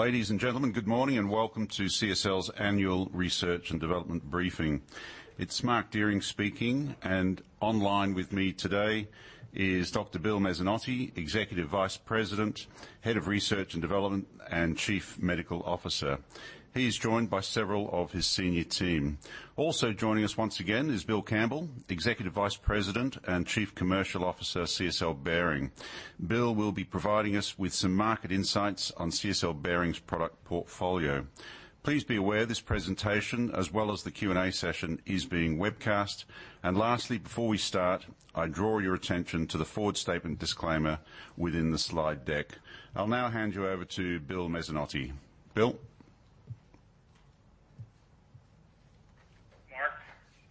Ladies and gentlemen, good morning and welcome to CSL's annual research and development briefing. It's Mark Dehring speaking, and online with me today is Dr. Bill Mezzanotte, Executive Vice President, Head of Research and Development, and Chief Medical Officer. He is joined by several of his senior team. Also joining us once again is Bill Campbell, Executive Vice President and Chief Commercial Officer, CSL Behring. Bill will be providing us with some market insights on CSL Behring's product portfolio. Please be aware this presentation, as well as the Q&A session, is being webcast. Lastly, before we start, I draw your attention to the forward statement disclaimer within the slide deck. I'll now hand you over to Bill Mezzanotte. Bill? Mark,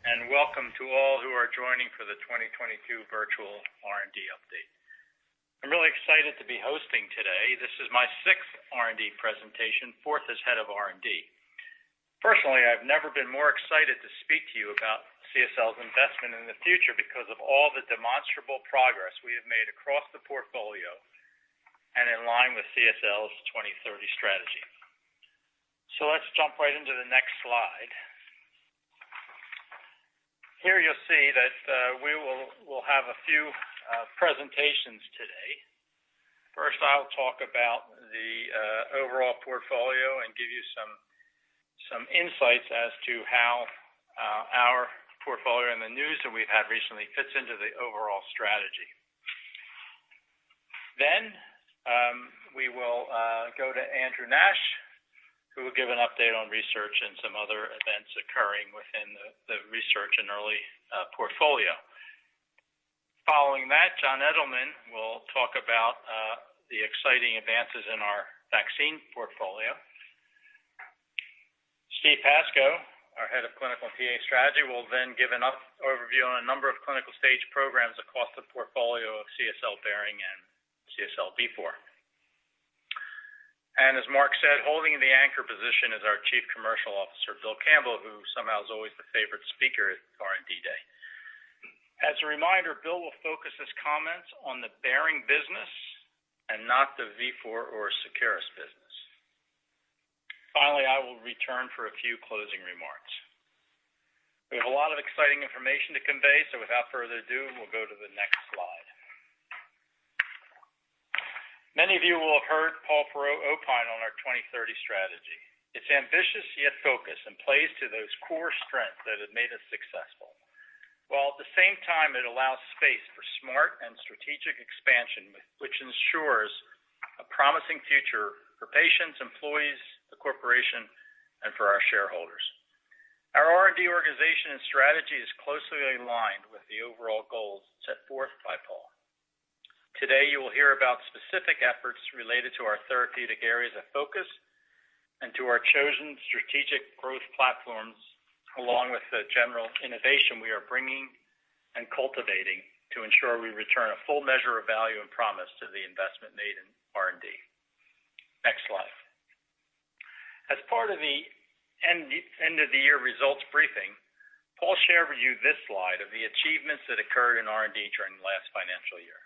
and welcome to all who are joining for the 2022 virtual R&D update. I'm really excited to be hosting today. This is my sixth R&D presentation, fourth as Head of R&D. Personally, I've never been more excited to speak to you about CSL's investment in the future because of all the demonstrable progress we have made across the portfolio and in line with CSL's 2030 strategy. Let's jump right into the next slide. Here you'll see that we will have a few presentations today. First, I'll talk about the overall portfolio and give you some insights as to how our portfolio and the news that we've had recently fits into the overall strategy. Then we will go to Andrew Nash, who will give an update on research and some other events occurring within the research and early portfolio. Following that, Jon Edelman will talk about the exciting advances in our vaccine portfolio. Steven Pascoe, our Head of Clinical and TA Strategy, will then give an overview on a number of clinical-stage programs across the portfolio of CSL Behring and CSL Vifor. As Mark said, holding the anchor position is our Chief Commercial Officer, Bill Campbell, who somehow is always the favorite speaker at R&D Day. As a reminder, Bill will focus his comments on the Behring business and not the Vifor or Seqirus business. Finally, I will return for a few closing remarks. We have a lot of exciting information to convey, so without further ado, we'll go to the next slide. Many of you will have heard Paul Perrault opine on our 2030 strategy. It's ambitious, yet focused, and plays to those core strengths that have made us successful. While at the same time, it allows space for smart and strategic expansion, which ensures a promising future for patients, employees, the corporation, and for our shareholders. Our R&D organization and strategy is closely aligned with the overall goals set forth by Paul. Today, you will hear about specific efforts related to our therapeutic areas of focus and to our chosen strategic growth platforms, along with the general innovation we are bringing and cultivating to ensure we return a full measure of value and promise to the investment made in R&D. Next slide. As part of the end of the year results briefing, Paul shared with you this slide of the achievements that occurred in R&D during the last financial year.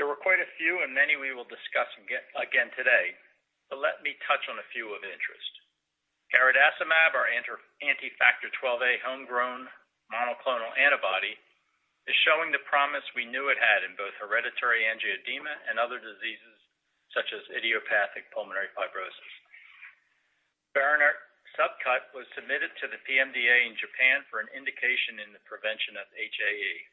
There were quite a few, and many we will discuss again today, but let me touch on a few of interest. Garadacimab, our anti-Factor XIIa homegrown monoclonal antibody, is showing the promise we knew it had in both hereditary angioedema and other diseases, such as idiopathic pulmonary fibrosis. Berinert SC was submitted to the PMDA in Japan for an indication in the prevention of HAE.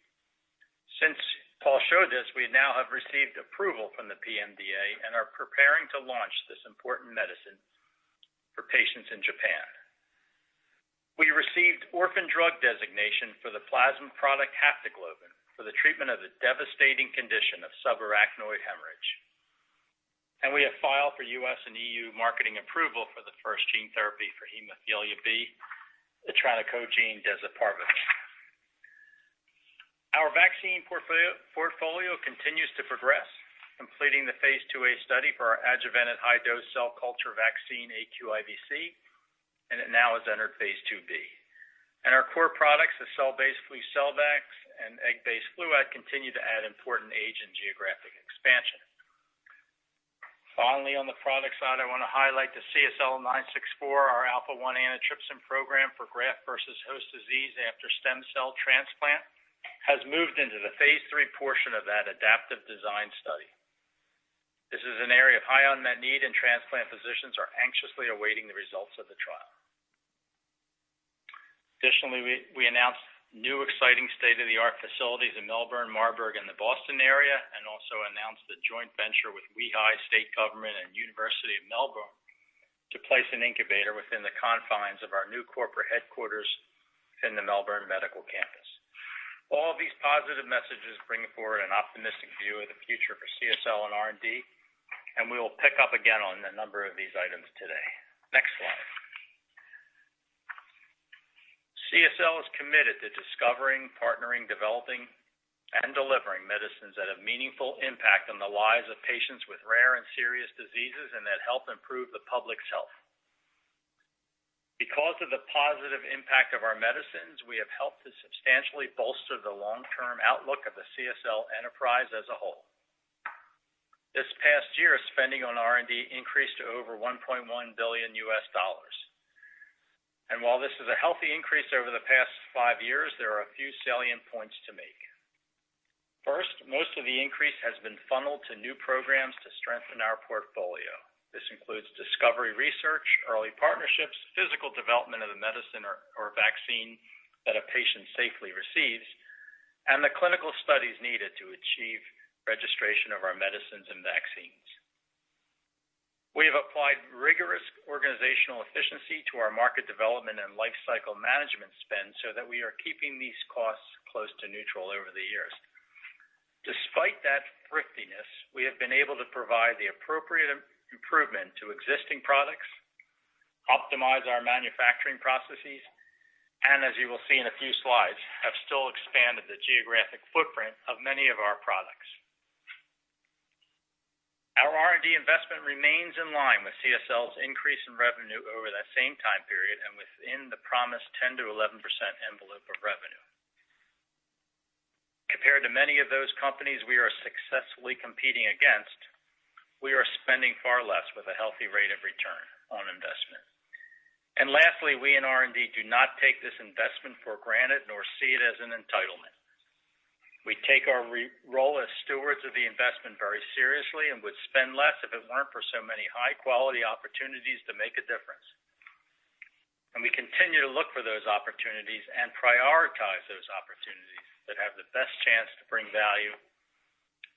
Since Paul showed this, we now have received approval from the PMDA and are preparing to launch this important medicine for patients in Japan. We received orphan drug designation for the plasma product haptoglobin for the treatment of the devastating condition of subarachnoid hemorrhage. We have filed for US and EU marketing approval for the first gene therapy for hemophilia B, etranacogene dezaparvovec. Our vaccine portfolio continues to progress, completing the phase 2-A study for our adjuvanted high dose cell culture vaccine, aQIVc, and it now has entered phase 2-B. Our core products, the cell-based FLUCELVAX and egg-based FLUAD, continue to add important age and geographic expansion. Finally, on the product side, I wanna highlight the CSL964, our alpha-1 antitrypsin program for graft-versus-host disease after stem cell transplant, has moved into the phase 3 portion of that adaptive design study. This is an area of high unmet need, and transplant physicians are anxiously awaiting the results of the trial. Additionally, we announced new exciting state-of-the-art facilities in Melbourne, Marburg, and the Boston area, and also announced the joint venture with WEHI, state government, and University of Melbourne to place an incubator within the confines of our new corporate headquarters in the Melbourne Biomedical Precinct. All these positive messages bring forward an optimistic view of the future for CSL and R&D, and we will pick up again on a number of these items today. Next slide. CSL is committed to discovering, partnering, developing, and delivering medicines that have meaningful impact on the lives of patients with rare and serious diseases and that help improve the public's health. Because of the positive impact of our medicines, we have helped to substantially bolster the long-term outlook of the CSL enterprise as a whole. This past year, spending on R&D increased to over $1.1 billion. While this is a healthy increase over the past five years, there are a few salient points to make. First, most of the increase has been funneled to new programs to strengthen our portfolio. This includes discovery research, early partnerships, physical development of the medicine or vaccine that a patient safely receives, and the clinical studies needed to achieve registration of our medicines and vaccines. We have applied rigorous organizational efficiency to our market development and lifecycle management spend so that we are keeping these costs close to neutral over the years. Despite that thriftiness, we have been able to provide the appropriate improvement to existing products, optimize our manufacturing processes, and as you will see in a few slides, have still expanded the geographic footprint of many of our products. Our R&D investment remains in line with CSL's increase in revenue over that same time period and within the promised 10%-11% envelope of revenue. Compared to many of those companies we are successfully competing against, we are spending far less with a healthy rate of return on investment. Lastly, we in R&D do not take this investment for granted nor see it as an entitlement. We take our role as stewards of the investment very seriously and would spend less if it weren't for so many high-quality opportunities to make a difference. We continue to look for those opportunities and prioritize those opportunities that have the best chance to bring value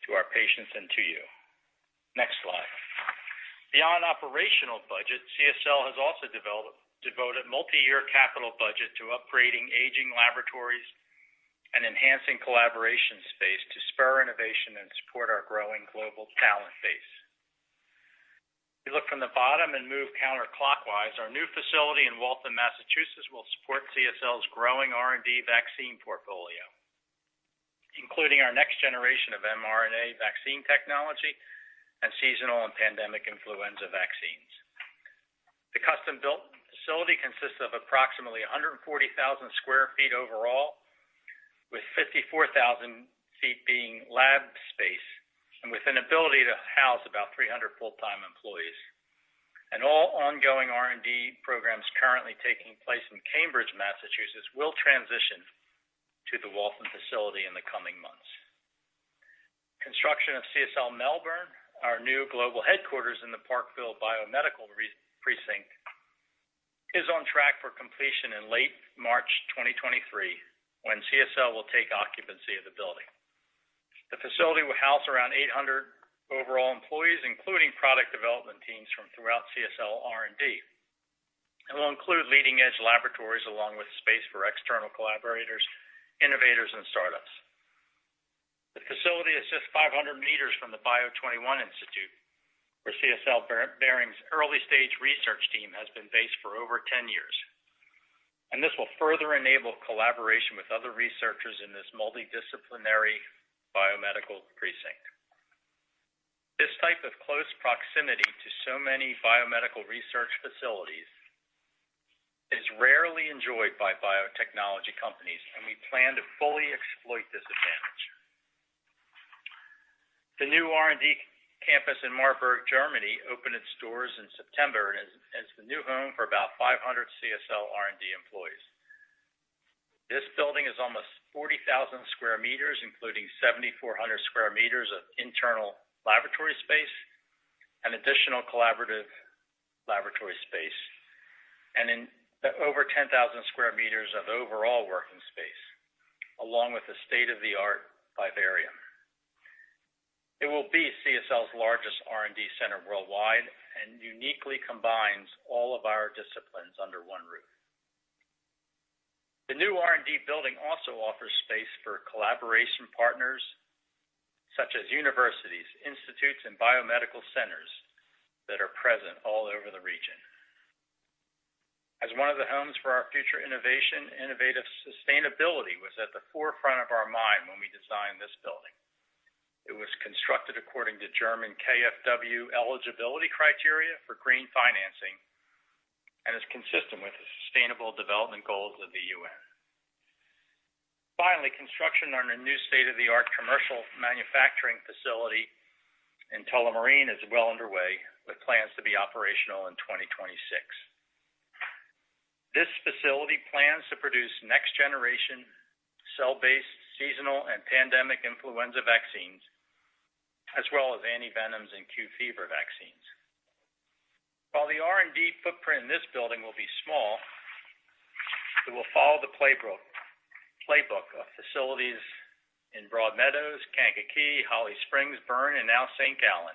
to our patients and to you. Next slide. Beyond operational budget, CSL has also devoted multi-year capital budget to upgrading aging laboratories and enhancing collaboration space to spur innovation and support our growing global talent base. If you look from the bottom and move counter-clockwise, our new facility in Waltham, Massachusetts, will support CSL's growing R&D vaccine portfolio, including our next generation of mRNA vaccine technology and seasonal and pandemic influenza vaccines. The custom-built facility consists of approximately 140,000 sq ft overall, with 54,000 sq ft being lab space and with an ability to house about 300 full-time employees. All ongoing R&D programs currently taking place in Cambridge, Massachusetts, will transition to the Waltham facility in the coming months. Construction of CSL Melbourne, our new global headquarters in the Parkville Biomedical Precinct, is on track for completion in late March 2023, when CSL will take occupancy of the building. The facility will house around 800 overall employees, including product development teams from throughout CSL R&D. It will include leading-edge laboratories along with space for external collaborators, innovators, and startups. The facility is just 500 meters from the Bio21 Institute, where CSL Behring's early-stage research team has been based for over 10 years, and this will further enable collaboration with other researchers in this multidisciplinary biomedical precinct. This type of close proximity to so many biomedical research facilities is rarely enjoyed by biotechnology companies, and we plan to fully exploit this advantage. The new R&D campus in Marburg, Germany, opened its doors in September and is the new home for about 500 CSL R&D employees. This building is almost 40,000 sq m, including 7,400 sq m of internal laboratory space and additional collaborative laboratory space, and in over 10,000 sq m of overall working space, along with a state-of-the-art vivarium. It will be CSL's largest R&D center worldwide and uniquely combines all of our disciplines under one roof. The new R&D building also offers space for collaboration partners such as universities, institutes, and biomedical centers that are present all over the region. As one of the homes for our future innovation, innovative sustainability was at the forefront of our mind when we designed this building. It was constructed according to German KfW eligibility criteria for green financing and is consistent with the sustainable development goals of the UN. Finally, construction on a new state-of-the-art commercial manufacturing facility in Tullamarine is well underway, with plans to be operational in 2026. This facility plans to produce next-generation cell-based seasonal and pandemic influenza vaccines, as well as antivenoms and Q fever vaccines. While the R&D footprint in this building will be small, it will follow the playbook of facilities in Broadmeadows, Kankakee, Holly Springs, Bern, and now St. Gallen,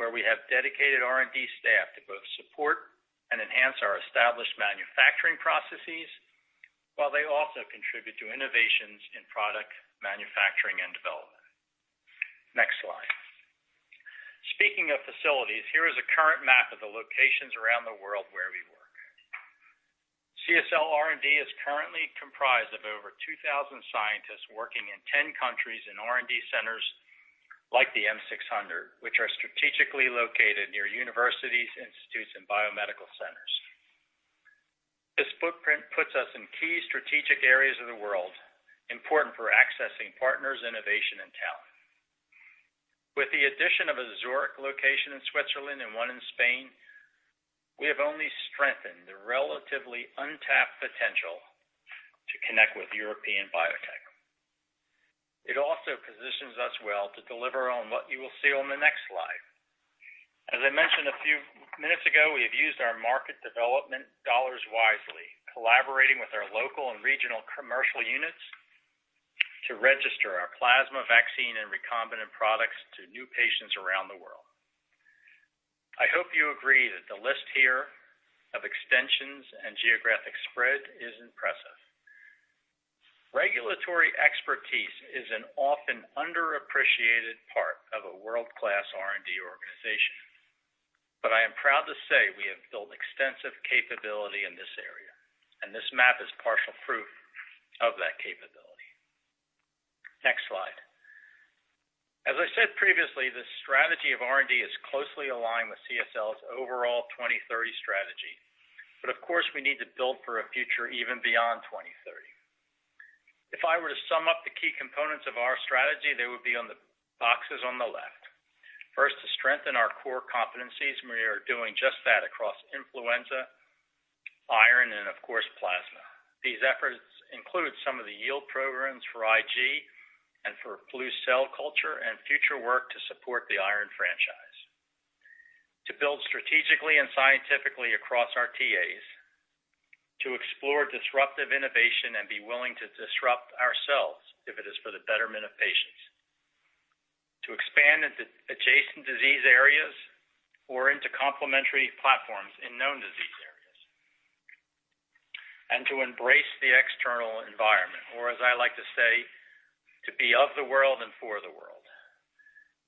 where we have dedicated R&D staff to both support and enhance our established manufacturing processes while they also contribute to innovations in product manufacturing and development. Next slide. Speaking of facilities, here is a current map of the locations around the world where we work. CSL R&D is currently comprised of over 2,000 scientists working in 10 countries in R&D centers. Like the M600, which are strategically located near universities, institutes, and biomedical centers. This footprint puts us in key strategic areas of the world, important for accessing partners, innovation, and talent. With the addition of a Zurich location in Switzerland and one in Spain, we have only strengthened the relatively untapped potential to connect with European biotech. It also positions us well to deliver on what you will see on the next slide. As I mentioned a few minutes ago, we have used our market development dollars wisely, collaborating with our local and regional commercial units to register our plasma vaccine and recombinant products to new patients around the world. I hope you agree that the list here of extensions and geographic spread is impressive. Regulatory expertise is an often underappreciated part of a world-class R&D organization. I am proud to say we have built extensive capability in this area, and this map is partial proof of that capability. Next slide. As I said previously, the strategy of R&D is closely aligned with CSL's overall 2030 strategy. Of course, we need to build for a future even beyond 2030. If I were to sum up the key components of our strategy, they would be on the boxes on the left. First, to strengthen our core competencies, and we are doing just that across influenza, iron, and of course, plasma. These efforts include some of the yield programs for IG and for flu cell culture and future work to support the iron franchise. To build strategically and scientifically across our TAs, to explore disruptive innovation and be willing to disrupt ourselves if it is for the betterment of patients, to expand into adjacent disease areas or into complementary platforms in known disease areas, and to embrace the external environment, or as I like to say, to be of the world and for the world.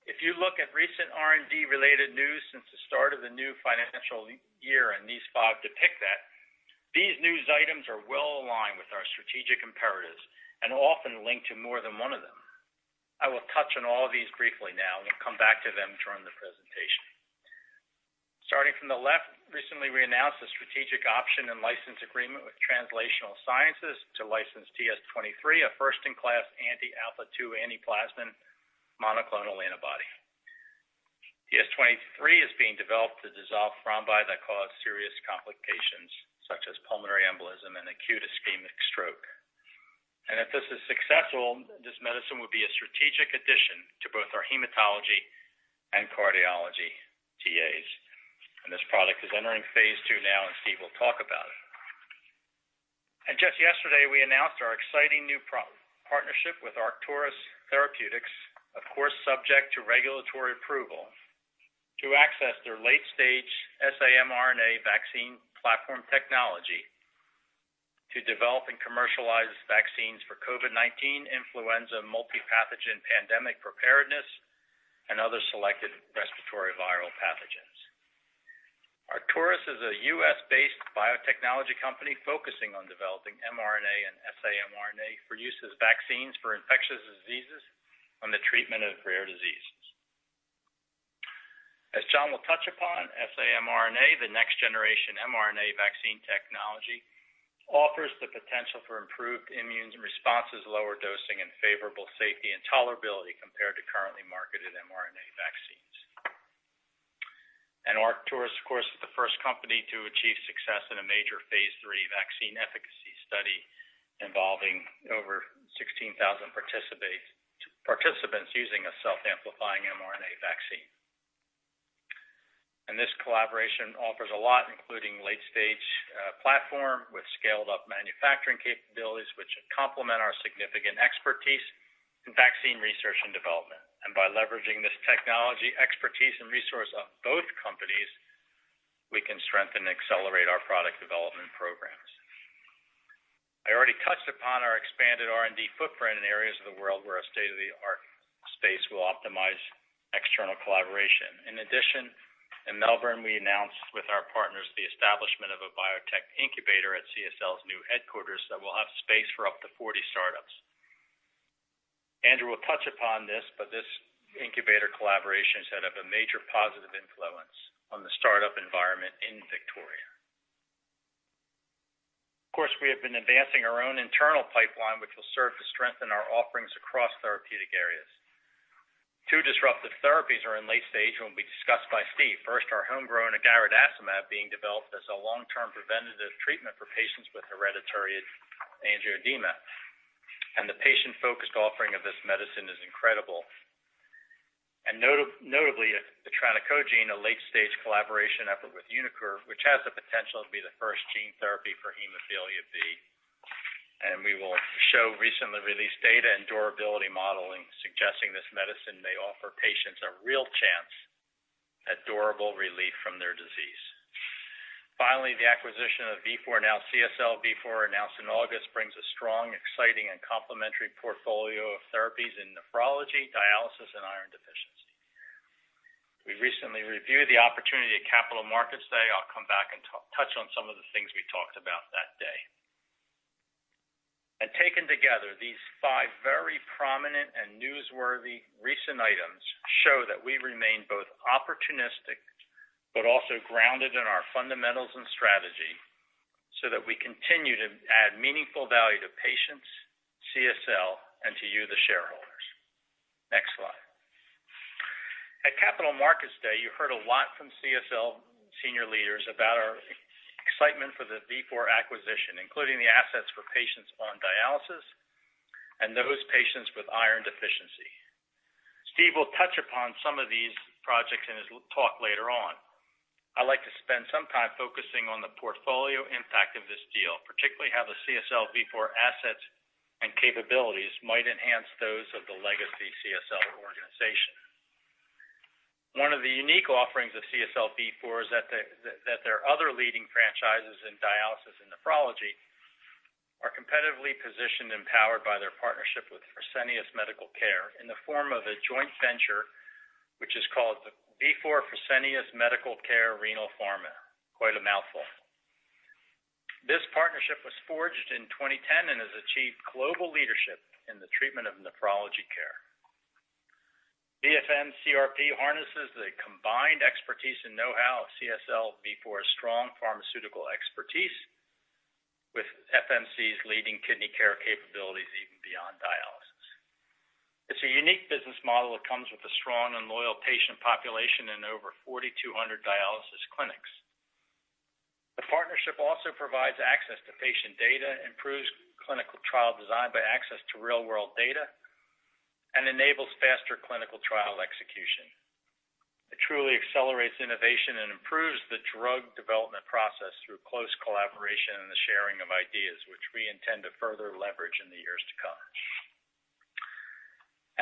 If you look at recent R&D related news since the start of the new financial year, and these five depict that, these news items are well aligned with our strategic imperatives and often linked to more than one of them. I will touch on all of these briefly now and come back to them during the presentation. Starting from the left, recently we announced a strategic option and license agreement with Translational Sciences to license TS23, a first-in-class anti-alpha-2-antiplasmin monoclonal antibody. TS23 is being developed to dissolve thrombi that cause serious complications such as pulmonary embolism and acute ischemic stroke. If this is successful, this medicine would be a strategic addition to both our hematology and cardiology TAs. This product is entering phase 2 now, and Steve will talk about it. Just yesterday, we announced our exciting new partnership with Arcturus Therapeutics, of course, subject to regulatory approval to access their late-stage saRNA vaccine platform technology to develop and commercialize vaccines for COVID-19, influenza, multipathogen pandemic preparedness, and other selected respiratory viral pathogens. Arcturus is a U.S.-based biotechnology company focusing on developing mRNA and saRNA for use as vaccines for infectious diseases and the treatment of rare diseases. As Jon will touch upon, saRNA, the next generation mRNA vaccine technology, offers the potential for improved immune responses, lower dosing, and favorable safety and tolerability compared to currently marketed mRNA vaccines. Arcturus, of course, is the first company to achieve success in a major phase 3 vaccine efficacy study involving over 16,000 participants using a self-amplifying mRNA vaccine. This collaboration offers a lot, including late-stage platform with scaled-up manufacturing capabilities, which complement our significant expertise in vaccine research and development. By leveraging this technology expertise and resource of both companies, we can strengthen and accelerate our product development programs. I already touched upon our expanded R&D footprint in areas of the world where a state-of-the-art space will optimize external collaboration. In addition, in Melbourne, we announced with our partners the establishment of a biotech incubator at CSL's new headquarters that will have space for up to 40 startups. Andrew will touch upon this, but this incubator collaboration has had a major positive influence on the startup environment in Victoria. Of course, we have been advancing our own internal pipeline, which will serve to strengthen our offerings across therapeutic areas. Two disruptive therapies are in late stage and will be discussed by Steve. First, our homegrown garadacimab being developed as a long-term preventive treatment for patients with hereditary angioedema, and the patient-focused offering of this medicine is incredible. Notably, etranacogene, a late-stage collaboration effort with uniQure, which has the potential to be the first gene therapy for hemophilia B. We will show recently released data and durability modeling suggesting this medicine may offer patients a real chance at durable relief from their disease. Finally, the acquisition of Vifor, now CSL Vifor, announced in August brings a strong, exciting, and complementary portfolio of therapies in nephrology, dialysis, and iron deficiency. We recently reviewed the opportunity at Capital Markets Day. I'll come back and touch on some of the things we talked about that day. Taken together, these five very prominent and newsworthy recent items show that we remain both opportunistic, but also grounded in our fundamentals and strategy so that we continue to add meaningful value to patients, CSL, and to you, the shareholders. Next slide. At Capital Markets Day, you heard a lot from CSL senior leaders about our excitement for the Vifor acquisition, including the assets for patients on dialysis and those patients with iron deficiency. Steve will touch upon some of these projects in his talk later on. I'd like to spend some time focusing on the portfolio impact of this deal, particularly how the CSL Vifor assets and capabilities might enhance those of the legacy CSL organization. One of the unique offerings of CSL Vifor is that their other leading franchises in dialysis and nephrology are competitively positioned and powered by their partnership with Fresenius Medical Care in the form of a joint venture, which is called the Vifor Fresenius Medical Care Renal Pharma. Quite a mouthful. This partnership was forged in 2010 and has achieved global leadership in the treatment of nephrology care. VFMCRP harnesses the combined expertise and know-how of CSL Vifor's strong pharmaceutical expertise with FMC's leading kidney care capabilities even beyond dialysis. It's a unique business model that comes with a strong and loyal patient population in over 4,200 dialysis clinics. The partnership also provides access to patient data, improves clinical trial design by access to real-world data, and enables faster clinical trial execution. It truly accelerates innovation and improves the drug development process through close collaboration and the sharing of ideas, which we intend to further leverage in the years to come.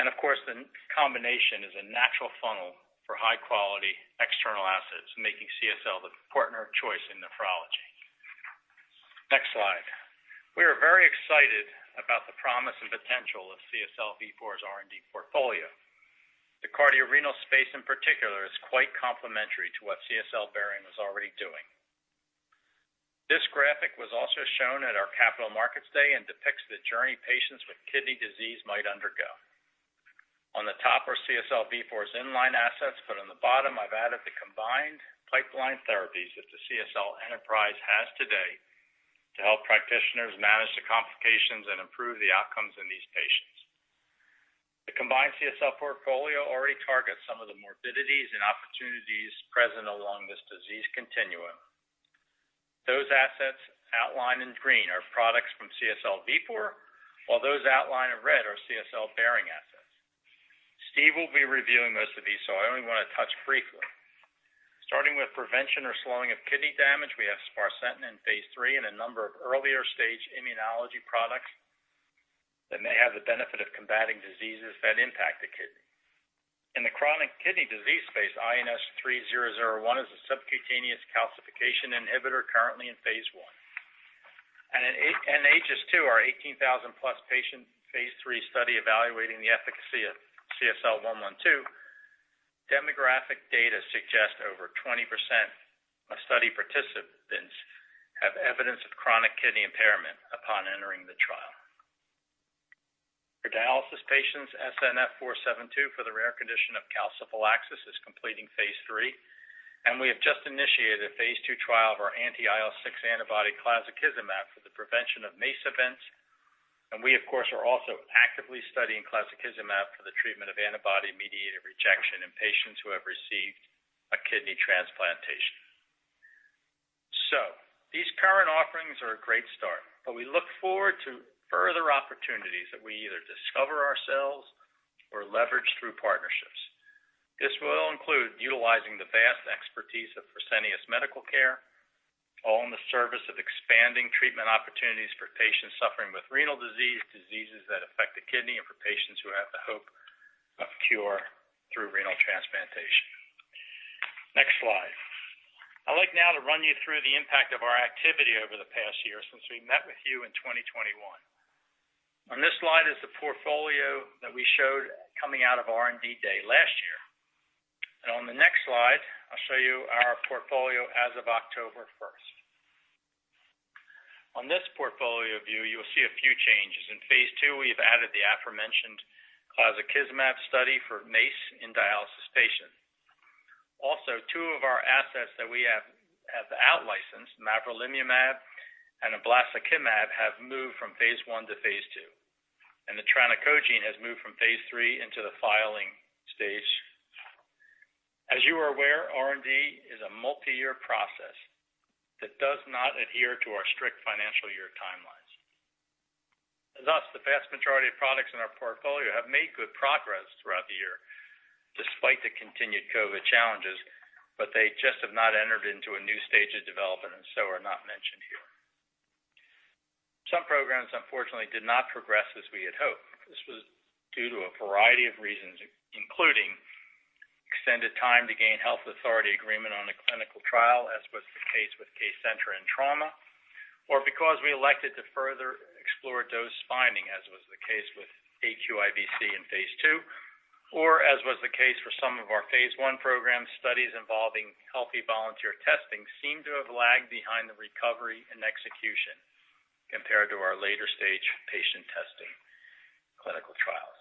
Of course, the combination is a natural funnel for high-quality external assets, making CSL the partner of choice in nephrology. Next slide. We are very excited about the promise and potential of CSL Vifor's R&D portfolio. The cardiorenal space, in particular, is quite complementary to what CSL Behring was already doing. This graphic was also shown at our Capital Markets Day and depicts the journey patients with kidney disease might undergo. On the top are CSL Vifor's in-line assets, but on the bottom I've added the combined pipeline therapies that the CSL enterprise has today to help practitioners manage the complications and improve the outcomes in these patients. The combined CSL portfolio already targets some of the morbidities and opportunities present along this disease continuum. Those assets outlined in green are products from CSL Vifor, while those outlined in red are CSL Behring assets. Steve will be reviewing most of these, so I only want to touch briefly. Starting with prevention or slowing of kidney damage, we have sparsentan in phase 3 and a number of earlier stage immunology products that may have the benefit of combating diseases that impact the kidney. In the chronic kidney disease space, INS-3001 is a subcutaneous calcification inhibitor currently in phase 1. In AEGIS-II, our 18,000+ patient phase 3 study evaluating the efficacy of CSL112, demographic data suggests over 20% of study participants have evidence of chronic kidney impairment upon entering the trial. For dialysis patients, SNF472 for the rare condition of calciphylaxis is completing phase 3, and we have just initiated a phase 2 trial of our anti-IL-6 antibody clazakizumab for the prevention of MACE events. We, of course, are also actively studying clazakizumab for the treatment of antibody-mediated rejection in patients who have received a kidney transplantation. These current offerings are a great start, but we look forward to further opportunities that we either discover ourselves or leverage through partnerships. This will include utilizing the vast expertise of Fresenius Medical Care, all in the service of expanding treatment opportunities for patients suffering with renal disease, diseases that affect the kidney, and for patients who have the hope of cure through renal transplantation. Next slide. I'd like now to run you through the impact of our activity over the past year since we met with you in 2021. On this slide is the portfolio that we showed coming out of R&D day last year. On the next slide, I'll show you our portfolio as of October 1. On this portfolio view, you will see a few changes. In phase two, we've added the aforementioned clazakizumab study for MACE in dialysis patients. Also, two of our assets that we have outlicensed, mavrilimumab and ablasacimab, have moved from phase one to phase two. The etranacogene has moved from phase 3 into the filing stage. As you are aware, R&D is a multi-year process that does not adhere to our strict financial year timelines. Thus, the vast majority of products in our portfolio have made good progress throughout the year, despite the continued COVID challenges, but they just have not entered into a new stage of development and so are not mentioned here. Some programs, unfortunately, did not progress as we had hoped. This was due to a variety of reasons, including extended time to gain health authority agreement on a clinical trial, as was the case with Kcentra in trauma, or because we elected to further explore dose finding, as was the case with aQIVc in phase 2. As was the case for some of our phase 1 program, studies involving healthy volunteer testing seem to have lagged behind the recovery and execution compared to our later stage patient testing clinical trials.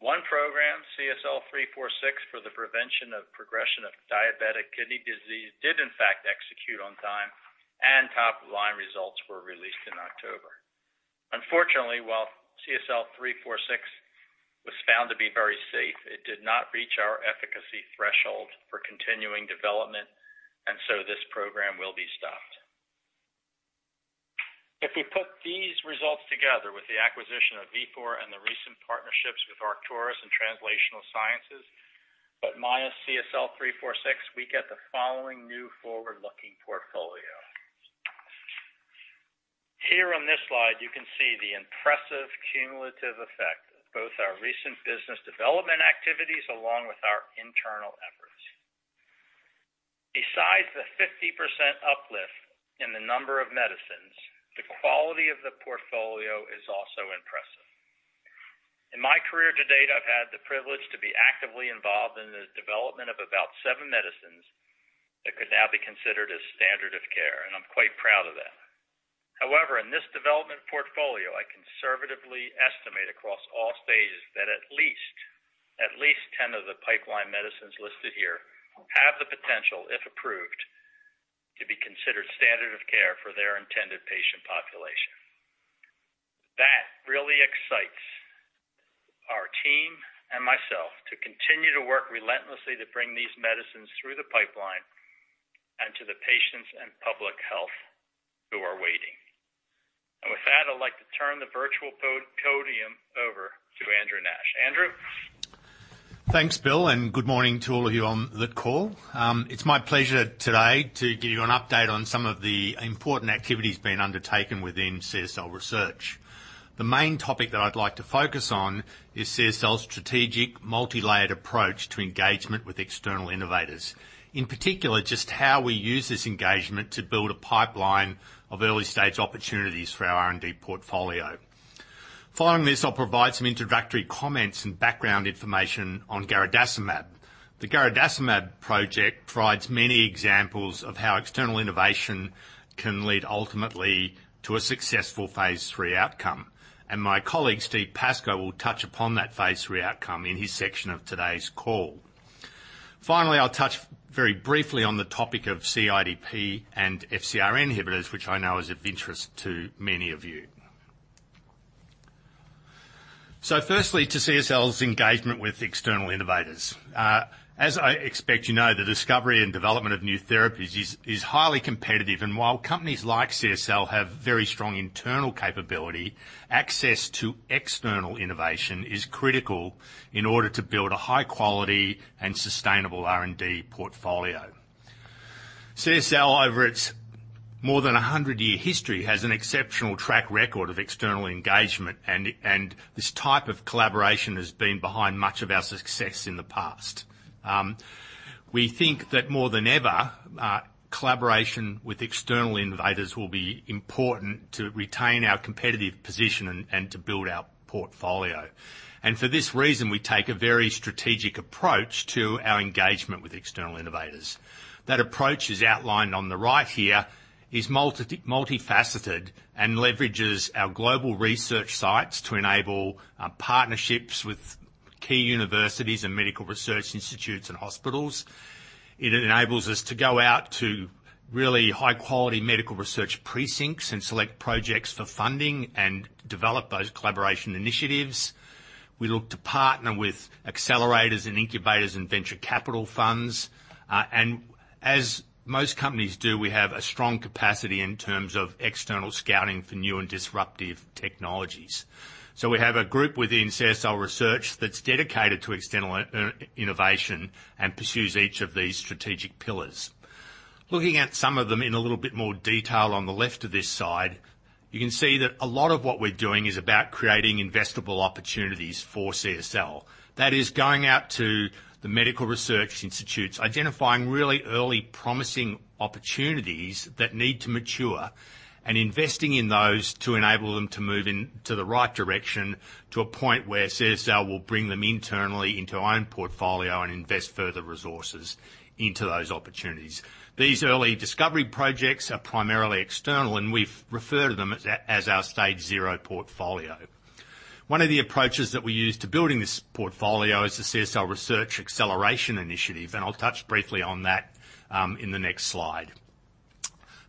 One program, CSL346, for the prevention of progression of diabetic kidney disease, did in fact execute on time and top-of-the-line results were released in October. Unfortunately, while CSL346 was found to be very safe, it did not reach our efficacy threshold for continuing development, and so this program will be stopped. If we put these results together with the acquisition of Vifor and the recent partnerships with Arcturus Therapeutics and Translational Sciences, but minus CSL346, we get the following new forward-looking portfolio. Here on this slide, you can see the impressive cumulative effect of both our recent business development activities along with our internal efforts. Besides the 50% uplift in the number of medicines, the quality of the portfolio is also impressive. In my career to date, I've had the privilege to be actively involved in the development of about seven medicines that could now be considered as standard of care, and I'm quite proud of that. However, in this development portfolio, I conservatively estimate across all stages that at least 10 of the pipeline medicines listed here have the potential, if approved, to be considered standard of care for their intended patient population. That really excites our team and myself to continue to work relentlessly to bring these medicines through the pipeline and to the patients and public health who are waiting. With that, I'd like to turn the virtual podium over to Andrew Nash. Andrew? Thanks, Bill, and good morning to all of you on the call. It's my pleasure today to give you an update on some of the important activities being undertaken within CSL Research. The main topic that I'd like to focus on is CSL's strategic multilayered approach to engagement with external innovators. In particular, just how we use this engagement to build a pipeline of early-stage opportunities for our R&D portfolio. Following this, I'll provide some introductory comments and background information on garadacimab. The garadacimab project provides many examples of how external innovation can lead ultimately to a successful phase 3 outcome, and my colleague, Steve Pascoe, will touch upon that phase 3 outcome in his section of today's call. Finally, I'll touch very briefly on the topic of CIDP and FcRn inhibitors, which I know is of interest to many of you. Firstly, to CSL's engagement with external innovators. As I expect you know, the discovery and development of new therapies is highly competitive. While companies like CSL have very strong internal capability, access to external innovation is critical in order to build a high-quality and sustainable R&D portfolio. CSL, over its more than 100-year history, has an exceptional track record of external engagement. This type of collaboration has been behind much of our success in the past. We think that more than ever, collaboration with external innovators will be important to retain our competitive position and to build our portfolio. For this reason, we take a very strategic approach to our engagement with external innovators. That approach is outlined on the right here, is multifaceted and leverages our global research sites to enable partnerships with key universities and medical research institutes and hospitals. It enables us to go out to really high-quality medical research precincts and select projects for funding and develop those collaboration initiatives. We look to partner with accelerators and incubators and venture capital funds. As most companies do, we have a strong capacity in terms of external scouting for new and disruptive technologies. We have a group within CSL Research that's dedicated to external innovation and pursues each of these strategic pillars. Looking at some of them in a little bit more detail on the left of this side, you can see that a lot of what we're doing is about creating investable opportunities for CSL. That is going out to the medical research institutes, identifying really early promising opportunities that need to mature, and investing in those to enable them to move in to the right direction, to a point where CSL will bring them internally into our own portfolio and invest further resources into those opportunities. These early discovery projects are primarily external, and we refer to them as our stage zero portfolio. One of the approaches that we use to building this portfolio is the CSL Research Acceleration Initiative, and I'll touch briefly on that, in the next slide.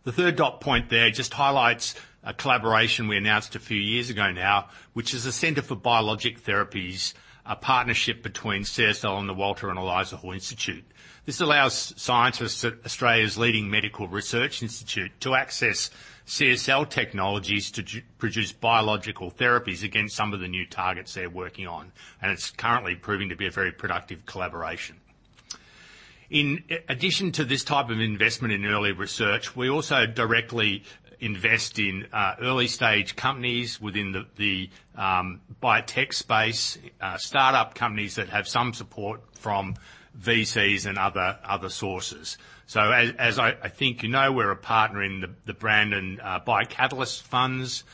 The third dot point there just highlights a collaboration we announced a few years ago now, which is the Center for Biologic Therapies, a partnership between CSL and the Walter and Eliza Hall Institute. This allows scientists at Australia's leading medical research institute to access CSL technologies to produce biological therapies against some of the new targets they're working on, and it's currently proving to be a very productive collaboration. In addition to this type of investment in early research, we also directly invest in early-stage companies within the biotech space, startup companies that have some support from VCs and other sources. As I think you know, we're a partner in the Brandon BioCatalyst funds,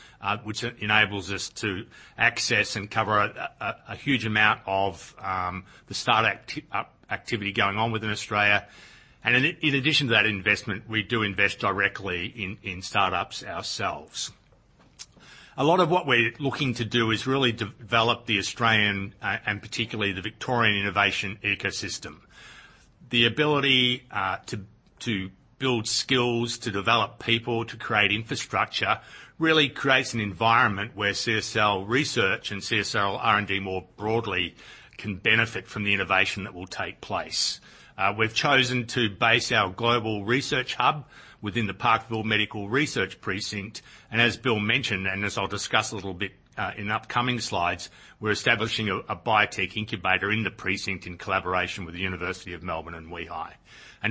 which enables us to access and cover a huge amount of the startup activity going on within Australia. In addition to that investment, we do invest directly in startups ourselves. A lot of what we're looking to do is really develop the Australian and particularly the Victorian innovation ecosystem. The ability to build skills, to develop people, to create infrastructure, really creates an environment where CSL Research and CSL R&D more broadly can benefit from the innovation that will take place. We've chosen to base our global research hub within the Parkville Biomedical Precinct. As Bill mentioned, and as I'll discuss a little bit in upcoming slides, we're establishing a biotech incubator in the precinct in collaboration with the University of Melbourne and WEHI.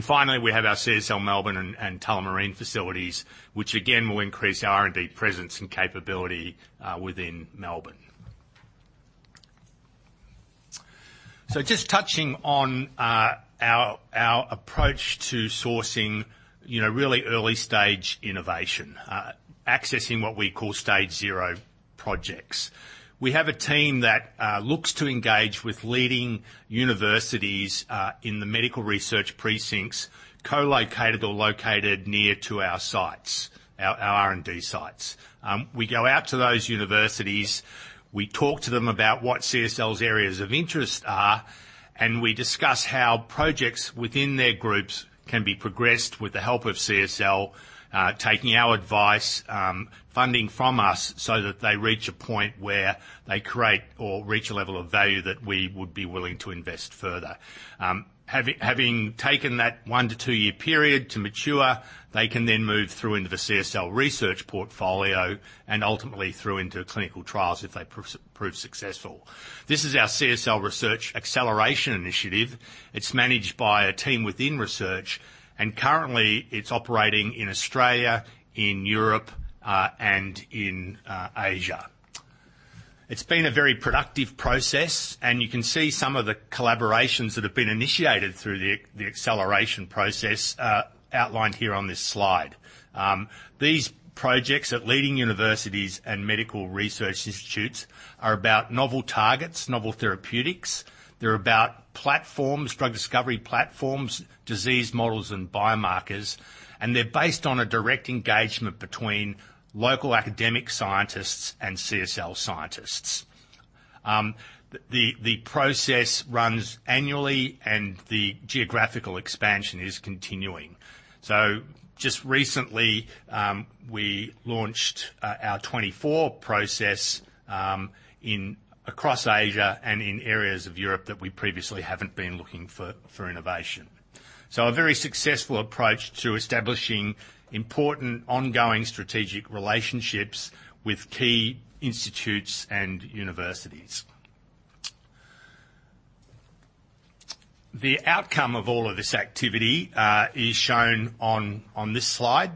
Finally, we have our CSL Melbourne and Tullamarine facilities, which again, will increase our R&D presence and capability within Melbourne. Just touching on our approach to sourcing, you know, really early stage innovation, accessing what we call Stage Zero projects. We have a team that looks to engage with leading universities in the medical research precincts, co-located or located near to our sites, our R&D sites. We go out to those universities, we talk to them about what CSL's areas of interest are, and we discuss how projects within their groups can be progressed with the help of CSL, taking our advice, funding from us, so that they reach a point where they create or reach a level of value that we would be willing to invest further. Having taken that 1-2 year period to mature, they can then move through into the CSL research portfolio and ultimately through into clinical trials if they prove successful. This is our CSL Research Acceleration Initiative. It's managed by a team within research, and currently it's operating in Australia, in Europe, and in Asia. It's been a very productive process, and you can see some of the collaborations that have been initiated through the acceleration process outlined here on this slide. These projects at leading universities and medical research institutes are about novel targets, novel therapeutics. They're about platforms, drug discovery platforms, disease models and biomarkers, and they're based on a direct engagement between local academic scientists and CSL scientists. The process runs annually and the geographical expansion is continuing. Just recently, we launched our 24 process across Asia and in areas of Europe that we previously haven't been looking for innovation. A very successful approach to establishing important ongoing strategic relationships with key institutes and universities. The outcome of all of this activity is shown on this slide.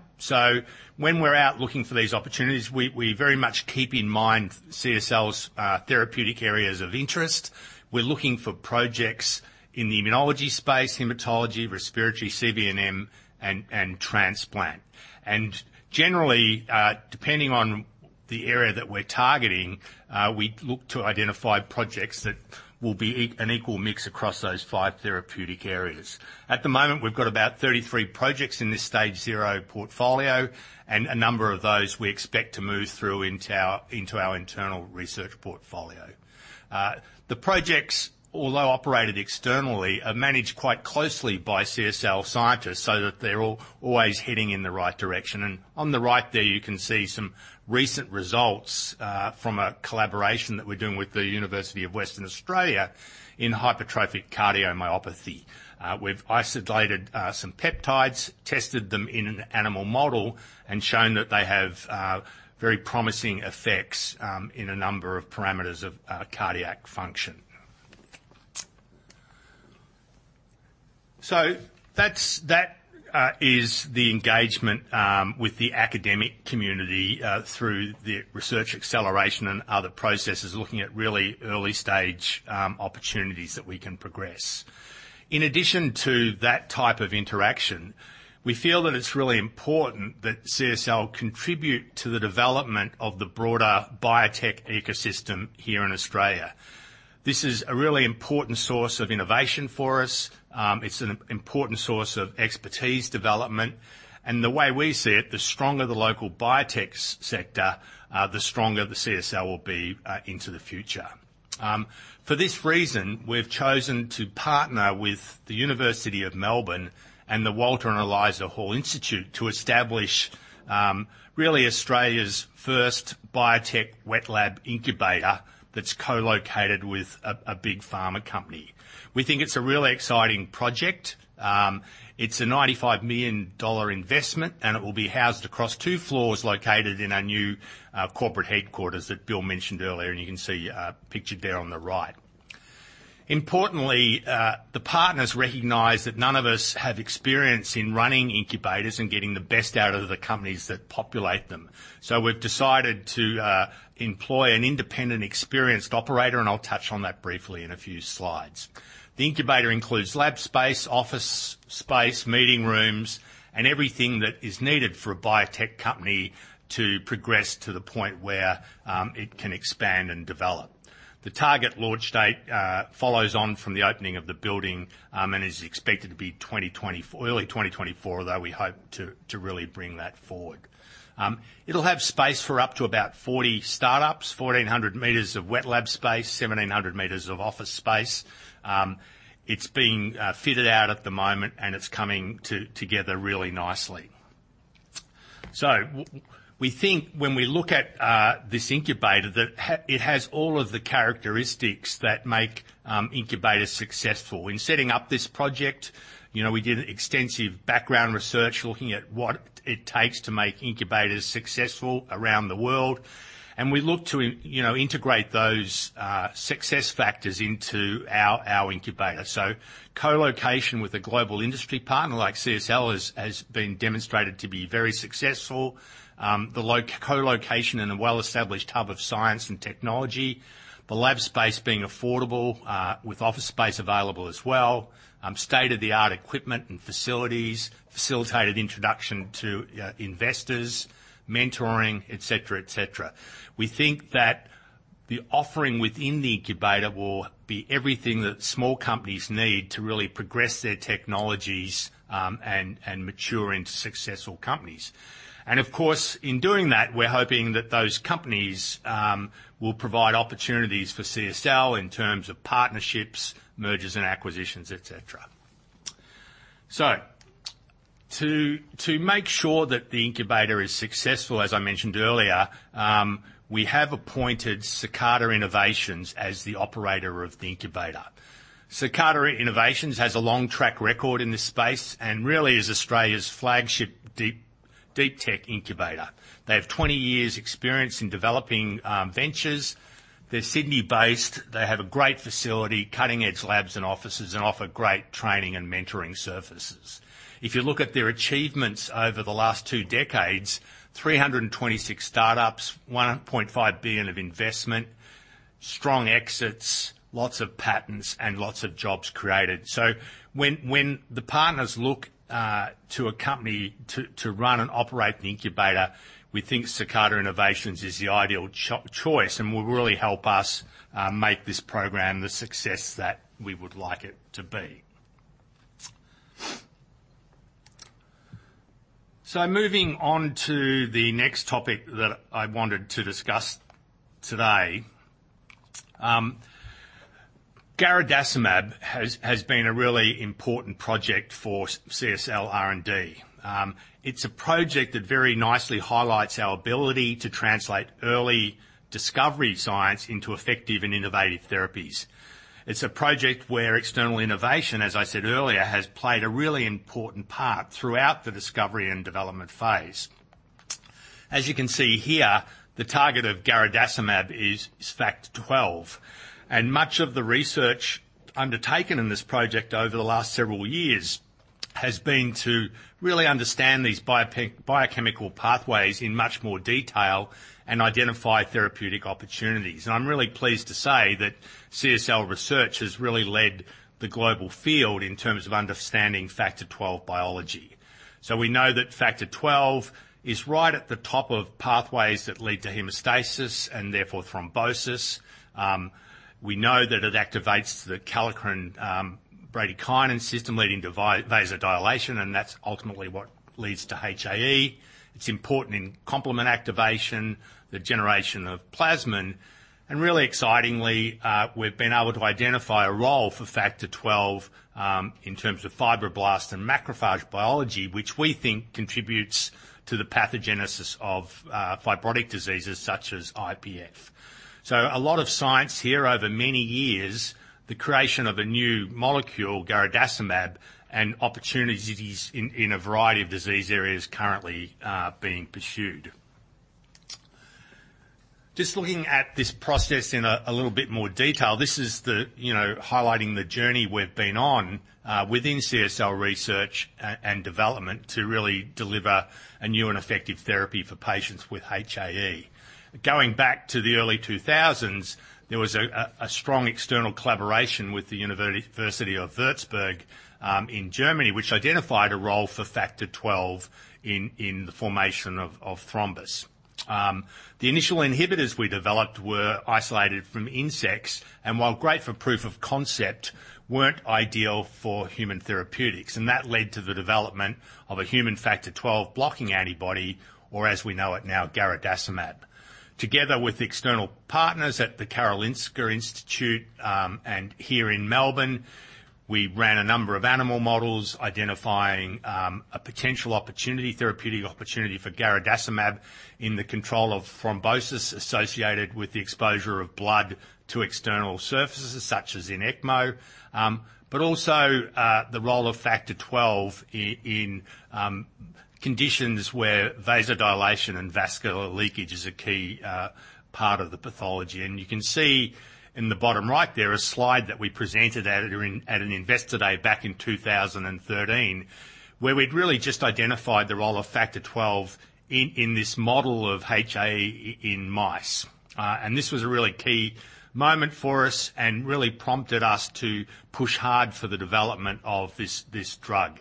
When we're out looking for these opportunities, we very much keep in mind CSL's therapeutic areas of interest. We're looking for projects in the immunology space, hematology, respiratory, CV and M, and transplant. Generally, depending on the area that we're targeting, we look to identify projects that will be an equal mix across those five therapeutic areas. At the moment, we've got about 33 projects in this Stage Zero portfolio, and a number of those we expect to move through into our internal research portfolio. The projects, although operated externally, are managed quite closely by CSL scientists so that they're always heading in the right direction. On the right there, you can see some recent results from a collaboration that we're doing with the University of Western Australia in hypertrophic cardiomyopathy. We've isolated some peptides, tested them in an animal model, and shown that they have very promising effects in a number of parameters of cardiac function. That's the engagement with the academic community through the research acceleration and other processes, looking at really early stage opportunities that we can progress. In addition to that type of interaction, we feel that it's really important that CSL contribute to the development of the broader biotech ecosystem here in Australia. This is a really important source of innovation for us. It's an important source of expertise development. The way we see it, the stronger the local biotech sector, the stronger the CSL will be, into the future. For this reason, we've chosen to partner with the University of Melbourne and the Walter and Eliza Hall Institute to establish really Australia's first biotech wet lab incubator that's co-located with a big pharma company. We think it's a really exciting project. It's a $95 million investment, and it will be housed across 2 floors located in our new corporate headquarters that Bill mentioned earlier, and you can see pictured there on the right. Importantly, the partners recognize that none of us have experience in running incubators and getting the best out of the companies that populate them. We've decided to employ an independent experienced operator, and I'll touch on that briefly in a few slides. The incubator includes lab space, office space, meeting rooms, and everything that is needed for a biotech company to progress to the point where it can expand and develop. The target launch date follows on from the opening of the building and is expected to be 2024, early 2024, although we hope to really bring that forward. It'll have space for up to about 40 startups, 1,400 meters of wet lab space, 1,700 meters of office space. It's being fitted out at the moment, and it's coming together really nicely. We think when we look at this incubator that it has all of the characteristics that make incubators successful. In setting up this project, you know, we did extensive background research looking at what it takes to make incubators successful around the world, and we looked to integrate those success factors into our incubator. Co-location with a global industry partner like CSL has been demonstrated to be very successful. Co-location in a well-established hub of science and technology, the lab space being affordable with office space available as well, state-of-the-art equipment and facilities, facilitated introduction to investors, mentoring, et cetera. We think that the offering within the incubator will be everything that small companies need to really progress their technologies and mature into successful companies. Of course, in doing that, we're hoping that those companies will provide opportunities for CSL in terms of partnerships, mergers and acquisitions, et cetera. To make sure that the incubator is successful, as I mentioned earlier, we have appointed Cicada Innovations as the operator of the incubator. Cicada Innovations has a long track record in this space and really is Australia's flagship deep tech incubator. They have 20 years experience in developing ventures. They're Sydney-based. They have a great facility, cutting-edge labs and offices, and offer great training and mentoring services. If you look at their achievements over the last two decades, 326 startups, 1.5 billion of investment, strong exits, lots of patents and lots of jobs created. When the partners look to a company to run and operate the incubator, we think Cicada Innovations is the ideal choice and will really help us make this program the success that we would like it to be. Moving on to the next topic that I wanted to discuss today. Garadacimab has been a really important project for CSL R&D. It's a project that very nicely highlights our ability to translate early discovery science into effective and innovative therapies. It's a project where external innovation, as I said earlier, has played a really important part throughout the discovery and development phase. As you can see here, the target of garadacimab is Factor XII. Much of the research undertaken in this project over the last several years has been to really understand these biochemical pathways in much more detail and identify therapeutic opportunities. I'm really pleased to say that CSL research has really led the global field in terms of understanding Factor XII biology. We know that Factor XII is right at the top of pathways that lead to hemostasis and therefore thrombosis. We know that it activates the kallikrein bradykinin system leading to vasodilation, and that's ultimately what leads to HAE. It's important in complement activation, the generation of plasmin, and really excitingly, we've been able to identify a role for Factor XII in terms of fibroblast and macrophage biology, which we think contributes to the pathogenesis of fibrotic diseases such as IPF. A lot of science here over many years, the creation of a new molecule, garadacimab, and opportunities in a variety of disease areas currently being pursued. Just looking at this process in a little bit more detail, this is you know highlighting the journey we've been on within CSL research and development to really deliver a new and effective therapy for patients with HAE. Going back to the early 2000s, there was a strong external collaboration with the University of Würzburg in Germany, which identified a role for Factor XII in the formation of thrombus. The initial inhibitors we developed were isolated from insects, and while great for proof of concept, weren't ideal for human therapeutics, and that led to the development of a human Factor XII blocking antibody, or as we know it now, garadacimab. Together with external partners at the Karolinska Institute, and here in Melbourne. We ran a number of animal models identifying a potential opportunity, therapeutic opportunity for garadacimab in the control of thrombosis associated with the exposure of blood to external surfaces, such as in ECMO, but also the role of Factor XII in conditions where vasodilation and vascular leakage is a key part of the pathology. You can see in the bottom right there, a slide that we presented at an investor day back in 2013, where we'd really just identified the role of Factor XII in this model of HAE in mice. This was a really key moment for us and really prompted us to push hard for the development of this drug.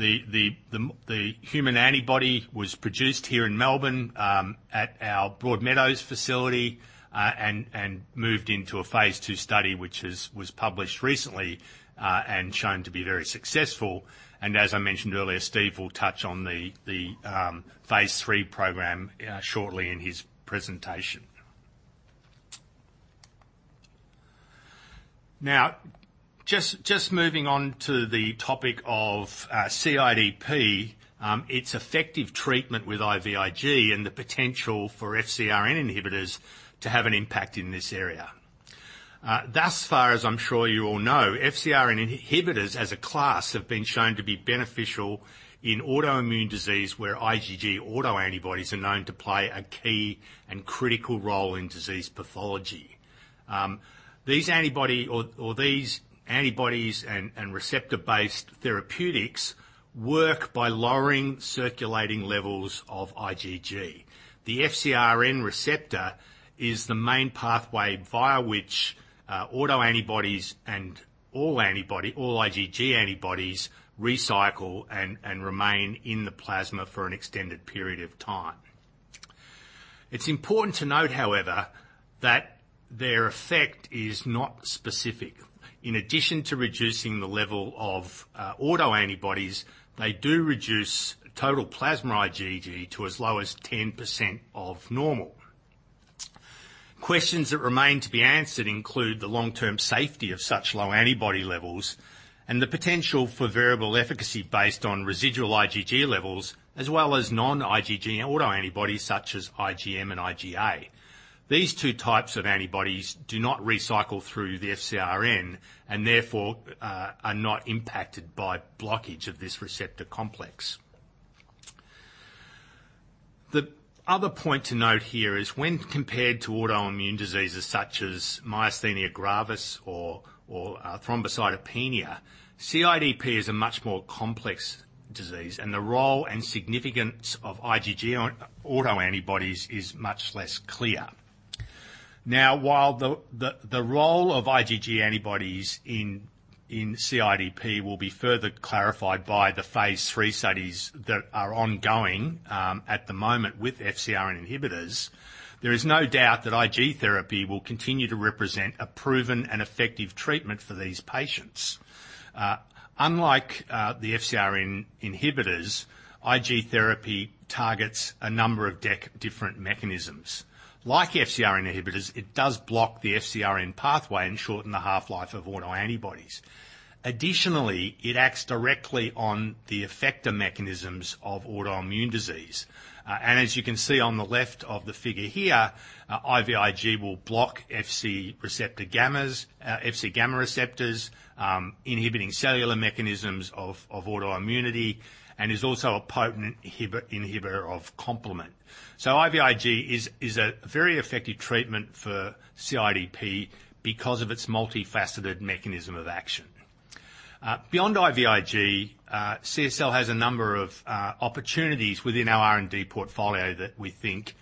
The human antibody was produced here in Melbourne at our Broadmeadows facility and moved into a phase II study, which was published recently and shown to be very successful. As I mentioned earlier, Steve will touch on the phase III program shortly in his presentation. Now, just moving on to the topic of CIDP, its effective treatment with IVIG and the potential for FcRn inhibitors to have an impact in this area. Thus far, as I'm sure you all know, FcRn inhibitors as a class have been shown to be beneficial in autoimmune disease, where IgG autoantibodies are known to play a key and critical role in disease pathology. These antibodies and receptor-based therapeutics work by lowering circulating levels of IgG. The FcRn receptor is the main pathway via which autoantibodies and all IgG antibodies recycle and remain in the plasma for an extended period of time. It's important to note, however, that their effect is not specific. In addition to reducing the level of autoantibodies, they do reduce total plasma IgG to as low as 10% of normal. Questions that remain to be answered include the long-term safety of such low antibody levels and the potential for variable efficacy based on residual IgG levels, as well as non-IgG autoantibodies such as IgM and IgA. These two types of antibodies do not recycle through the FcRn and therefore are not impacted by blockage of this receptor complex. The other point to note here is when compared to autoimmune diseases such as myasthenia gravis or thrombocytopenia, CIDP is a much more complex disease, and the role and significance of IgG on autoantibodies is much less clear. Now, while the role of IgG antibodies in CIDP will be further clarified by the phase III studies that are ongoing at the moment with FcRn inhibitors, there is no doubt that IG therapy will continue to represent a proven and effective treatment for these patients. Unlike the FcRn inhibitors, IG therapy targets a number of different mechanisms. Like FcRn inhibitors, it does block the FcRn pathway and shorten the half-life of autoantibodies. Additionally, it acts directly on the effector mechanisms of autoimmune disease. As you can see on the left of the figure here, IVIG will block Fc-gamma receptors, inhibiting cellular mechanisms of autoimmunity, and is also a potent inhibitor of complement. IVIG is a very effective treatment for CIDP because of its multifaceted mechanism of action. Beyond IVIG, CSL has a number of opportunities within our R&D portfolio that we think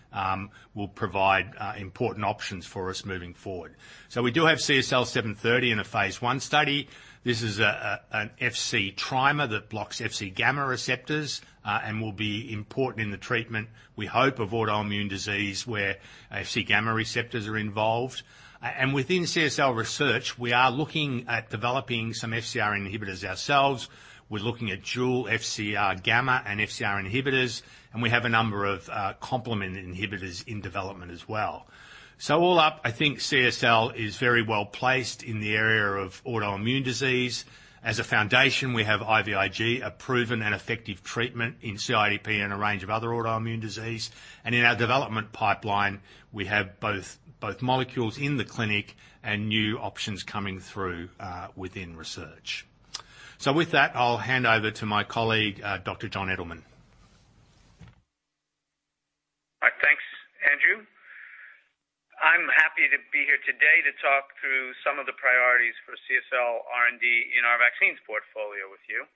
will provide important options for us moving forward. We do have CSL730 in a phase I study. This is an Fc trimer that blocks Fc-gamma receptors and will be important in the treatment, we hope, of autoimmune disease where Fc-gamma receptors are involved. And within CSL research, we are looking at developing some FcRn inhibitors ourselves. We're looking at dual FcR gamma and FcR inhibitors, and we have a number of complement inhibitors in development as well. All up, I think CSL is very well-placed in the area of autoimmune disease. As a foundation, we have IVIG, a proven and effective treatment in CIDP and a range of other autoimmune disease. In our development pipeline, we have both molecules in the clinic and new options coming through within research. With that, I'll hand over to my colleague, Dr. Jon Edelman. All right, thanks, Andrew. I'm happy to be here today to talk through some of the priorities for CSL R&D in our vaccines portfolio with you.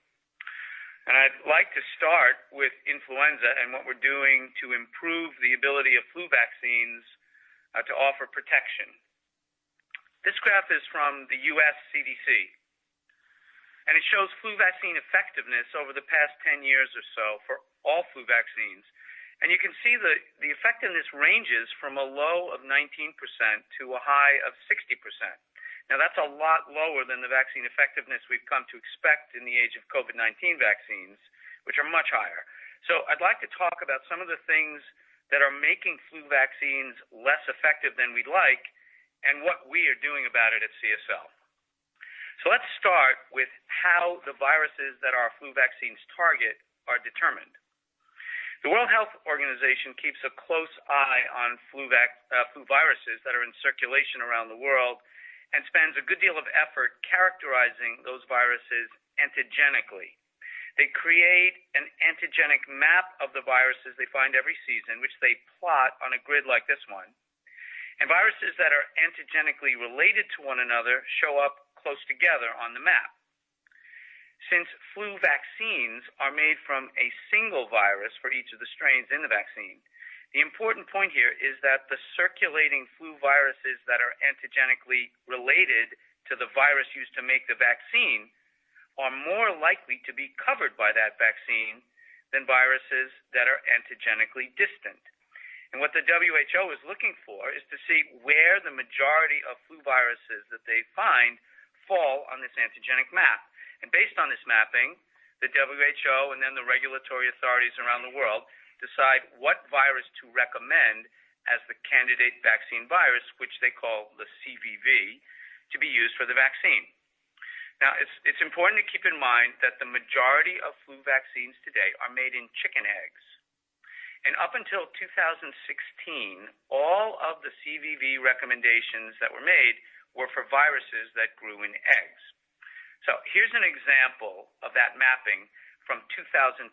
I'd like to start with influenza and what we're doing to improve the ability of flu vaccines to offer protection. This graph is from the U.S. CDC, and it shows flu vaccine effectiveness over the past 10 years or so for all flu vaccines. You can see the effectiveness ranges from a low of 19% to a high of 60%. Now, that's a lot lower than the vaccine effectiveness we've come to expect in the age of COVID-19 vaccines, which are much higher. I'd like to talk about some of the things that are making flu vaccines less effective than we'd like and what we are doing about it at CSL. Let's start with how the viruses that our flu vaccines target are determined. The World Health Organization keeps a close eye on flu viruses that are in circulation around the world and spends a good deal of effort characterizing those viruses antigenically. They create an antigenic map of the viruses they find every season, which they plot on a grid like this one. Viruses that are antigenically related to one another show up close together on the map. Since flu vaccines are made from a single virus for each of the strains in the vaccine, the important point here is that the circulating flu viruses that are antigenically related to the virus used to make the vaccine are more likely to be covered by that vaccine than viruses that are antigenically distant. What the WHO is looking for is to see where the majority of flu viruses that they find fall on this antigenic map. Based on this mapping, the WHO and then the regulatory authorities around the world decide what virus to recommend as the candidate vaccine virus, which they call the CVV, to be used for the vaccine. Now, it's important to keep in mind that the majority of flu vaccines today are made in chicken eggs. Up until 2016, all of the CVV recommendations that were made were for viruses that grew in eggs. Here's an example of that mapping from 2012, and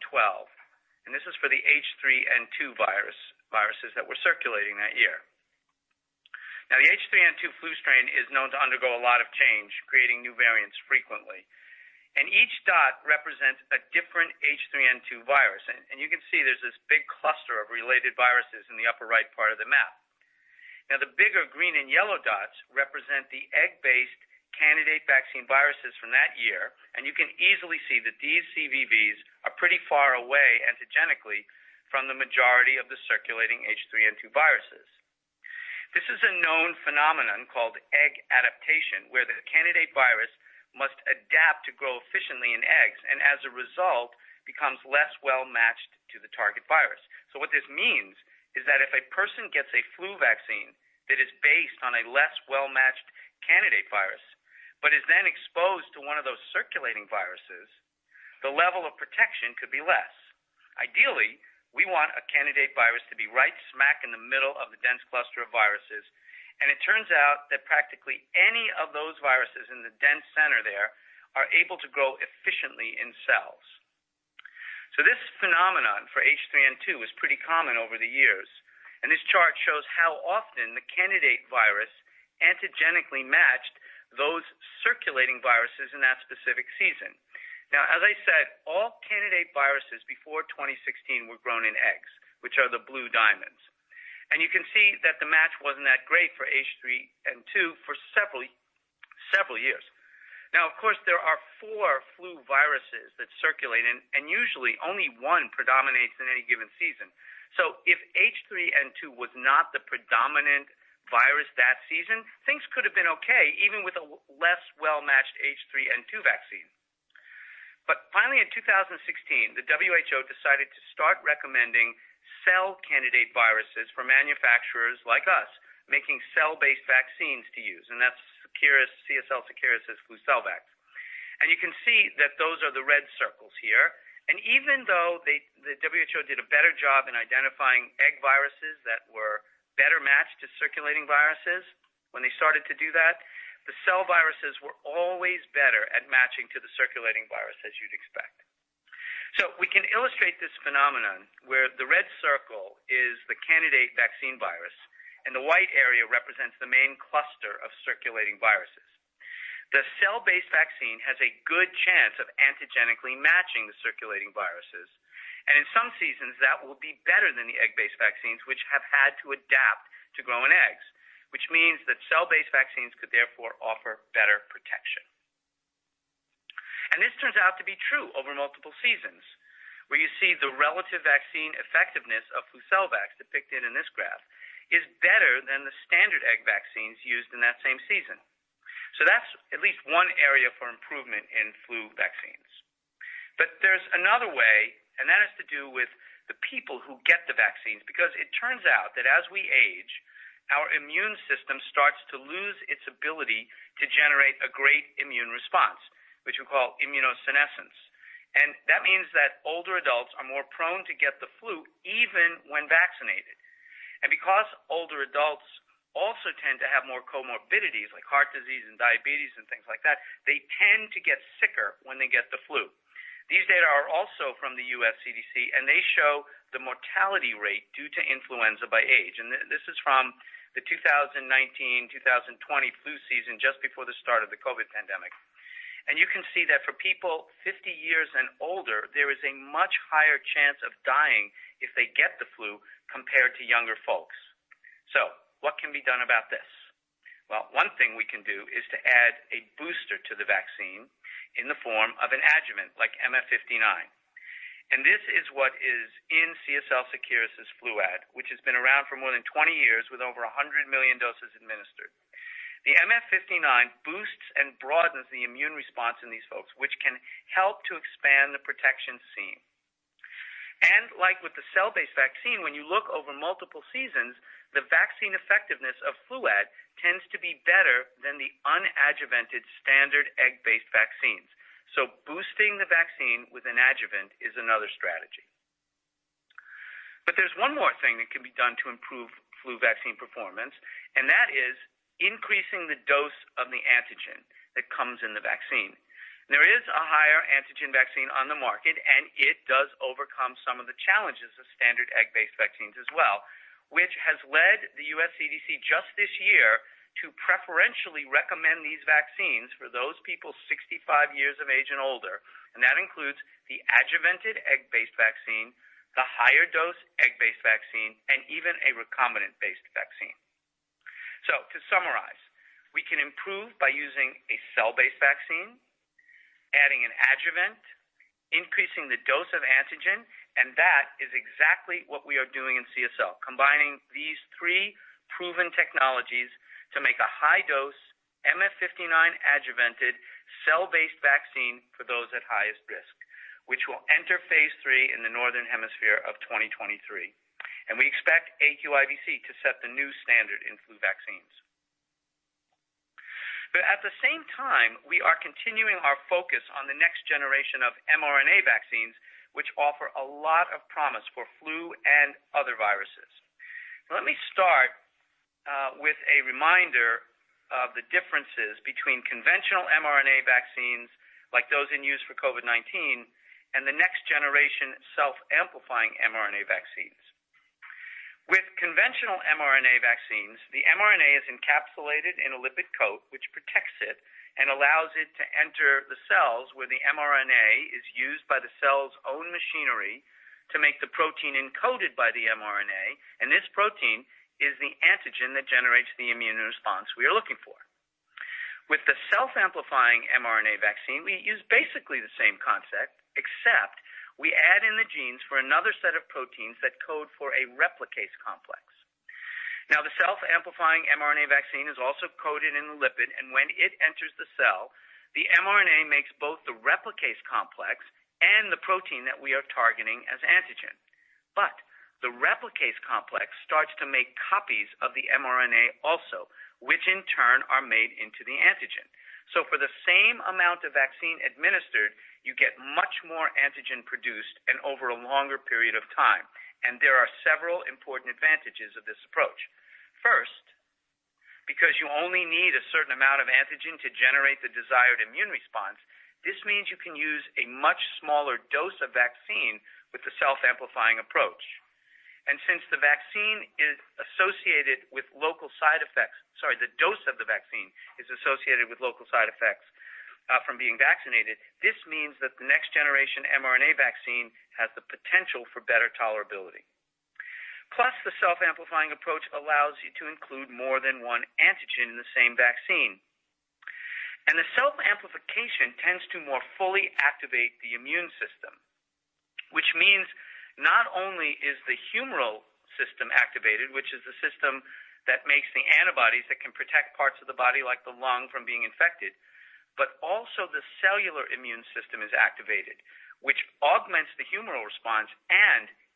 this is for the H3N2 virus, viruses that were circulating that year. Now, the H3N2 flu strain is known to undergo a lot of change, creating new variants frequently. Each dot represents a different H3N2 virus. You can see there's this big cluster of related viruses in the upper right part of the map. Now, the bigger green and yellow dots represent the egg-based candidate vaccine viruses from that year, and you can easily see that these CVVs are pretty far away antigenically from the majority of the circulating H3N2 viruses. This is a known phenomenon called egg adaptation, where the candidate virus must adapt to grow efficiently in eggs, and as a result, becomes less well-matched to the target virus. What this means is that if a person gets a flu vaccine that is based on a less well-matched candidate virus but is then exposed to one of those circulating viruses, the level of protection could be less. Ideally, we want a candidate virus to be right smack in the middle of the dense cluster of viruses, and it turns out that practically any of those viruses in the dense center there are able to grow efficiently in cells. This phenomenon for H3N2 was pretty common over the years, and this chart shows how often the candidate virus antigenically matched those circulating viruses in that specific season. Now, as I said, all candidate viruses before 2016 were grown in eggs, which are the blue diamonds. You can see that the match wasn't that great for H3N2 for several years. Now of course, there are four flu viruses that circulate and usually only one predominates in any given season. If H3N2 was not the predominant virus that season, things could have been okay even with a less well-matched H3N2 vaccine. Finally, in 2016, the WHO decided to start recommending cell candidate viruses for manufacturers like us making cell-based vaccines to use, and that's Seqirus, CSL Seqirus' Flucelvax. You can see that those are the red circles here. Even though they, the WHO did a better job in identifying egg viruses that were better matched to circulating viruses when they started to do that, the cell viruses were always better at matching to the circulating virus as you'd expect. We can illustrate this phenomenon where the red circle is the candidate vaccine virus and the white area represents the main cluster of circulating viruses. The cell-based vaccine has a good chance of antigenically matching the circulating viruses, and in some seasons, that will be better than the egg-based vaccines which have had to adapt to grow in eggs, which means that cell-based vaccines could therefore offer better protection. This turns out to be true over multiple seasons, where you see the relative vaccine effectiveness of FLUCELVAX depicted in this graph is better than the standard egg vaccines used in that same season. That's at least one area for improvement in flu vaccines. There's another way, and that has to do with the people who get the vaccines, because it turns out that as we age, our immune system starts to lose its ability to generate a great immune response, which we call immunosenescence. That means that older adults are more prone to get the flu even when vaccinated. Because older adults also tend to have more comorbidities like heart disease and diabetes and things like that, they tend to get sicker when they get the flu. These data are also from the U.S. CDC, and they show the mortality rate due to influenza by age. This is from the 2019, 2020 flu season just before the start of the COVID-19 pandemic. You can see that for people 50 years and older, there is a much higher chance of dying if they get the flu compared to younger folks. What can be done about this? Well, one thing we can do is to add a booster to the vaccine in the form of an adjuvant like MF59. This is what is in CSL Seqirus' FLUAD, which has been around for more than 20 years with over 100 million doses administered. The MF59 boosts and broadens the immune response in these folks, which can help to expand the protection seen. Like with the cell-based vaccine, when you look over multiple seasons, the vaccine effectiveness of FLUAD tends to be better than the unadjuvanted standard egg-based vaccines. Boosting the vaccine with an adjuvant is another strategy. There's one more thing that can be done to improve flu vaccine performance, and that is increasing the dose of the antigen that comes in the vaccine. There is a higher antigen vaccine on the market, and it does overcome some of the challenges of standard egg-based vaccines as well, which has led the U.S. CDC just this year to preferentially recommend these vaccines for those people 65 years of age and older. That includes the adjuvanted egg-based vaccine, the higher dose egg-based vaccine, and even a recombinant-based vaccine. To summarize, we can improve by using a cell-based vaccine, adding an adjuvant, increasing the dose of antigen, and that is exactly what we are doing in CSL, combining these three proven technologies to make a high-dose MF59 adjuvanted cell-based vaccine for those at highest risk, which will enter phase three in the Northern Hemisphere of 2023. We expect aQIVc to set the new standard in flu vaccines. At the same time, we are continuing our focus on the next generation of mRNA vaccines, which offer a lot of promise for flu and other viruses. Let me start with a reminder of the differences between conventional mRNA vaccines, like those in use for COVID-19, and the next generation self-amplifying mRNA vaccines. With conventional mRNA vaccines, the mRNA is encapsulated in a lipid coat, which protects it and allows it to enter the cells where the mRNA is used by the cell's own machinery to make the protein encoded by the mRNA, and this protein is the antigen that generates the immune response we are looking for. With the self-amplifying mRNA vaccine, we use basically the same concept, except we add in the genes for another set of proteins that code for a replicase complex. Now, the self-amplifying mRNA vaccine is also coated in the lipid, and when it enters the cell, the mRNA makes both the replicase complex and the protein that we are targeting as antigen. But the replicase complex starts to make copies of the mRNA also, which in turn are made into the antigen. So for the same amount of vaccine administered, you get much more antigen produced and over a longer period of time, and there are several important advantages of this approach. First, because you only need a certain amount of antigen to generate the desired immune response, this means you can use a much smaller dose of vaccine with the self-amplifying approach. Sorry, the dose of the vaccine is associated with local side effects from being vaccinated, this means that the next generation mRNA vaccine has the potential for better tolerability. Plus, the self-amplifying approach allows you to include more than one antigen in the same vaccine. The self-amplification tends to more fully activate the immune system, which means not only is the humoral system activated, which is the system that makes the antibodies that can protect parts of the body like the lung from being infected, but also the cellular immune system is activated, which augments the humoral response.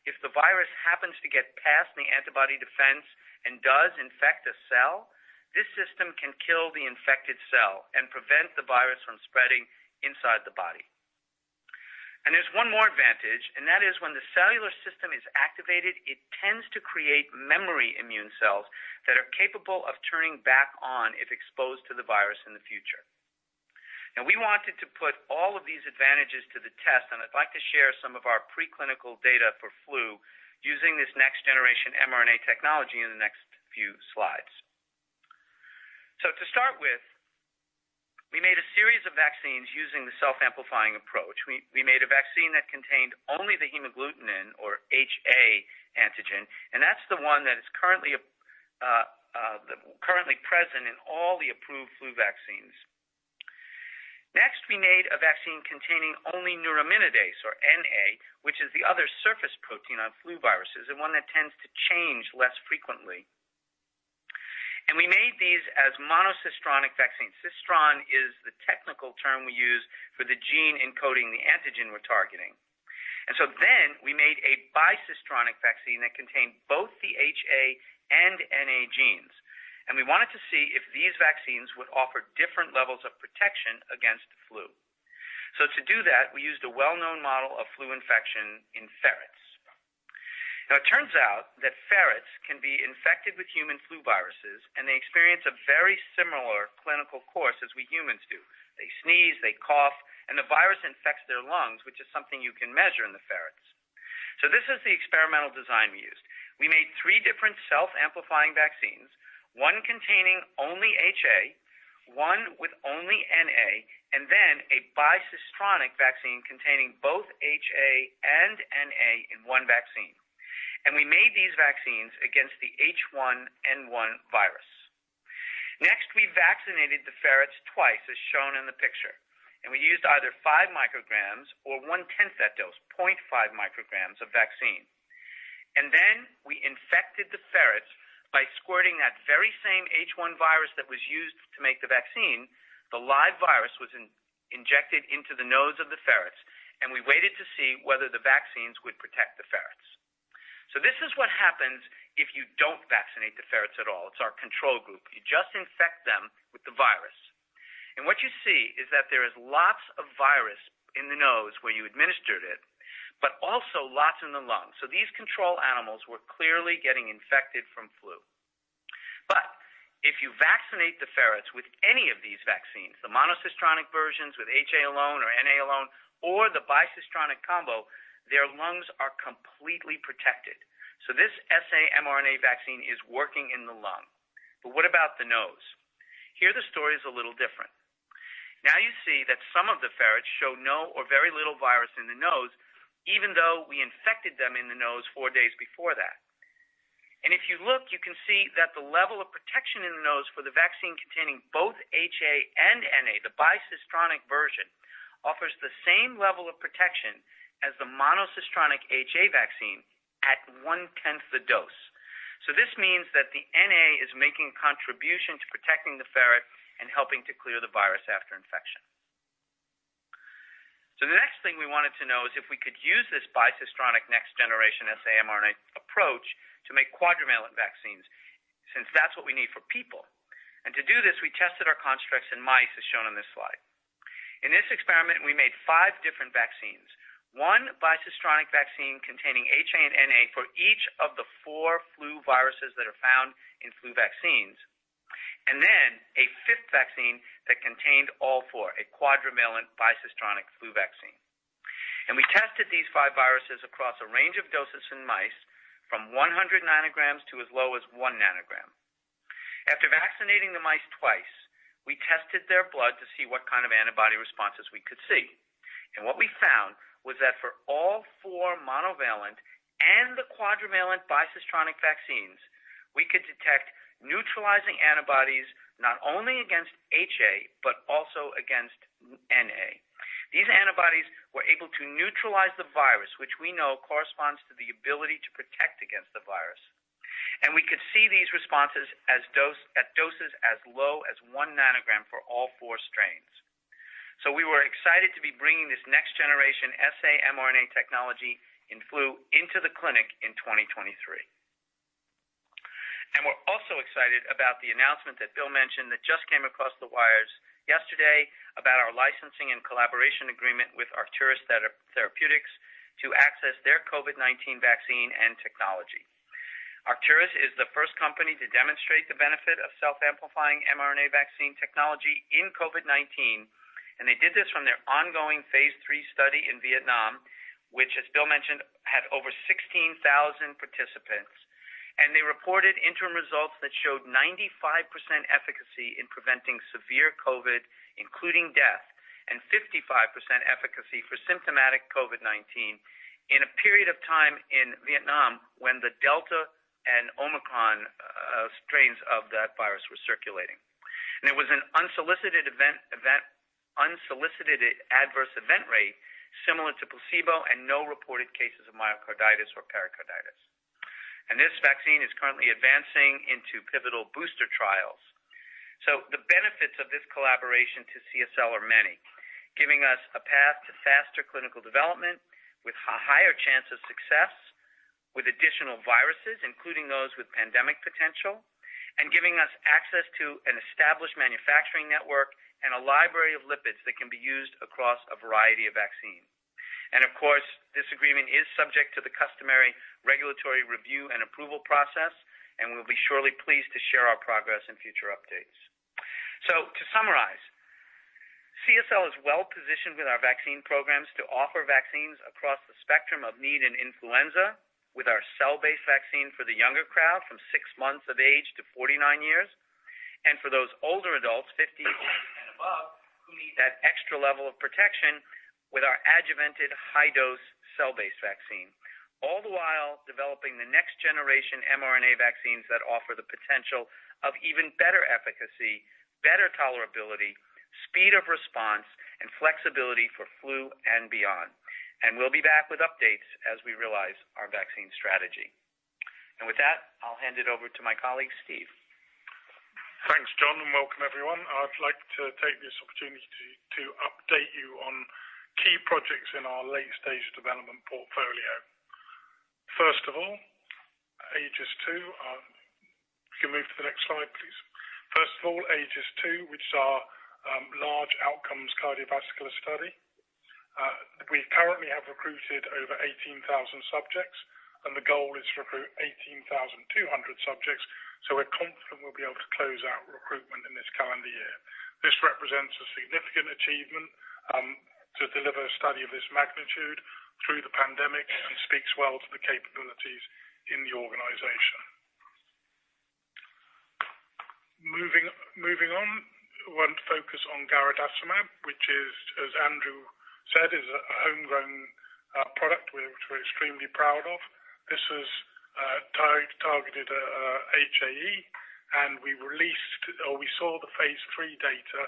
If the virus happens to get past the antibody defense and does infect a cell, this system can kill the infected cell and prevent the virus from spreading inside the body. There's one more advantage, and that is when the cellular system is activated, it tends to create memory immune cells that are capable of turning back on if exposed to the virus in the future. We wanted to put all of these advantages to the test, and I'd like to share some of our preclinical data for flu using this next-generation mRNA technology in the next few slides. To start with, we made a series of vaccines using the self-amplifying approach. We made a vaccine that contained only the hemagglutinin or HA antigen, and that's the one that is currently present in all the approved flu vaccines. Next, we made a vaccine containing only neuraminidase or NA, which is the other surface protein on flu viruses and one that tends to change less frequently. We made these as monocistronic vaccines. Cistron is the technical term we use for the gene encoding the antigen we're targeting. We made a bicistronic vaccine that contained both the HA and NA genes, and we wanted to see if these vaccines would offer different levels of protection against the flu. To do that, we used a well-known model of flu infection in ferrets. It turns out that ferrets can be infected with human flu viruses, and they experience a very similar clinical course as we humans do. They sneeze, they cough, and the virus infects their lungs, which is something you can measure in the ferrets. This is the experimental design we used. We made three different self-amplifying vaccines, one containing only HA, one with only NA, and then a bicistronic vaccine containing both HA and NA in one vaccine. We made these vaccines against the H1N1 virus. Next, we vaccinated the ferrets twice, as shown in the picture, and we used either 5 micrograms or one-tenth that dose, 0.5 micrograms of vaccine, ferrets by squirting that very same H1 virus that was used to make the vaccine. The live virus was injected into the nose of the ferrets, and we waited to see whether the vaccines would protect the ferrets. This is what happens if you don't vaccinate the ferrets at all. It's our control group. You just infect them with the virus. What you see is that there is lots of virus in the nose where you administered it, but also lots in the lungs. These control animals were clearly getting infected from flu. If you vaccinate the ferrets with any of these vaccines, the monocistronic versions with HA alone or NA alone or the bicistronic combo, their lungs are completely protected. This saMRNA vaccine is working in the lung. What about the nose? Here, the story is a little different. Now you see that some of the ferrets show no or very little virus in the nose, even though we infected them in the nose four days before that. If you look, you can see that the level of protection in the nose for the vaccine containing both HA and NA, the bicistronic version, offers the same level of protection as the monocistronic HA vaccine at one-tenth the dose. This means that the NA is making a contribution to protecting the ferret and helping to clear the virus after infection. The next thing we wanted to know is if we could use this bicistronic next-generation saMRNA approach to make quadrivalent vaccines, since that's what we need for people. To do this, we tested our constructs in mice, as shown on this slide. In this experiment, we made 5 different vaccines, one bicistronic vaccine containing HA and NA for each of the four flu viruses that are found in flu vaccines, and then a fifth vaccine that contained all four, a quadrivalent bicistronic flu vaccine. We tested these five viruses across a range of doses in mice from 100 nanograms to as low as 1 nanogram. After vaccinating the mice twice, we tested their blood to see what kind of antibody responses we could see. What we found was that for all four monovalent and the quadrivalent bicistronic vaccines, we could detect neutralizing antibodies not only against HA, but also against NA. These antibodies were able to neutralize the virus, which we know corresponds to the ability to protect against the virus. We could see these responses at doses as low as one nanogram for all four strains. We were excited to be bringing this next-generation saRNA technology in flu into the clinic in 2023. We're also excited about the announcement that Bill mentioned that just came across the wires yesterday about our licensing and collaboration agreement with Arcturus Therapeutics to access their COVID-19 vaccine and technology. Arcturus is the first company to demonstrate the benefit of self-amplifying mRNA vaccine technology in COVID-19, and they did this from their ongoing phase 3 study in Vietnam, which, as Bill mentioned, had over 16,000 participants. They reported interim results that showed 95% efficacy in preventing severe COVID, including death, and 55% efficacy for symptomatic COVID-19 in a period of time in Vietnam when the Delta and Omicron strains of that virus were circulating. It was an unsolicited adverse event rate similar to placebo and no reported cases of myocarditis or pericarditis. This vaccine is currently advancing into pivotal booster trials. The benefits of this collaboration to CSL are many, giving us a path to faster clinical development with a higher chance of success with additional viruses, including those with pandemic potential, and giving us access to an established manufacturing network and a library of lipids that can be used across a variety of vaccines. Of course, this agreement is subject to the customary regulatory review and approval process, and we'll be surely pleased to share our progress in future updates. To summarize, CSL is well-positioned with our vaccine programs to offer vaccines across the spectrum of need in influenza with our cell-based vaccine for the younger crowd from 6 months of age to 49 years, and for those older adults 50 and above who need that extra level of protection with our adjuvanted high-dose cell-based vaccine. All the while developing the next-generation mRNA vaccines that offer the potential of even better efficacy, better tolerability, speed of response, and flexibility for flu and beyond. We'll be back with updates as we realize our vaccine strategy. With that, I'll hand it over to my colleague, Steve. Thanks, John, and welcome everyone. I'd like to take this opportunity to update you on key projects in our late-stage development portfolio. First of all, AEGIS-II. If you move to the next slide, please. First of all, AEGIS-II, which is our large outcomes cardiovascular study. We currently have recruited over 18,000 subjects, and the goal is to recruit 18,200 subjects. We're confident we'll be able to close out recruitment in this calendar year. This represents a significant achievement to deliver a study of this magnitude through the pandemic and speaks well to the capabilities in the organization. Moving on, we want to focus on garadacimab, which is, as Andrew said, a homegrown product we're extremely proud of. This is targeted at HAE. We released or we saw the phase 3 data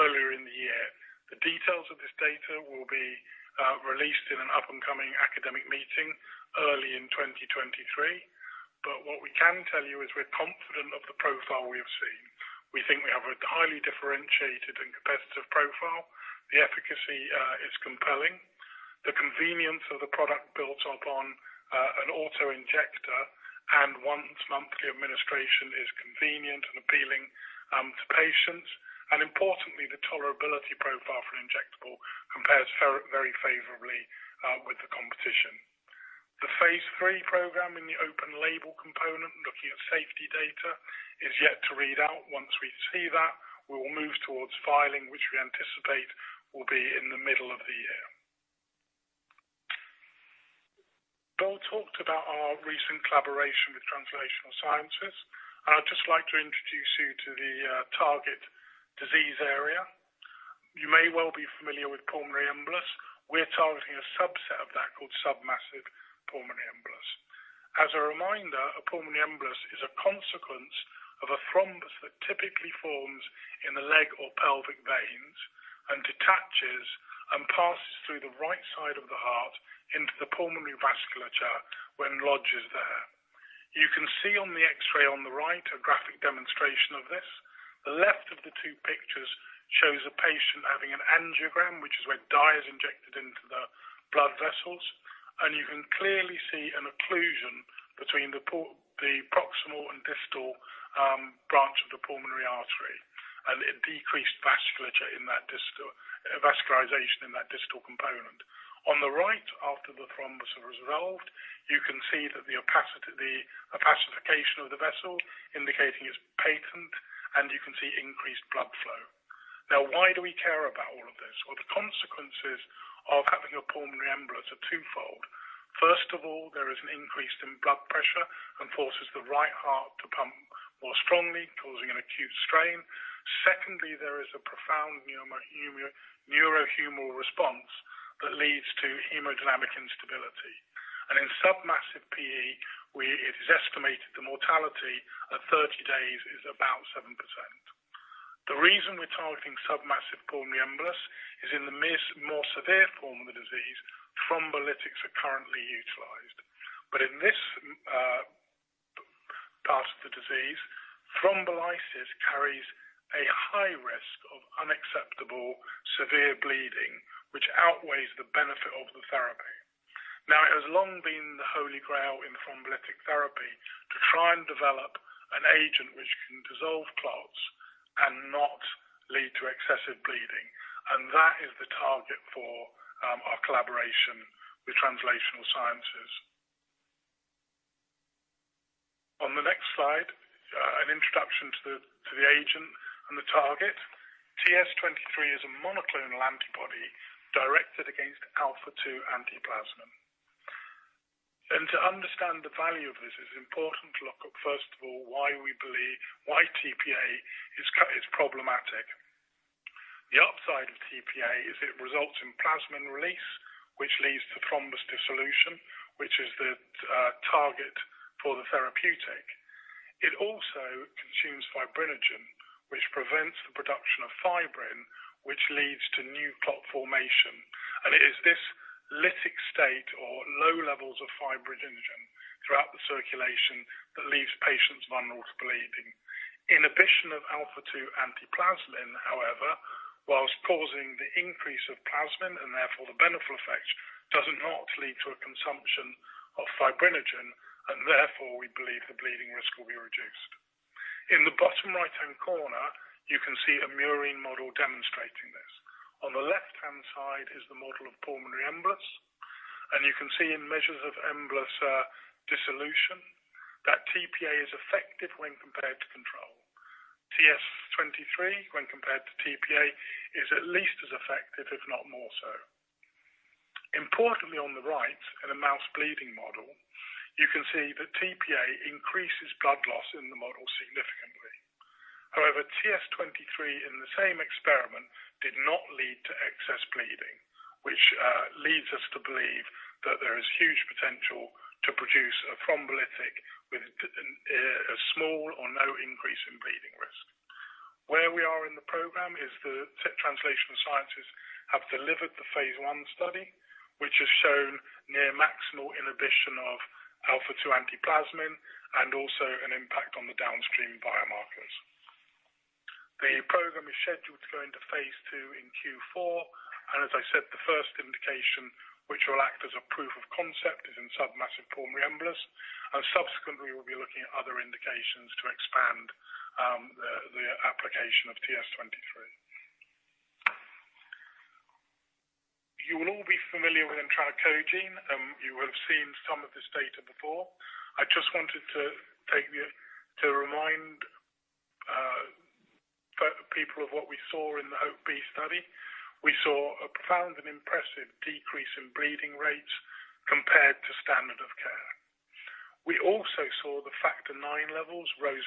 earlier in the year. The details of this data will be released in an up-and-coming academic meeting early in 2023. What we can tell you is we're confident of the profile we have seen. We think we have a highly differentiated and competitive profile. The efficacy is compelling. The convenience of the product builds upon an auto-injector and once-monthly administration is convenient and appealing to patients. Importantly, the tolerability profile for injectable compares very favorably with the competition. The phase 3 program in the open label component, looking at safety data, is yet to read out. Once we see that, we will move towards filing, which we anticipate will be in the middle of the year. Bill talked about our recent collaboration with Translational Sciences, and I'd just like to introduce you to the target disease area. You may well be familiar with pulmonary embolus. We're targeting a subset of that called submassive pulmonary embolus. As a reminder, a pulmonary embolus is a consequence of a thrombus that typically forms in the leg or pelvic veins and detaches and passes through the right side of the heart into the pulmonary vasculature when lodges there. You can see on the X-ray on the right a graphic demonstration of this. The left of the two pictures shows a patient having an angiogram, which is where dye is injected into the blood vessels, and you can clearly see an occlusion between the proximal and distal branch of the pulmonary artery, and a decreased vasculature in that distal vascularization in that distal component. On the right, after the thrombus has resolved, you can see that the opacity, the opacification of the vessel indicating it's patent and you can see increased blood flow. Now, why do we care about all of this? Well, the consequences of having a pulmonary embolus are twofold. First of all, there is an increase in blood pressure and forces the right heart to pump more strongly, causing an acute strain. Secondly, there is a profound neurohumoral response that leads to hemodynamic instability. In submassive PE, it is estimated the mortality at 30 days is about 7%. The reason we're targeting submassive pulmonary embolus is in the more severe form of the disease, thrombolytics are currently utilized. In this part of the disease, thrombolysis carries a high risk of unacceptable severe bleeding, which outweighs the benefit of the therapy. Now, it has long been the Holy Grail in thrombolytic therapy to try and develop an agent which can dissolve clots and not lead to excessive bleeding, and that is the target for our collaboration with Translational Sciences. On the next slide, an introduction to the agent and the target. TS23 is a monoclonal antibody directed against alpha-2-antiplasmin. To understand the value of this, it's important to look at, first of all, why we believe why tPA is problematic. The upside of tPA is it results in plasmin release, which leads to thrombus dissolution, which is the target for the therapeutic. It also consumes fibrinogen, which prevents the production of fibrin, which leads to new clot formation. It is this lytic state or low levels of fibrinogen throughout the circulation that leaves patients vulnerable to bleeding. Inhibition of alpha-2-antiplasmin, however, while causing the increase of plasmin and therefore the beneficial effect, does not lead to a consumption of fibrinogen, and therefore we believe the bleeding risk will be reduced. In the bottom right-hand corner, you can see a murine model demonstrating this. On the left-hand side is the model of pulmonary embolus, and you can see in measures of embolus dissolution that tPA is effective when compared to control. TS23, when compared to tPA, is at least as effective, if not more so. Importantly, on the right, in a mouse bleeding model, you can see that tPA increases blood loss in the model significantly. However, TS23 in the same experiment did not lead to excess bleeding, which leads us to believe that there is huge potential to produce a thrombolytic with a small or no increase in bleeding risk. Where we are in the program is Translational Sciences have delivered the phase 1 study, which has shown near maximal inhibition of alpha-2-antiplasmin and also an impact on the downstream biomarkers. The program is scheduled to go into phase 2 in Q4, and as I said, the first indication, which will act as a proof of concept, is in submassive pulmonary embolus, and subsequently, we'll be looking at other indications to expand the application of TS23. You will all be familiar with etranacogene. You will have seen some of this data before. I just wanted to remind people of what we saw in the HOPE-B study. We saw a profound and impressive decrease in bleeding rates compared to standard of care. We also saw the Factor IX levels rose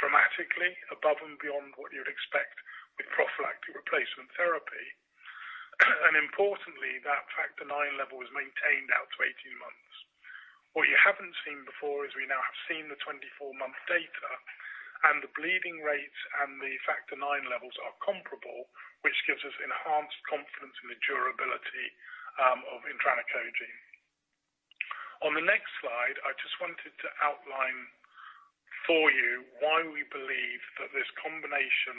dramatically above and beyond what you'd expect with prophylactic replacement therapy. Importantly, that Factor IX level is maintained out to 18 months. What you haven't seen before is we now have seen the 24-month data and the bleeding rates and the Factor IX levels are comparable, which gives us enhanced confidence in the durability of etranacogene. On the next slide, I just wanted to outline for you why we believe that this combination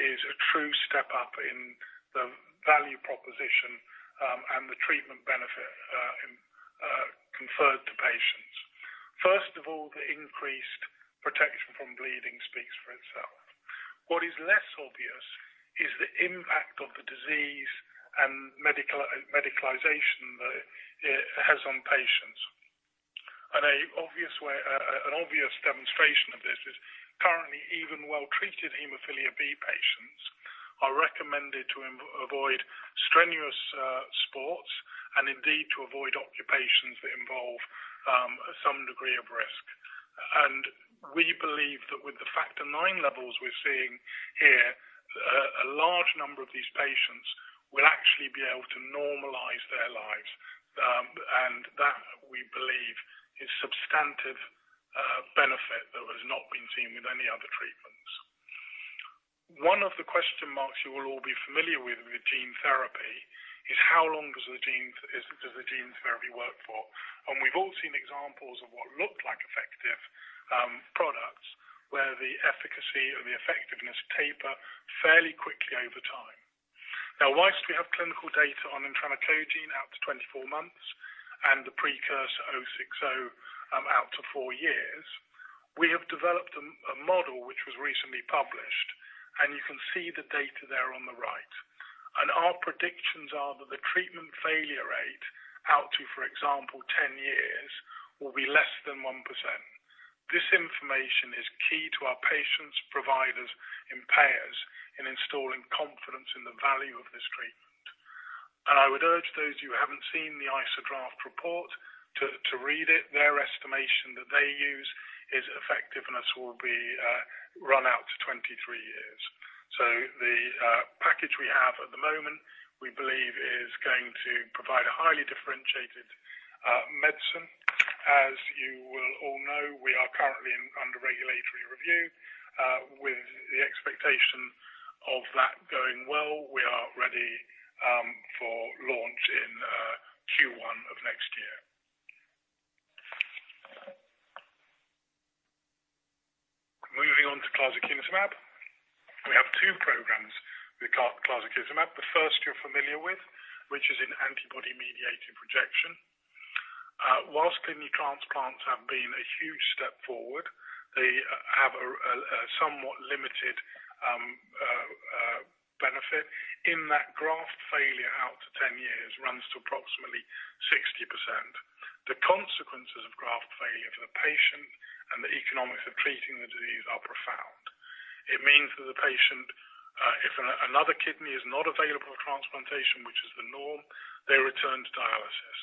is a true step up in the value proposition and the treatment benefit conferred to patients. First of all, the increased protection from bleeding speaks for itself. What is less obvious is the impact of the disease and medicalization that it has on patients. An obvious demonstration of this is currently even well-treated hemophilia B patients are recommended to avoid strenuous sports and indeed to avoid occupations that involve some degree of risk. We believe that with the factor nine levels we're seeing here, a large number of these patients will actually be able to normalize their lives. That we believe is substantive benefit that has not been seen with any other treatments. One of the question marks you will all be familiar with with gene therapy is how long does the gene therapy work for? We've all seen examples of what looked like effective products where the efficacy or the effectiveness taper fairly quickly over time. Now, while we have clinical data on entranacogene out to 24 months and the precursor AMT-060 out to 4 years, we have developed a model which was recently published, and you can see the data there on the right. Our predictions are that the treatment failure rate out to, for example, 10 years will be less than 1%. This information is key to our patients, providers and payers in instilling confidence in the value of this treatment. I would urge those who haven't seen the ICER draft report to read it. Their estimation that they use is effectiveness will be run out to 23 years. The package we have at the moment, we believe is going to provide a highly differentiated medicine. As you will all know, we are currently under regulatory review with the expectation of that going well. We are ready for launch in Q1 of next year. Moving on to clazakizumab. We have two programs with clazakizumab. The first you're familiar with, which is in antibody-mediated rejection. While kidney transplants have been a huge step forward, they have a somewhat limited benefit in that graft failure out to 10 years runs to approximately 60%. The consequences of graft failure for the patient and the economics of treating the disease are profound. It means that the patient, if another kidney is not available for transplantation, which is the norm, they return to dialysis.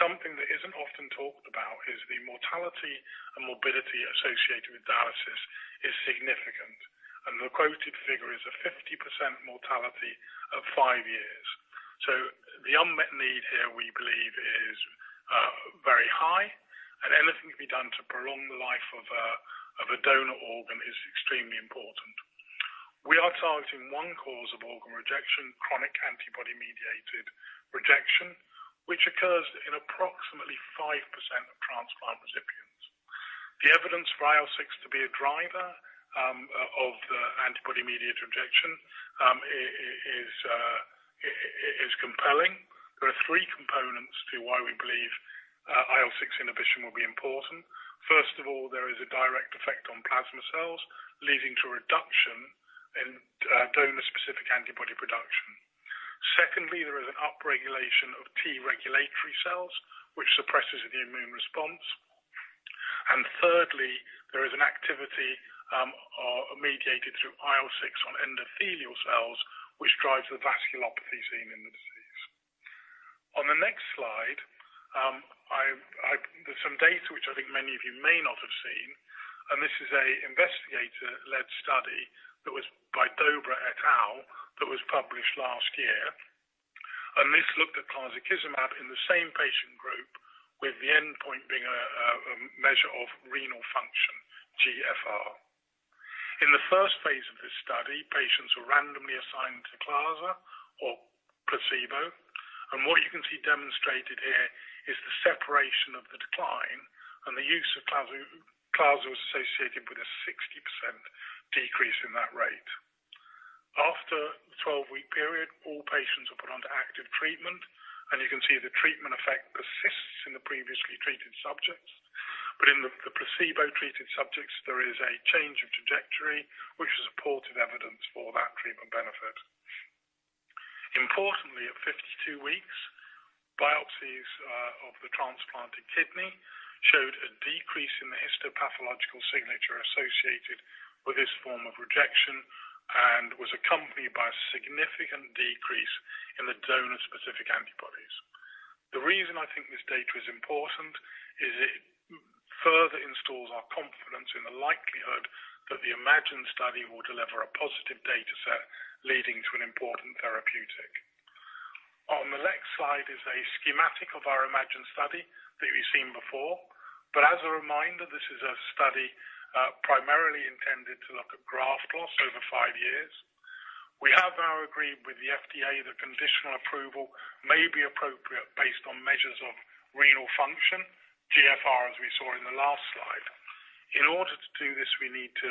Something that isn't often talked about is the mortality and morbidity associated with dialysis is significant, and the quoted figure is a 50% mortality at five years. The unmet need here, we believe, is very high, and anything to be done to prolong the life of a donor organ is extremely important. We are targeting one cause of organ rejection, chronic antibody-mediated rejection, which occurs in approximately 5% of transplant recipients. The evidence for IL-6 to be a driver of the antibody-mediated rejection is compelling. There are three components to why we believe IL-6 inhibition will be important. First of all, there is a direct effect on plasma cells leading to a reduction in donor-specific antibody production. Secondly, there is an upregulation of T-regulatory cells which suppresses the immune response. Thirdly, there is an activity mediated through IL-6 on endothelial cells which drives the vasculopathy seen in the disease. On the next slide, there's some data which I think many of you may not have seen, and this is an investigator-led study that was by Doberer et al, that was published last year. This looked at clazakizumab in the same patient group with the endpoint being a measure of renal function, GFR. In the first phase of this study, patients were randomly assigned to clazakizumab or placebo. What you can see demonstrated here is the separation of the decline and the use of clazakizumab was associated with a 60% decrease in that rate. After the twelve-week period, all patients were put under active treatment, and you can see the treatment effect persists in the previously treated subjects. nIn the placebo-treated subjects, there is a change of trajectory which is supportive evidence for that treatment benefit. Importantly, at 52 weeks, biopsies of the transplanted kidney showed a decrease in the histopathological signature associated with this form of rejection and was accompanied by a significant decrease in the donor-specific antibodies. The reason I think this data is important is it further instills our confidence in the likelihood that the IMAGINE study will deliver a positive data set leading to an important therapeutic. On the next slide is a schematic of our IMAGINE study that we've seen before. As a reminder, this is a study primarily intended to look at graft loss over 5 years. We have now agreed with the FDA that conditional approval may be appropriate based on measures of renal function, GFR, as we saw in the last slide. In order to do this, we need to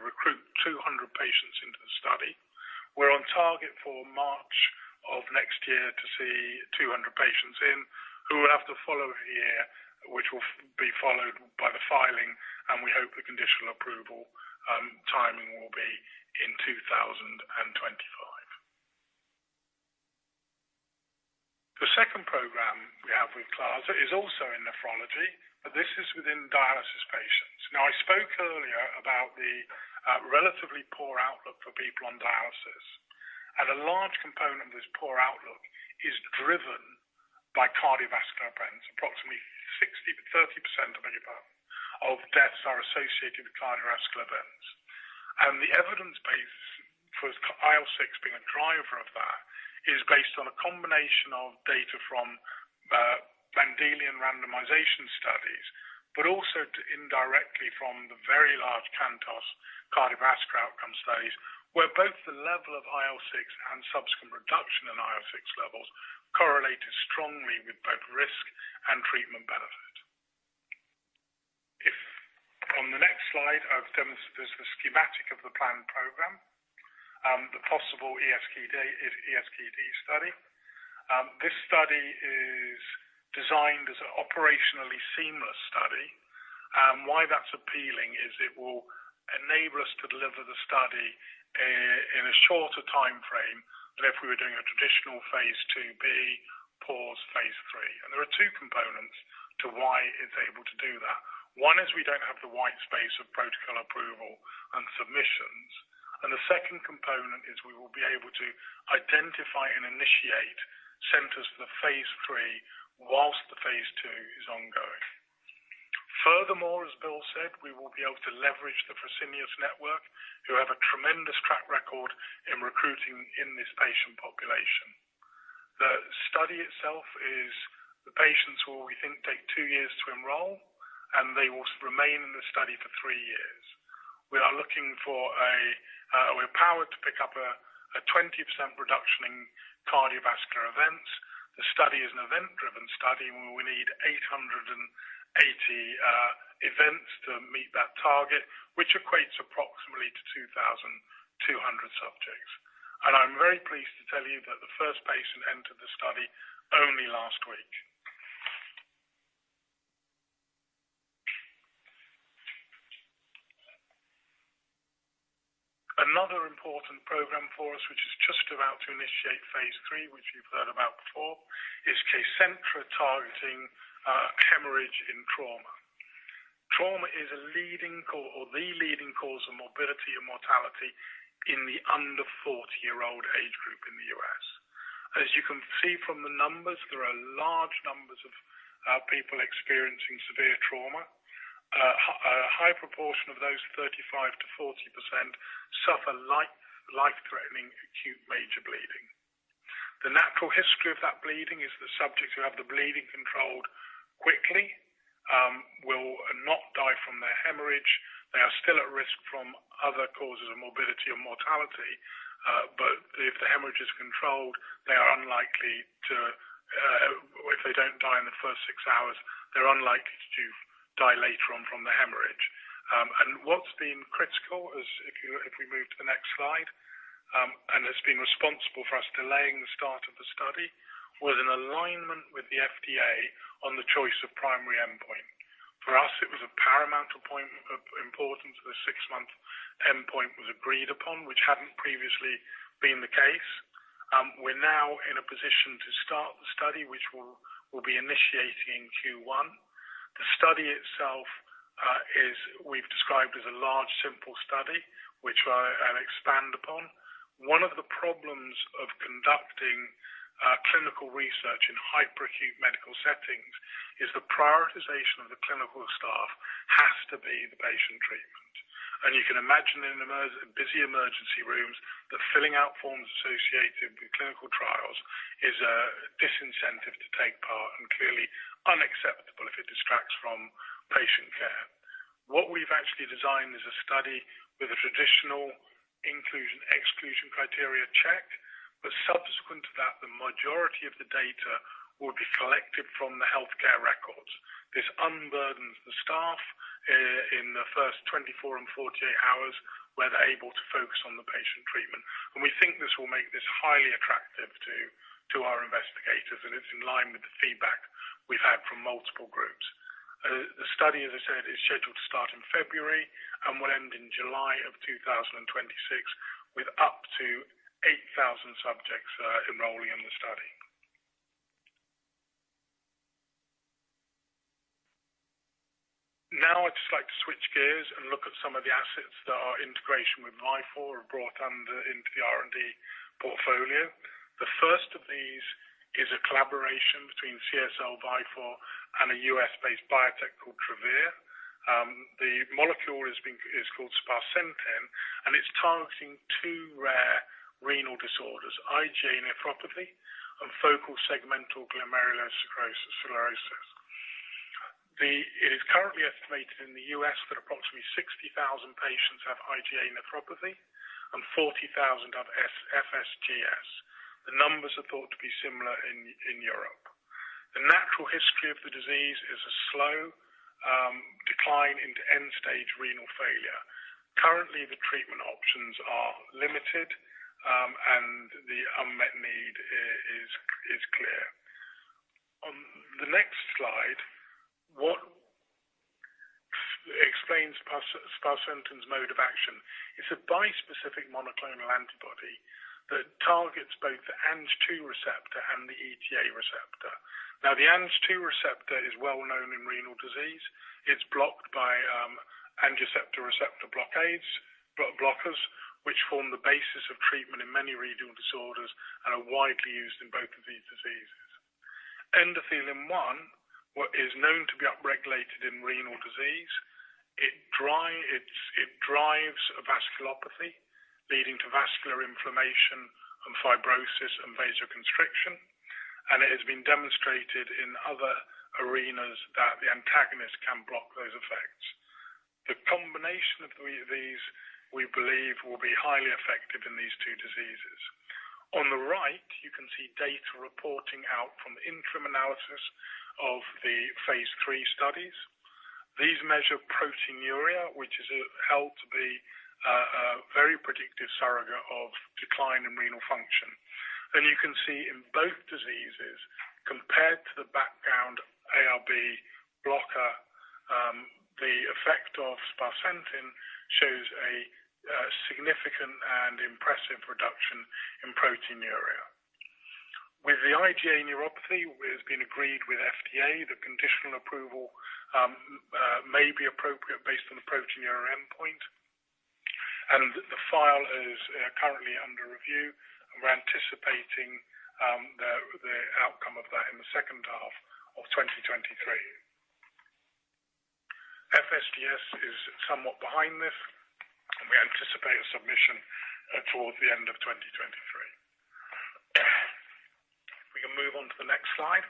recruit 200 patients into the study. We're on target for March of next year to see 200 patients in, who will have to follow a year, which will be followed by the filing, and we hope the conditional approval, timing will be in 2025. The second program we have with Clara is also in nephrology, but this is within dialysis patients. Now, I spoke earlier about the relatively poor outlook for people on dialysis, and a large component of this poor outlook is driven by cardiovascular events. Approximately 30% of any of deaths are associated with cardiovascular events. The evidence base for IL-6 being a driver of that is based on a combination of data from Mendelian randomization studies, but also too indirectly from the very large CANTOS cardiovascular outcome studies, where both the level of IL-6 and subsequent reduction in IL-6 levels correlated strongly with both risk and treatment benefit. On the next slide, I've demonstrated a schematic of the planned program, the possible ESKD study. This study is designed as an operationally seamless study. Why that's appealing is it will enable us to deliver the study in a shorter timeframe than if we were doing a traditional phase 2b, phase 3. There are two components to why it's able to do that. One is we don't have the white space of protocol approval and submissions. The second component is we will be able to identify and initiate centers for the phase three whilst the phase two is ongoing. Furthermore, as Bill said, we will be able to leverage the Fresenius network, who have a tremendous track record in recruiting in this patient population. The study itself is, the patients will, we think, take two years to enroll, and they will remain in the study for three years. We are looking for a, we're powered to pick up a 20% reduction in cardiovascular events. The study is an event-driven study, where we need 880 events to meet that target, which equates approximately to 2,200 subjects. I'm very pleased to tell you that the first patient entered the study only last week. Another important program for us, which is just about to initiate phase 3, which you've heard about before, is Kcentra targeting hemorrhage in trauma. Trauma is a leading or the leading cause of morbidity and mortality in the under 40-year-old age group in the U.S. As you can see from the numbers, there are large numbers of people experiencing severe trauma. A high proportion of those, 35%-40%, suffer life-threatening acute major bleeding. The natural history of that bleeding is the subjects who have the bleeding controlled quickly will not die from the hemorrhage. They are still at risk from other causes of morbidity or mortality, but if the hemorrhage is controlled, they are unlikely to. If they don't die in the first six hours, they're unlikely to die later on from the hemorrhage. What's been critical is, if we move to the next slide, it's been responsible for us delaying the start of the study, was an alignment with the FDA on the choice of primary endpoint. For us, it was a paramount point of importance. The 6-month endpoint was agreed upon, which hadn't previously been the case. We're now in a position to start the study, which we'll be initiating in Q1. The study itself is what we've described as a large, simple study, which I'll expand upon. One of the problems of conducting clinical research in hyper-acute medical settings is the prioritization of the clinical staff has to be the patient treatment. You can imagine in busy emergency rooms, that filling out forms associated with clinical trials is a disincentive to take part and clearly unacceptable if it distracts from patient care. What we've actually designed is a study with a traditional inclusion/exclusion criteria check, but subsequent to that, the majority of the data will be collected from the healthcare records. This unburdens the staff in the first 24 and 48 hours, where they're able to focus on the patient treatment. We think this will make this highly attractive to our investigators, and it's in line with the feedback we've had from multiple groups. The study, as I said, is scheduled to start in February and will end in July of 2026, with up to 8,000 subjects enrolling in the study. Now I'd just like to switch gears and look at some of the assets that our integration with Vifor have brought under into the R&D portfolio. The first of these is a collaboration between CSL Vifor and a U.S.-based biotech called Travere. The molecule is called sparsentan, and it's targeting two rare renal disorders, IgA nephropathy and focal segmental glomerulosclerosis. It is currently estimated in the U.S. that approximately 60,000 patients have IgA nephropathy and 40,000 have FSGS. The numbers are thought to be similar in Europe. The natural history of the disease is a slow decline into end-stage renal failure. Currently, the treatment options are limited, and the unmet need is clear. On the next slide, which explains sparsentan's mode of action. It's a bispecific monoclonal antibody that targets both the Ang II receptor and the ETA receptor. Now, the Ang II receptor is well-known in renal disease. It's blocked by angiotensin receptor blockers, which form the basis of treatment in many renal disorders and are widely used in both of these diseases. Endothelin-1 is known to be upregulated in renal disease. It drives a vasculopathy leading to vascular inflammation and fibrosis and vasoconstriction, and it has been demonstrated in other arenas that the antagonist can block those effects. The combination of these three, we believe, will be highly effective in these two diseases. On the right, you can see data reporting out from the interim analysis of the phase 3 studies. These measure proteinuria, which is held to be a very predictive surrogate of decline in renal function. You can see in both diseases, compared to the background ARB blocker, the effect of sparsentan shows a significant and impressive reduction in proteinuria. With the IgA nephropathy, it has been agreed with FDA the conditional approval may be appropriate based on the proteinuria endpoint, and the file is currently under review. We're anticipating the outcome of that in the second half of 2023. FSGS is somewhat behind this, and we anticipate a submission towards the end of 2023. We can move on to the next slide.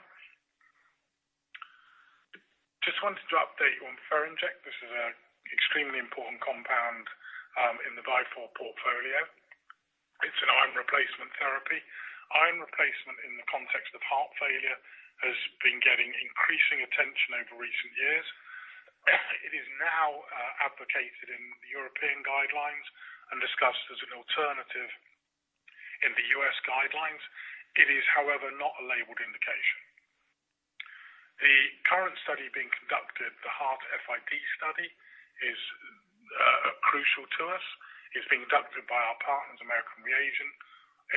Just wanted to update you on Ferinject. This is an extremely important compound in the Vifor portfolio. It's an iron replacement therapy. Iron replacement in the context of heart failure has been getting increasing attention over recent years. It is now advocated in the European guidelines and discussed as an alternative in the US guidelines. It is, however, not a labeled indication. The current study being conducted, the HEART-FID study, is crucial to us. It's being conducted by our partners, American Regent.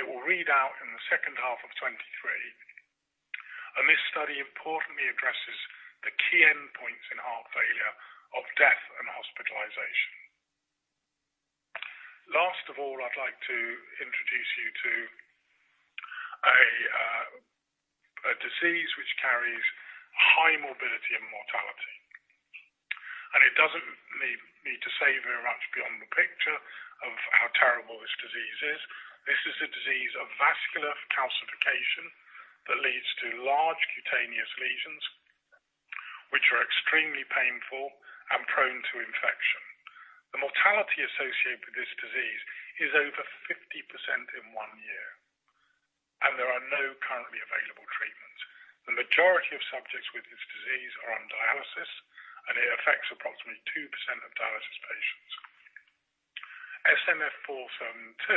It will read out in the second half of 2023. This study importantly addresses the key endpoints in heart failure of death and hospitalization. Last of all, I'd like to introduce you to a disease which carries high morbidity and mortality. It doesn't need to say very much beyond the picture of how terrible this disease is. This is a disease of vascular calcification that leads to large cutaneous lesions, which are extremely painful and prone to infection. The mortality associated with this disease is over 50% in one year, and there are no currently available treatments. The majority of subjects with this disease are on dialysis, and it affects approximately 2% of dialysis patients. SNF472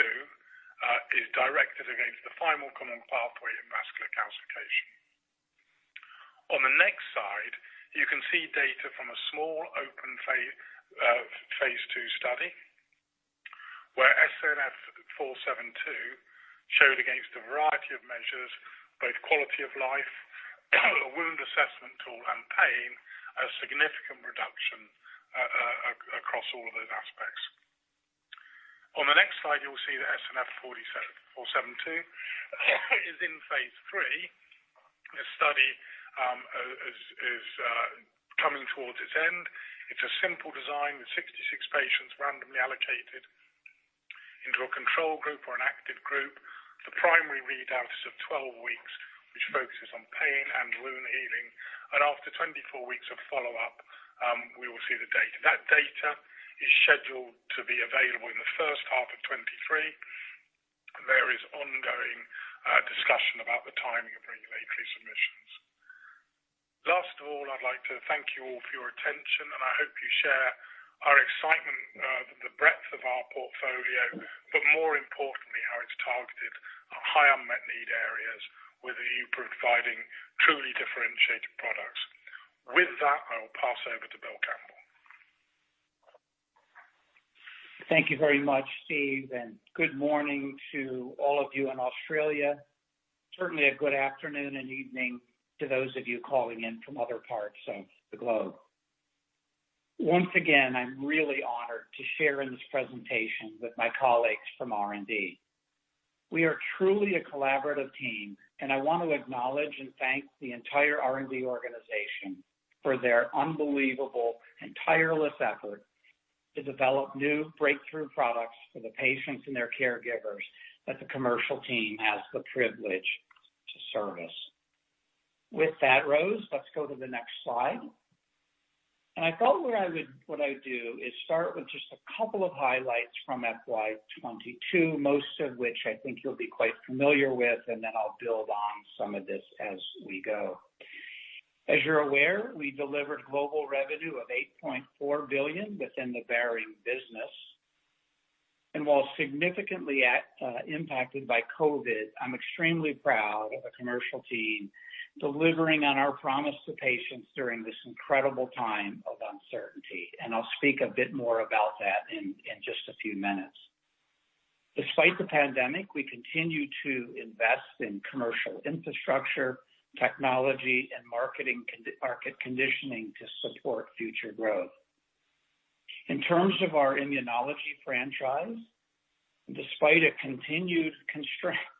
is directed against the final common pathway in vascular calcification. On the next slide, you can see data from a small open phase two study where SNF472 showed against a variety of measures, both quality of life, wound assessment tool, and pain, a significant reduction across all of those aspects. On the next slide, you'll see the SNF472 is in phase three. The study is coming towards its end. It's a simple design with 66 patients randomly allocated into a control group or an active group. The primary readout is of 12 weeks, which focuses on pain and wound healing. After 24 weeks of follow-up, we will see the data. That data is scheduled to be available in the first half of 2023. There is ongoing discussion about the timing of regulatory submissions. Last of all, I'd like to thank you all for your attention, and I hope you share our excitement of the breadth of our portfolio, but more importantly, how it's targeted at high unmet need areas with a view to providing truly differentiated products. With that, I will pass over to Bill Campbell. Thank you very much, Steve, and good morning to all of you in Australia. Certainly a good afternoon and evening to those of you calling in from other parts of the globe. Once again, I'm really honored to share in this presentation with my colleagues from R&D. We are truly a collaborative team, and I want to acknowledge and thank the entire R&D organization for their unbelievable and tireless effort to develop new breakthrough products for the patients and their caregivers that the commercial team has the privilege to service. With that, Rose, let's go to the next slide. I thought what I'd do is start with just a couple of highlights from FY 2022, most of which I think you'll be quite familiar with, and then I'll build on some of this as we go. As you're aware, we delivered global revenue of 8.4 billion within the Behring business. While significantly impacted by COVID, I'm extremely proud of the commercial team delivering on our promise to patients during this incredible time of uncertainty, and I'll speak a bit more about that in just a few minutes. Despite the pandemic, we continue to invest in commercial infrastructure, technology, and market conditioning to support future growth. In terms of our immunology franchise, despite a continued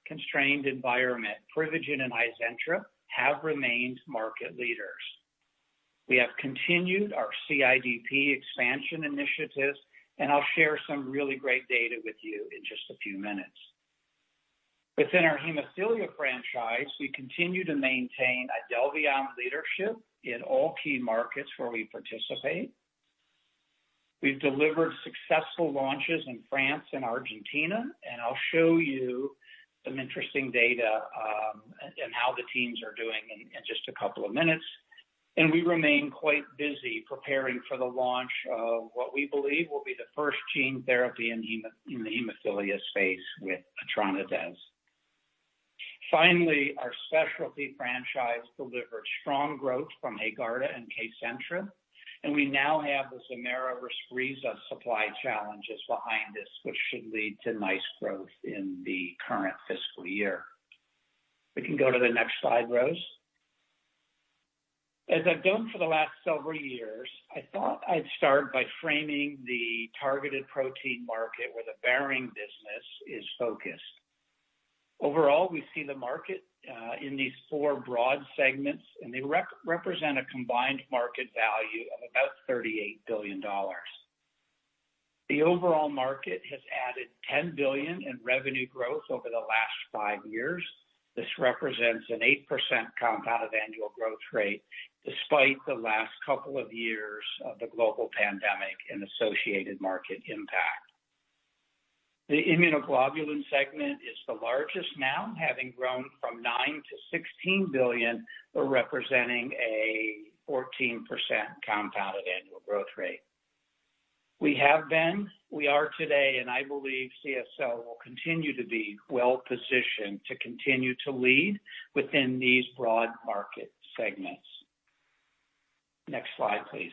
constrained environment, Privigen and Hizentra have remained market leaders. We have continued our CIDP expansion initiatives, and I'll share some really great data with you in just a few minutes. Within our hemophilia franchise, we continue to maintain Idelvion leadership in all key markets where we participate. We've delivered successful launches in France and Argentina, and I'll show you some interesting data, and how the teams are doing in just a couple of minutes. We remain quite busy preparing for the launch of what we believe will be the first gene therapy in the hemophilia space with etranacogene dezaparvovec. Finally, our specialty franchise delivered strong growth from Haegarda and Kcentra, and we now have the Zemaira/Respreeza supply challenges behind us, which should lead to nice growth in the current fiscal year. We can go to the next slide, Rose. As I've done for the last several years, I thought I'd start by framing the targeted protein market where the Behring business is focused. Overall, we see the market in these four broad segments, and they represent a combined market value of about $38 billion. The overall market has added $10 billion in revenue growth over the last 5 years. This represents an 8% compound annual growth rate despite the last couple of years of the global pandemic and associated market impact. The immunoglobulin segment is the largest now, having grown from $9 billion to $16 billion, representing a 14% compounded annual growth rate. We have been, we are today, and I believe CSL will continue to be well-positioned to continue to lead within these broad market segments. Next slide, please.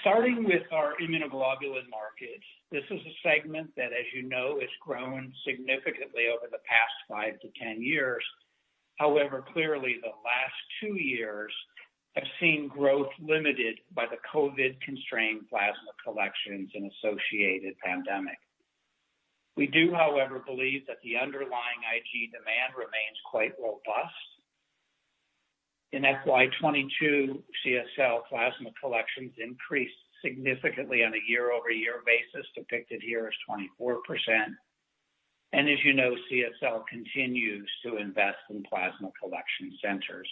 Starting with our immunoglobulin markets, this is a segment that, as you know, has grown significantly over the past 5 to 10 years. However, clearly, the last 2 years have seen growth limited by the COVID-constrained plasma collections and associated pandemic. We do, however, believe that the underlying IG demand remains quite robust. In FY 2022, CSL Plasma collections increased significantly on a year-over-year basis, depicted here as 24%. As you know, CSL continues to invest in plasma collection centers.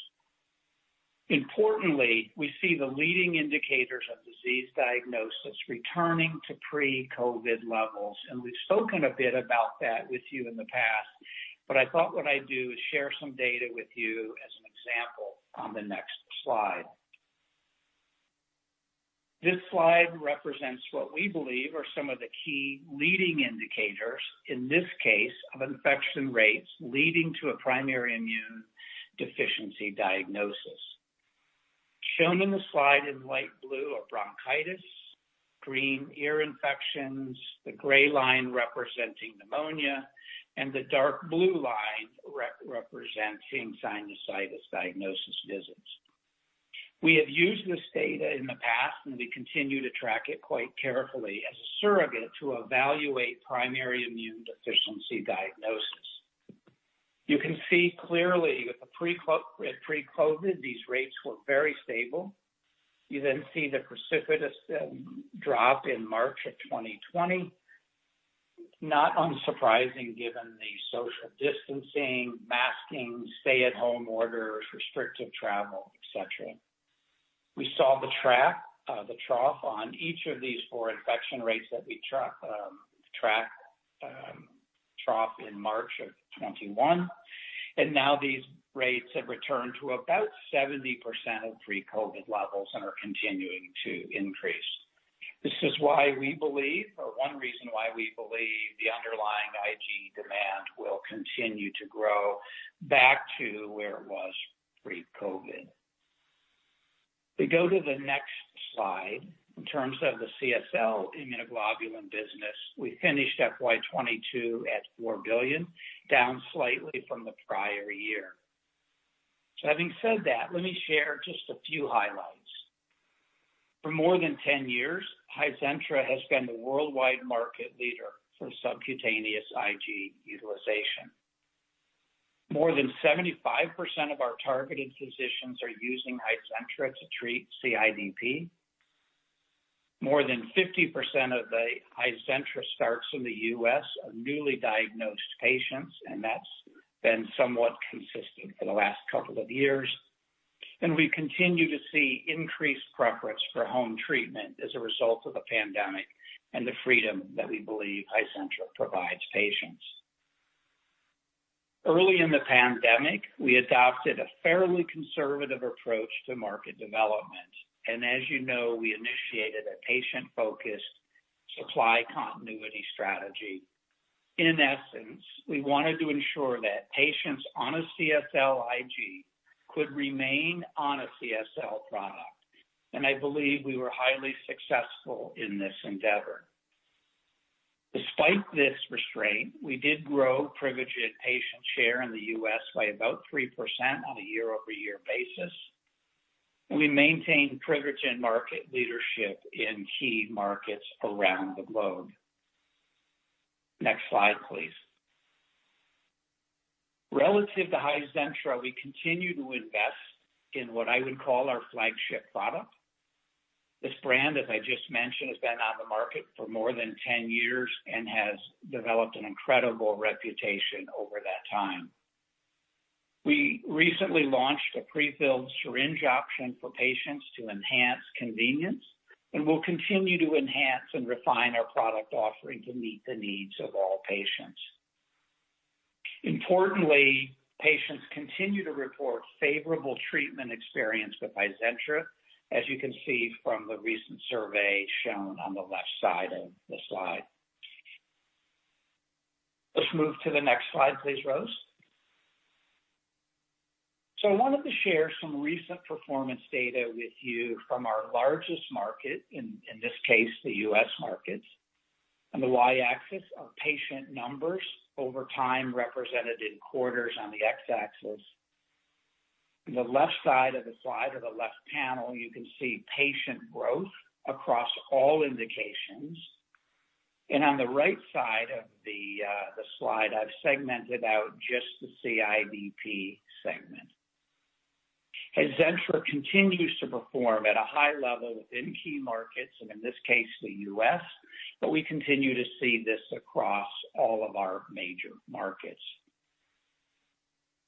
Importantly, we see the leading indicators of disease diagnosis returning to pre-COVID levels. We've spoken a bit about that with you in the past, but I thought what I'd do is share some data with you as an example on the next slide. This slide represents what we believe are some of the key leading indicators, in this case of infection rates leading to a primary immunodeficiency diagnosis. Shown in the slide in light blue are bronchitis, green ear infections, the gray line representing pneumonia, and the dark blue line representing sinusitis diagnosis visits. We have used this data in the past, and we continue to track it quite carefully as a surrogate to evaluate primary immunodeficiency diagnosis. You can see clearly with the pre-COVID, these rates were very stable. You then see the precipitous drop in March 2020. Not unsurprising given the social distancing, masking, stay-at-home orders, restrictive travel, et cetera. We saw the trough on each of these four infection rates that we track trough in March 2021. Now these rates have returned to about 70% of pre-COVID levels and are continuing to increase. This is why we believe or one reason why we believe the underlying IG demand will continue to grow back to where it was pre-COVID. We go to the next slide. In terms of the CSL immunoglobulin business, we finished FY 2022 at $4 billion, down slightly from the prior year. Having said that, let me share just a few highlights. For more than 10 years, Hizentra has been the worldwide market leader for subcutaneous IG utilization. More than 75% of our targeted physicians are using Hizentra to treat CIDP. More than 50% of the Hizentra starts in the U.S. are newly diagnosed patients, and that's been somewhat consistent for the last couple of years. We continue to see increased preference for home treatment as a result of the pandemic and the freedom that we believe Hizentra provides patients. Early in the pandemic, we adopted a fairly conservative approach to market development, and as you know, we initiated a patient-focused supply continuity strategy. In essence, we wanted to ensure that patients on a CSL IG could remain on a CSL product, and I believe we were highly successful in this endeavor. Despite this restraint, we did grow Privigen patient share in the U.S. by about 3% on a year-over-year basis. We maintained Privigen market leadership in key markets around the globe. Next slide, please. Relative to Hizentra, we continue to invest in what I would call our flagship product. This brand, as I just mentioned, has been on the market for more than 10 years and has developed an incredible reputation over that time. We recently launched a prefilled syringe option for patients to enhance convenience, and we'll continue to enhance and refine our product offering to meet the needs of all patients. Importantly, patients continue to report favorable treatment experience with Hizentra, as you can see from the recent survey shown on the left side of the slide. Let's move to the next slide, please, Rose. I wanted to share some recent performance data with you from our largest market, in this case, the U.S. markets. On the Y-axis are patient numbers over time represented in quarters on the X-axis. On the left side of the slide or the left panel, you can see patient growth across all indications. On the right side of the slide, I've segmented out just the CIDP segment. Hizentra continues to perform at a high level within key markets and in this case, the U.S., but we continue to see this across all of our major markets.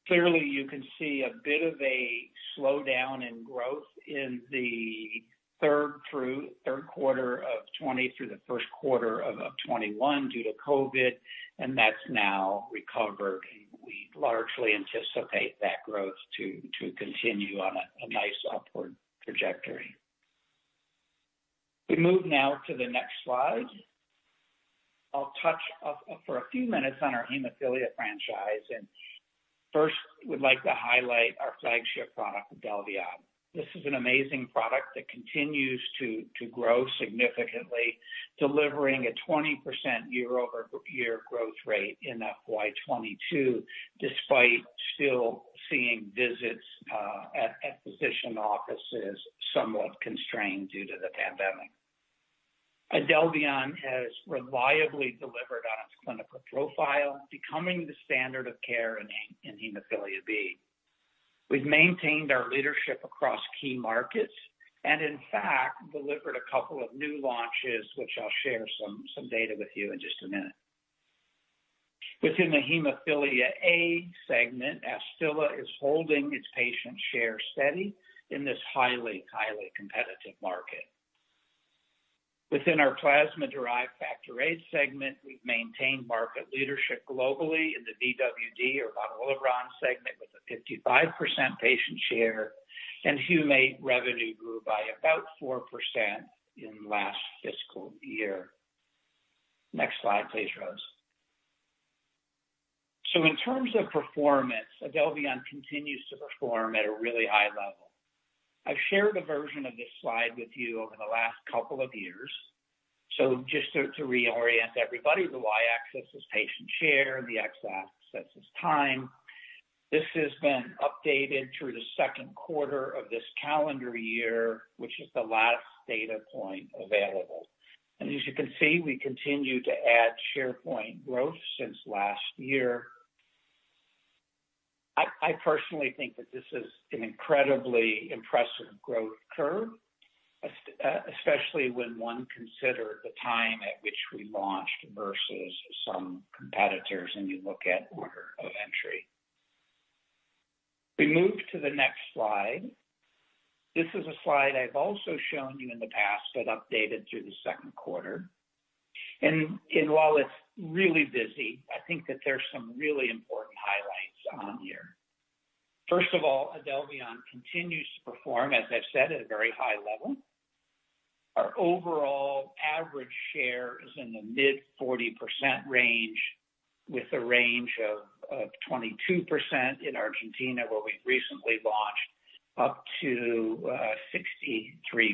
Clearly, you can see a bit of a slowdown in growth in the third quarter of 2020 through the first quarter of 2021 due to COVID, and that's now recovered, and we largely anticipate that growth to continue on a nice upward trajectory. We move now to the next slide. I'll touch for a few minutes on our hemophilia franchise, and first would like to highlight our flagship product, Idelvion. This is an amazing product that continues to grow significantly, delivering a 20% year-over-year growth rate in FY 2022, despite still seeing visits at physician offices somewhat constrained due to the pandemic. Idelvion has reliably delivered on its clinical profile, becoming the standard of care in hemophilia B. We've maintained our leadership across key markets and in fact delivered a couple of new launches which I'll share some data with you in just a minute. Within the hemophilia A segment, AFSTYLA is holding its patient share steady in this highly competitive market. Within our plasma-derived factor VIII segment, we've maintained market leadership globally in the VWD or von Willebrand segment with a 55% patient share, and Humate-P revenue grew by about 4% in last fiscal year. Next slide, please, Rose. In terms of performance, Idelvion continues to perform at a really high level. I've shared a version of this slide with you over the last couple of years. Just to reorient everybody, the Y-axis is patient share, the X-axis is time. This has been updated through the second quarter of this calendar year, which is the last data point available. As you can see, we continue to add share point growth since last year. I personally think that this is an incredibly impressive growth curve, especially when one considers the time at which we launched versus some competitors, and you look at order of entry. We move to the next slide. This is a slide I've also shown you in the past but updated through the second quarter. While it's really busy, I think that there's some really important highlights on here. First of all, Idelvion continues to perform, as I've said, at a very high level. Our overall average share is in the mid-40% range, with a range of 22% in Argentina, where we recently launched, up to 63.3%.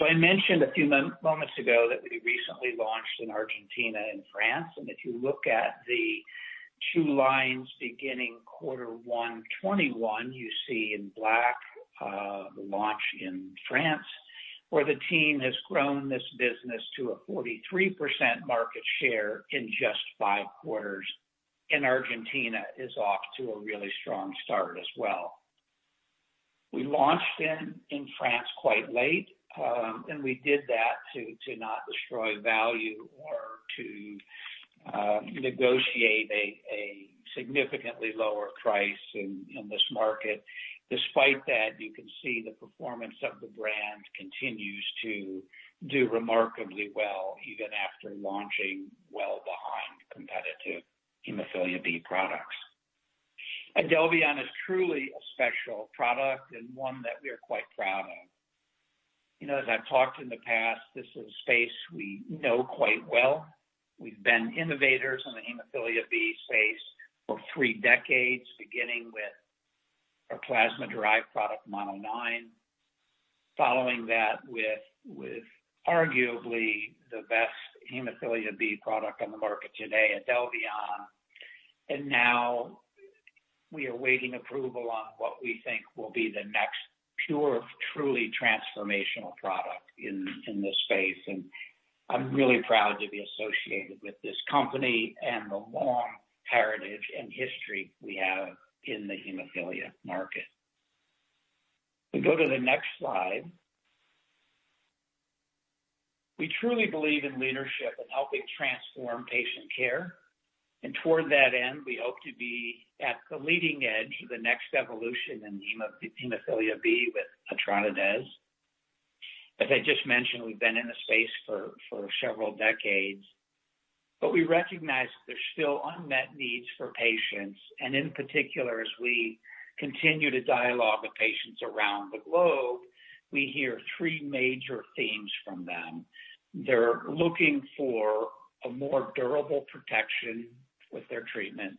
I mentioned a few moments ago that we recently launched in Argentina and France, and if you look at the two lines beginning Q1 2021, you see in black the launch in France, where the team has grown this business to a 43% market share in just 5 quarters. Argentina is off to a really strong start as well. We launched in France quite late, and we did that to not destroy value or to negotiate a significantly lower price in this market. Despite that, you can see the performance of the brand continues to do remarkably well even after launching well behind competitive hemophilia B products. Idelvion is truly a special product and one that we're quite proud of. You know, as I've talked in the past, this is a space we know quite well. We've been innovators in the hemophilia B space for three decades, beginning with our plasma-derived product, MONONINE. Following that with arguably the best hemophilia B product on the market today, Idelvion. Now we are awaiting approval on what we think will be the next pure, truly transformational product in this space. I'm really proud to be associated with this company and the long heritage and history we have in the hemophilia market. We go to the next slide. We truly believe in leadership and helping transform patient care. Toward that end, we hope to be at the leading edge of the next evolution in hemophilia B with etranacogene dezaparvovec. As I just mentioned, we've been in the space for several decades, but we recognize there's still unmet needs for patients. In particular, as we continue to dialogue with patients around the globe, we hear three major themes from them. They're looking for a more durable protection with their treatment.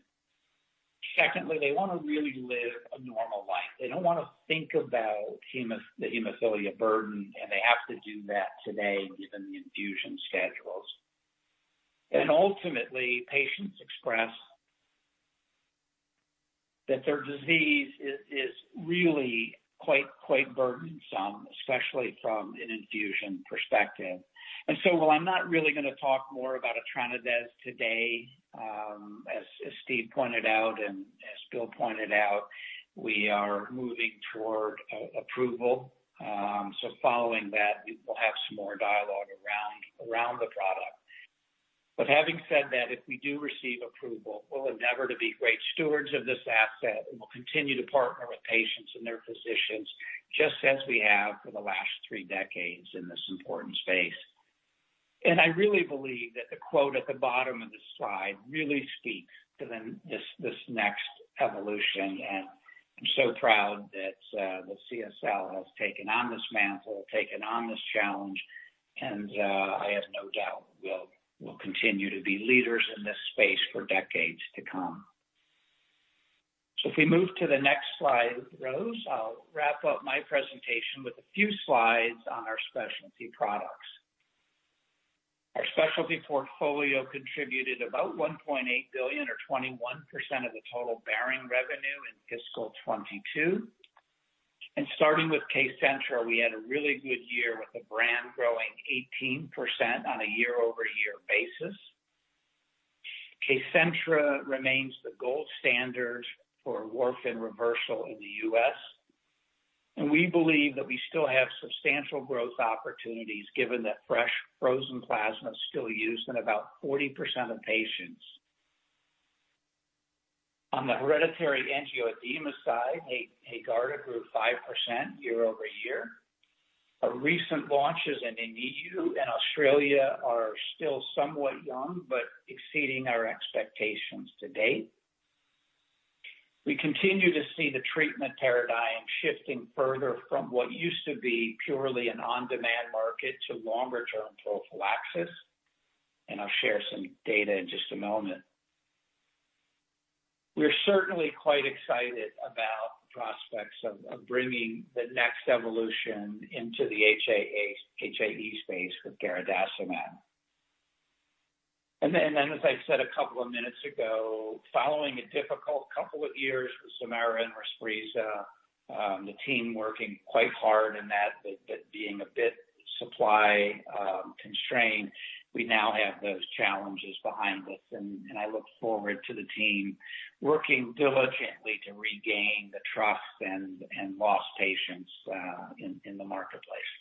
Secondly, they wanna really live a normal life. They don't wanna think about the hemophilia burden, and they have to do that today given the infusion schedules. Ultimately, patients express that their disease is really quite burdensome, especially from an infusion perspective. While I'm not really gonna talk more about etranacogene dezaparvovec today, as Steve pointed out and as Bill pointed out, we are moving toward approval. Following that, we will have some more dialogue around the product. Having said that, if we do receive approval, we'll endeavor to be great stewards of this asset, and we'll continue to partner with patients and their physicians, just as we have for the last three decades in this important space. I really believe that the quote at the bottom of the slide really speaks to this next evolution, and I'm so proud that CSL has taken on this mantle, taken on this challenge, and I have no doubt we'll continue to be leaders in this space for decades to come. If we move to the next slide, Rose, I'll wrap up my presentation with a few slides on our specialty products. Our specialty portfolio contributed about $1.8 billion or 21% of the total CSL Behring revenue in fiscal 2022. Starting with Kcentra, we had a really good year with the brand growing 18% on a year-over-year basis. Kcentra remains the gold standard for warfarin reversal in the U.S., and we believe that we still have substantial growth opportunities given that fresh frozen plasma is still used in about 40% of patients. On the hereditary angioedema side, Haegarda grew 5% year-over-year. Our recent launches in EU and Australia are still somewhat young, but exceeding our expectations to date. We continue to see the treatment paradigm shifting further from what used to be purely an on-demand market to longer-term prophylaxis, and I'll share some data in just a moment. We're certainly quite excited about the prospects of bringing the next evolution into the HAE space with garadacimab. As I said a couple of minutes ago, following a difficult couple of years with Zemaira/Respreeza, the team working quite hard in that being a bit supply constrained, we now have those challenges behind us, I look forward to the team working diligently to regain the trust and lost patients in the marketplace.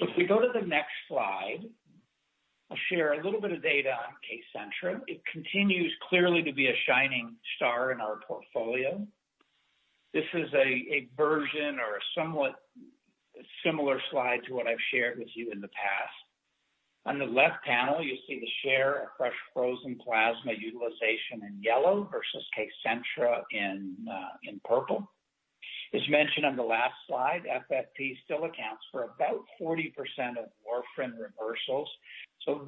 If we go to the next slide, I'll share a little bit of data on Kcentra. It continues clearly to be a shining star in our portfolio. This is a version or a somewhat similar slide to what I've shared with you in the past. On the left panel, you'll see the share of fresh frozen plasma utilization in yellow versus Kcentra in purple. As mentioned on the last slide, FFP still accounts for about 40% of warfarin reversals.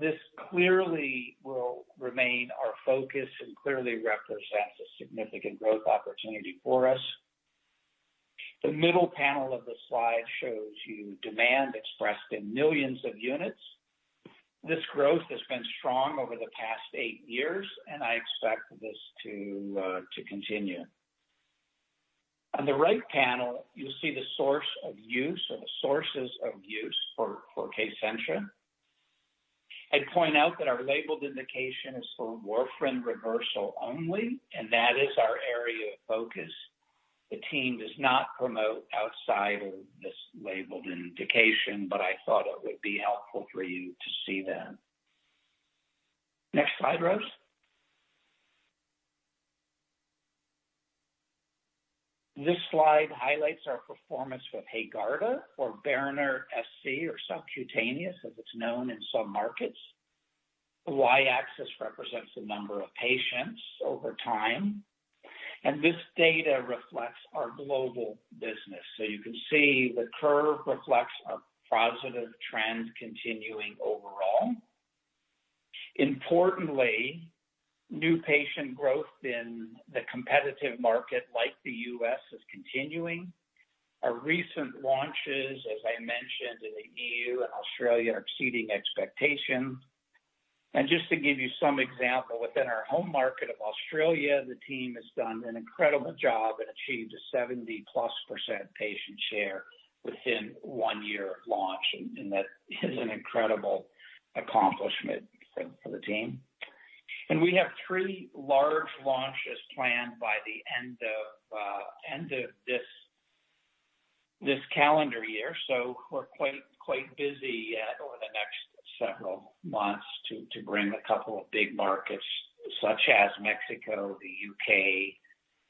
This clearly will remain our focus and clearly represents a significant growth opportunity for us. The middle panel of the slide shows you demand expressed in millions of units. This growth has been strong over the past 8 years, and I expect this to continue. On the right panel, you'll see the source of use or the sources of use for Kcentra. I'd point out that our labeled indication is for warfarin reversal only, and that is our area of focus. The team does not promote outside of this labeled indication, but I thought it would be helpful for you to see that. Next slide, Rose. This slide highlights our performance with Haegarda or Berinert SC or subcutaneous, as it's known in some markets. The Y-axis represents the number of patients over time, and this data reflects our global business. You can see the curve reflects a positive trend continuing overall. Importantly, new patient growth in the competitive market like the U.S. is continuing. Our recent launches, as I mentioned, in the EU and Australia are exceeding expectations. Just to give you some example, within our home market of Australia, the team has done an incredible job and achieved a 70%+ patient share within one year of launch. That is an incredible accomplishment for the team. We have three large launches planned by the end of this calendar year. We're quite busy over the next several months to bring a couple of big markets such as Mexico, the U.K.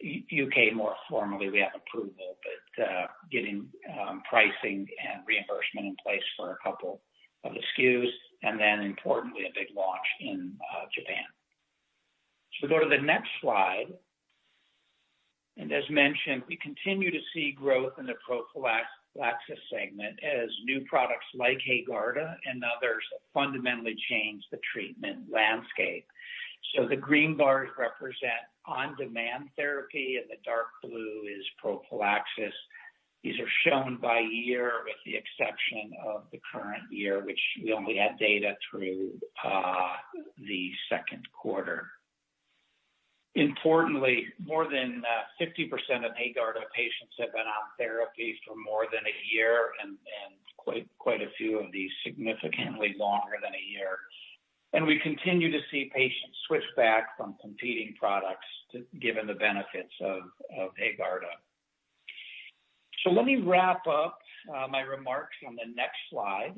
UK more formally, we have approval, but getting pricing and reimbursement in place for a couple of the SKUs, and then importantly, a big launch in Japan. Go to the next slide. As mentioned, we continue to see growth in the prophylaxis segment as new products like Haegarda and others fundamentally change the treatment landscape. The green bars represent on-demand therapy, and the dark blue is prophylaxis. These are shown by year with the exception of the current year, which we only have data through the second quarter. Importantly, more than 50% of Haegarda patients have been on therapies for more than a year and quite a few of these significantly longer than a year. We continue to see patients switch back from competing products to Haegarda given the benefits of Haegarda. Let me wrap up my remarks on the next slide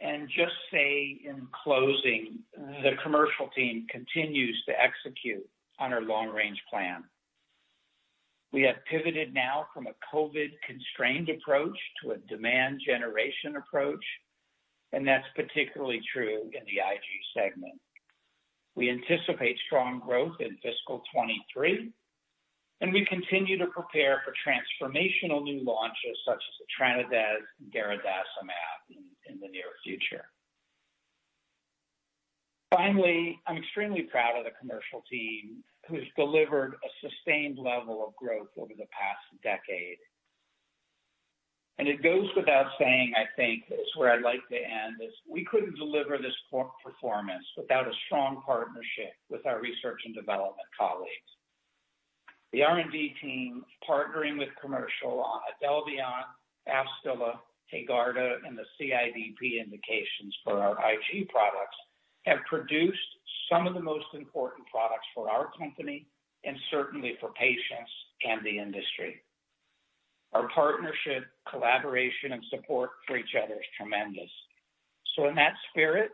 and just say in closing, the commercial team continues to execute on our long-range plan. We have pivoted now from a COVID-constrained approach to a demand generation approach, and that's particularly true in the IG segment. We anticipate strong growth in fiscal 2023, and we continue to prepare for transformational new launches such as etranacogene dezaparvovec and garadacimab in the near future. Finally, I'm extremely proud of the commercial team who's delivered a sustained level of growth over the past decade. It goes without saying, I think, this is where I'd like to end, is we couldn't deliver this performance without a strong partnership with our research and development colleagues. The R&D team, partnering with commercial on Idelvion, AFSTYLA, Haegarda, and the CIDP indications for our IG products, have produced some of the most important products for our company and certainly for patients and the industry. Our partnership, collaboration, and support for each other is tremendous. In that spirit,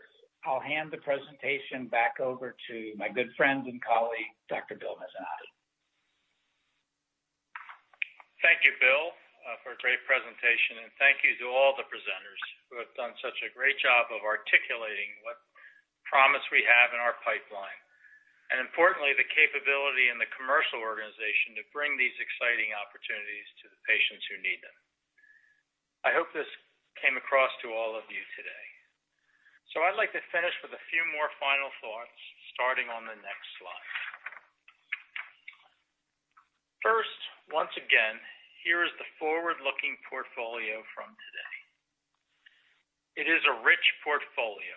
I'll hand the presentation back over to my good friend and colleague, Dr. Bill Mezzanotte. Thank you, Bill, for a great presentation, and thank you to all the presenters who have done such a great job of articulating what promise we have in our pipeline, and importantly, the capability in the commercial organization to bring these exciting opportunities to the patients who need them. I hope this came across to all of you today. I'd like to finish with a few more final thoughts, starting on the next slide. First, once again, here is the forward-looking portfolio from today. It is a rich portfolio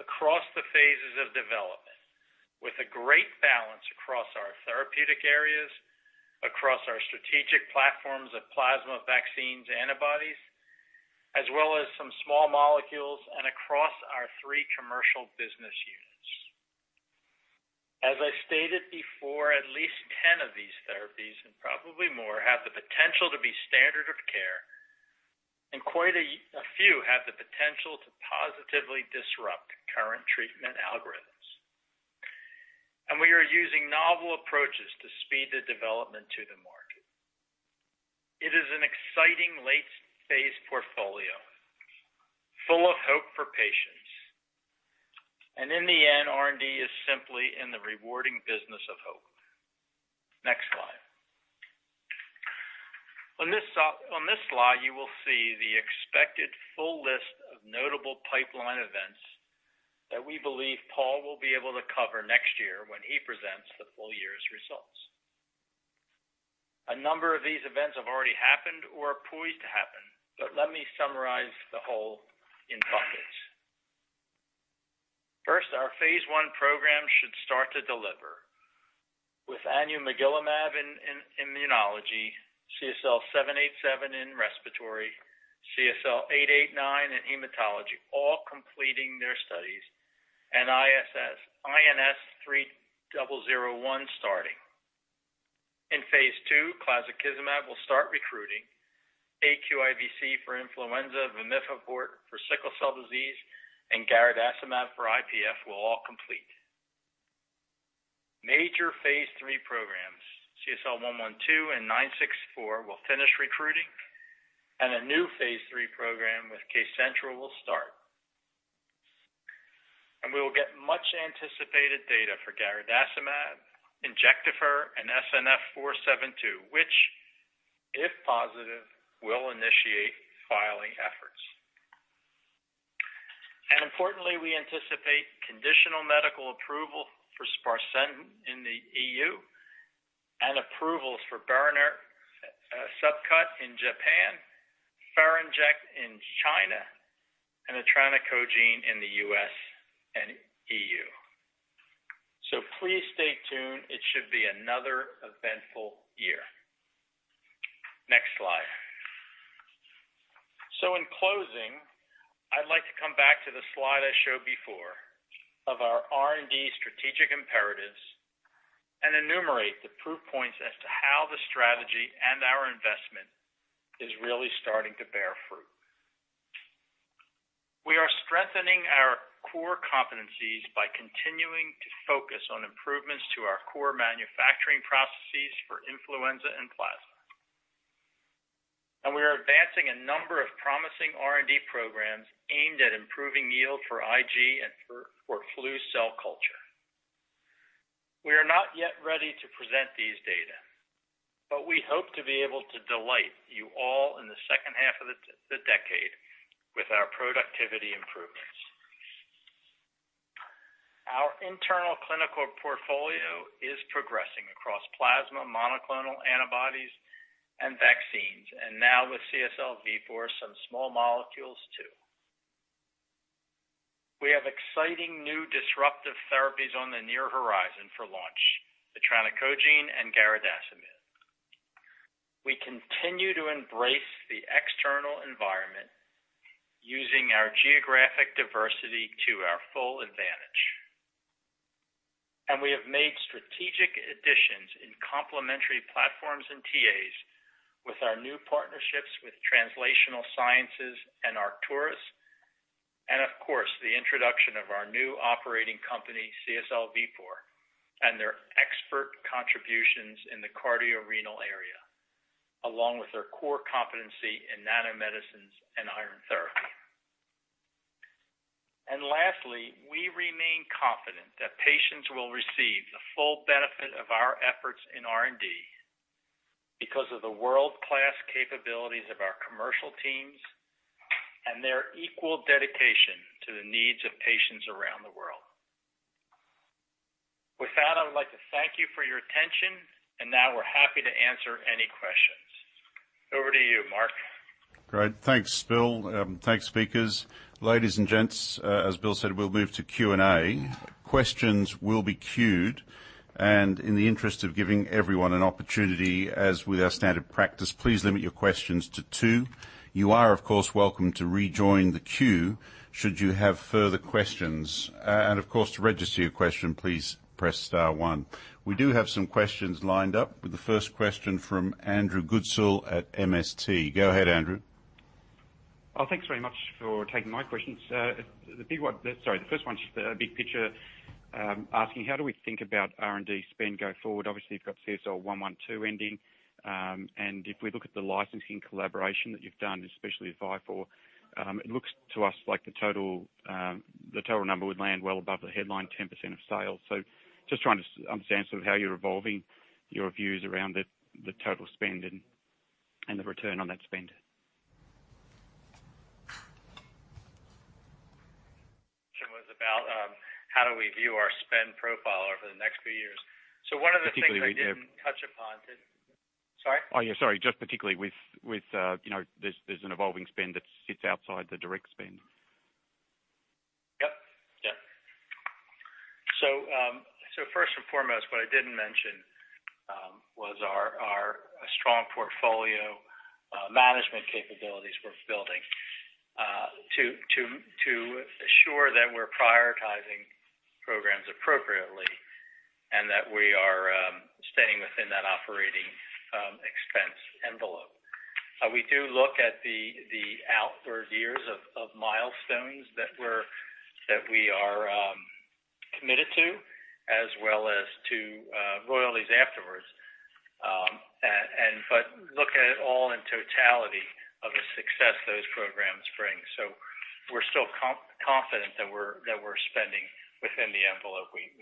across the phases of development, with a great balance across our therapeutic areas, across our strategic platforms of plasma, vaccines, antibodies, as well as some small molecules and across our three commercial business units. As I stated before, at least 10 of these therapies, and probably more, have the potential to be standard of care, and quite a few have the potential to positively disrupt current treatment algorithms. We're using novel approaches to speed the development to the market. It is an exciting late phase portfolio, full of hope for patients. In the end, R&D is simply in the rewarding business of hope. Next slide. On this slide, you will see the expected full list of notable pipeline events that we believe Paul will be able to cover next year when he presents the full year's results. A number of these events have already happened or are poised to happen, but let me summarize the whole in buckets. First, our phase 1 program should start to deliver with anumigalumab in immunology, CSL787 in respiratory, CSL889 in hematology, all completing their studies, and INS-3001 starting. In phase 2, clazakizumab will start recruiting. aQIVc for influenza, CSL200 for sickle cell disease, and garadacimab for IPF will all complete. Major phase 3 programs, CSL112 and CSL964 will finish recruiting, and a new phase 3 program with Kcentra will start. We will get much anticipated data for garadacimab, Ferinject, and SNF472, which, if positive, will initiate filing efforts. Importantly, we anticipate conditional medical approval for sparsentan in the EU and approvals for Berinert SC in Japan, Ferinject in China, and the etranacogene dezaparvovec in the US and EU. Please stay tuned. It should be another eventful year. Next slide. In closing, I'd like to come back to the slide I showed before of our R&D strategic imperatives and enumerate the proof points as to how the strategy and our investment is really starting to bear fruit. We are strengthening our core competencies by continuing to focus on improvements to our core manufacturing processes for influenza and plasma. We are advancing a number of promising R&D programs aimed at improving yield for IG and for flu cell culture. We are not yet ready to present these data, but we hope to be able to delight you all in the second half of the decade with our productivity improvements. Our internal clinical portfolio is progressing across plasma, monoclonal antibodies, and vaccines, and now with CSL Vifor, some small molecules too. We have exciting new disruptive therapies on the near horizon for launch, etranacogene and garadacimab. We continue to embrace the external environment using our geographic diversity to our full advantage. We have made strategic additions in complementary platforms and TAs with our new partnerships with Translational Sciences and Arcturus, and of course the introduction of our new operating company, CSL Vifor, and their expert contributions in the cardiorenal area, along with their core competency in nanomedicines and iron therapy. Lastly, we remain confident that patients will receive the full benefit of our efforts in R&D because of the world-class capabilities of our commercial teams and their equal dedication to the needs of patients around the world. With that, I would like to thank you for your attention, and now we're happy to answer any questions. Over to you, Mark. Great. Thanks, Bill. Thanks, speakers. Ladies and gents, as Bill said, we'll move to Q&A. Questions will be queued, and in the interest of giving everyone an opportunity, as with our standard practice, please limit your questions to two. You are of course welcome to rejoin the queue should you have further questions. And of course, to register your question, please press star one. We do have some questions lined up with the first question from Andrew Goodsall at MST. Go ahead, Andrew. Oh, thanks very much for taking my questions. Sorry, the first one's just a big picture, asking how do we think about R&D spend going forward? Obviously, you've got CSL112 ending. And if we look at the licensing collaboration that you've done, especially with Vifor, it looks to us like the total number would land well above the headline 10% of sales. Just trying to understand sort of how you're evolving your views around the total spend and the return on that spend. how do we view our spend profile over the next few years. One of the things- Particularly we- Sorry? Oh, yeah, sorry. Just particularly with you know, there's an evolving spend that sits outside the direct spend. First and foremost, what I didn't mention was our strong portfolio management capabilities we're building to assure that we're prioritizing programs appropriately and that we are. Expense envelope. We do look at the outward years of milestones that we are committed to, as well as to royalties afterwards. Look at it all in totality of the success those programs bring. We're still confident that we're spending within the envelope we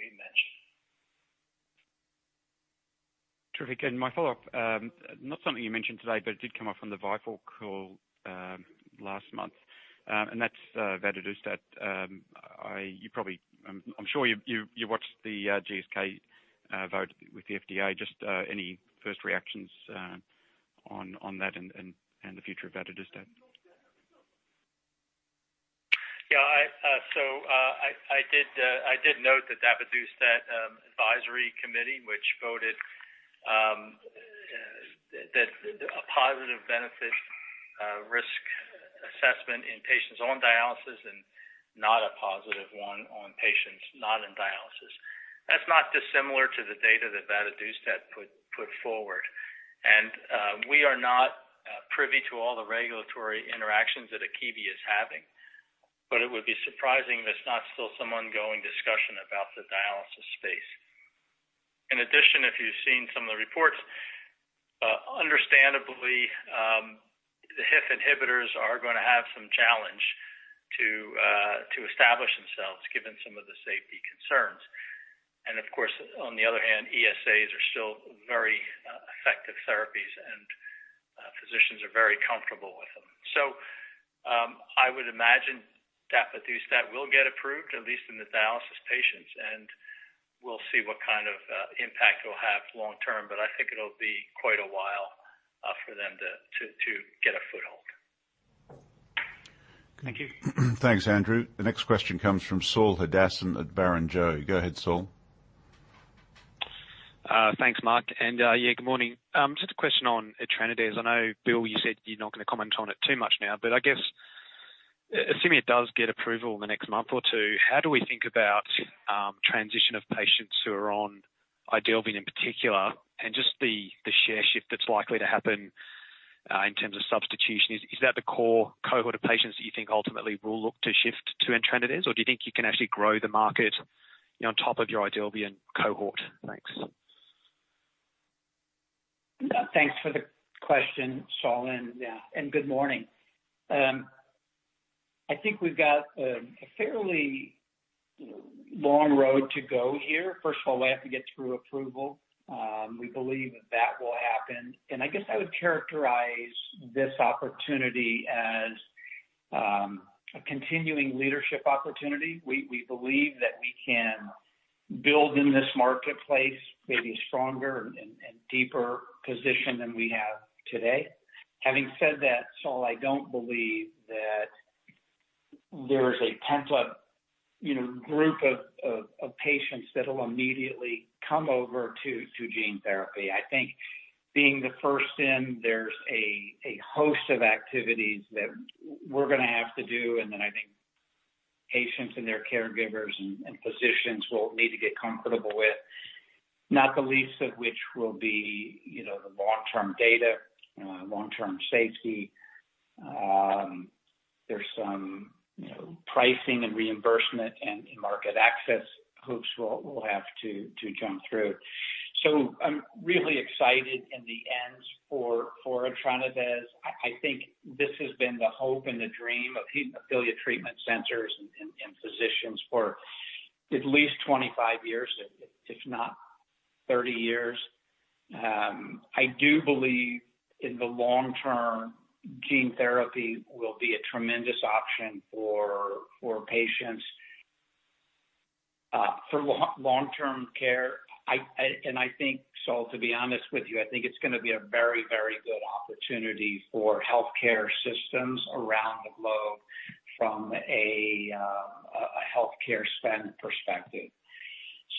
mentioned. Terrific. My follow-up, not something you mentioned today, but it did come up from the call last month. That's vadadustat. You probably, I'm sure you've watched the GSK vote with the FDA. Just any first reactions on that and the future of vadadustat? I did note that vadadustat advisory committee, which voted that a positive benefit-risk assessment in patients on dialysis and not a positive one on patients not in dialysis. That's not dissimilar to the data that vadadustat put forward. We are not privy to all the regulatory interactions that Akebia is having, but it would be surprising there's not still some ongoing discussion about the dialysis space. In addition, if you've seen some of the reports, understandably, the HIF inhibitors are gonna have some challenge to establish themselves given some of the safety concerns. Of course, on the other hand, ESAs are still very effective therapies and physicians are very comfortable with them. I would imagine vadadustat will get approved, at least in the dialysis patients, and we'll see what kind of impact it'll have long term. I think it'll be quite a while for them to get a foothold. Thank you. Thanks, Andrew. The next question comes from Saul Hadassin at Barrenjoey. Go ahead, Saul. Thanks, Mark. Yeah, good morning. Just a question on etranacogene. I know, Bill, you said you're not gonna comment on it too much now, but I guess assuming it does get approval in the next month or two, how do we think about transition of patients who are on Idelvion in particular and just the share shift that's likely to happen in terms of substitution? Is that the core cohort of patients that you think ultimately will look to shift to etranacogene? Or do you think you can actually grow the market, you know, on top of your Idelvion cohort? Thanks. Thanks for the question, Saul, yeah, good morning. I think we've got a fairly, you know, long road to go here. First of all, we have to get through approval. We believe that that will happen. I guess I would characterize this opportunity as a continuing leadership opportunity. We believe that we can build in this marketplace maybe stronger and deeper position than we have today. Having said that, Saul, I don't believe that there is a ton of, you know, group of patients that'll immediately come over to gene therapy. I think being the first in, there's a host of activities that we're gonna have to do, and then I think patients and their caregivers and physicians will need to get comfortable with, not the least of which will be, you know, the long-term data, long-term safety. There's some, you know, pricing and reimbursement and market access hoops we'll have to jump through. I'm really excited in the end for etranacogene dezaparvovec. I think this has been the hope and the dream of hemophilia treatment centers and physicians for at least 25 years, if not 30 years. I do believe in the long term, gene therapy will be a tremendous option for patients, for long-term care. I think, Saul, to be honest with you, I think it's gonna be a very, very good opportunity for healthcare systems around the globe from a healthcare spend perspective.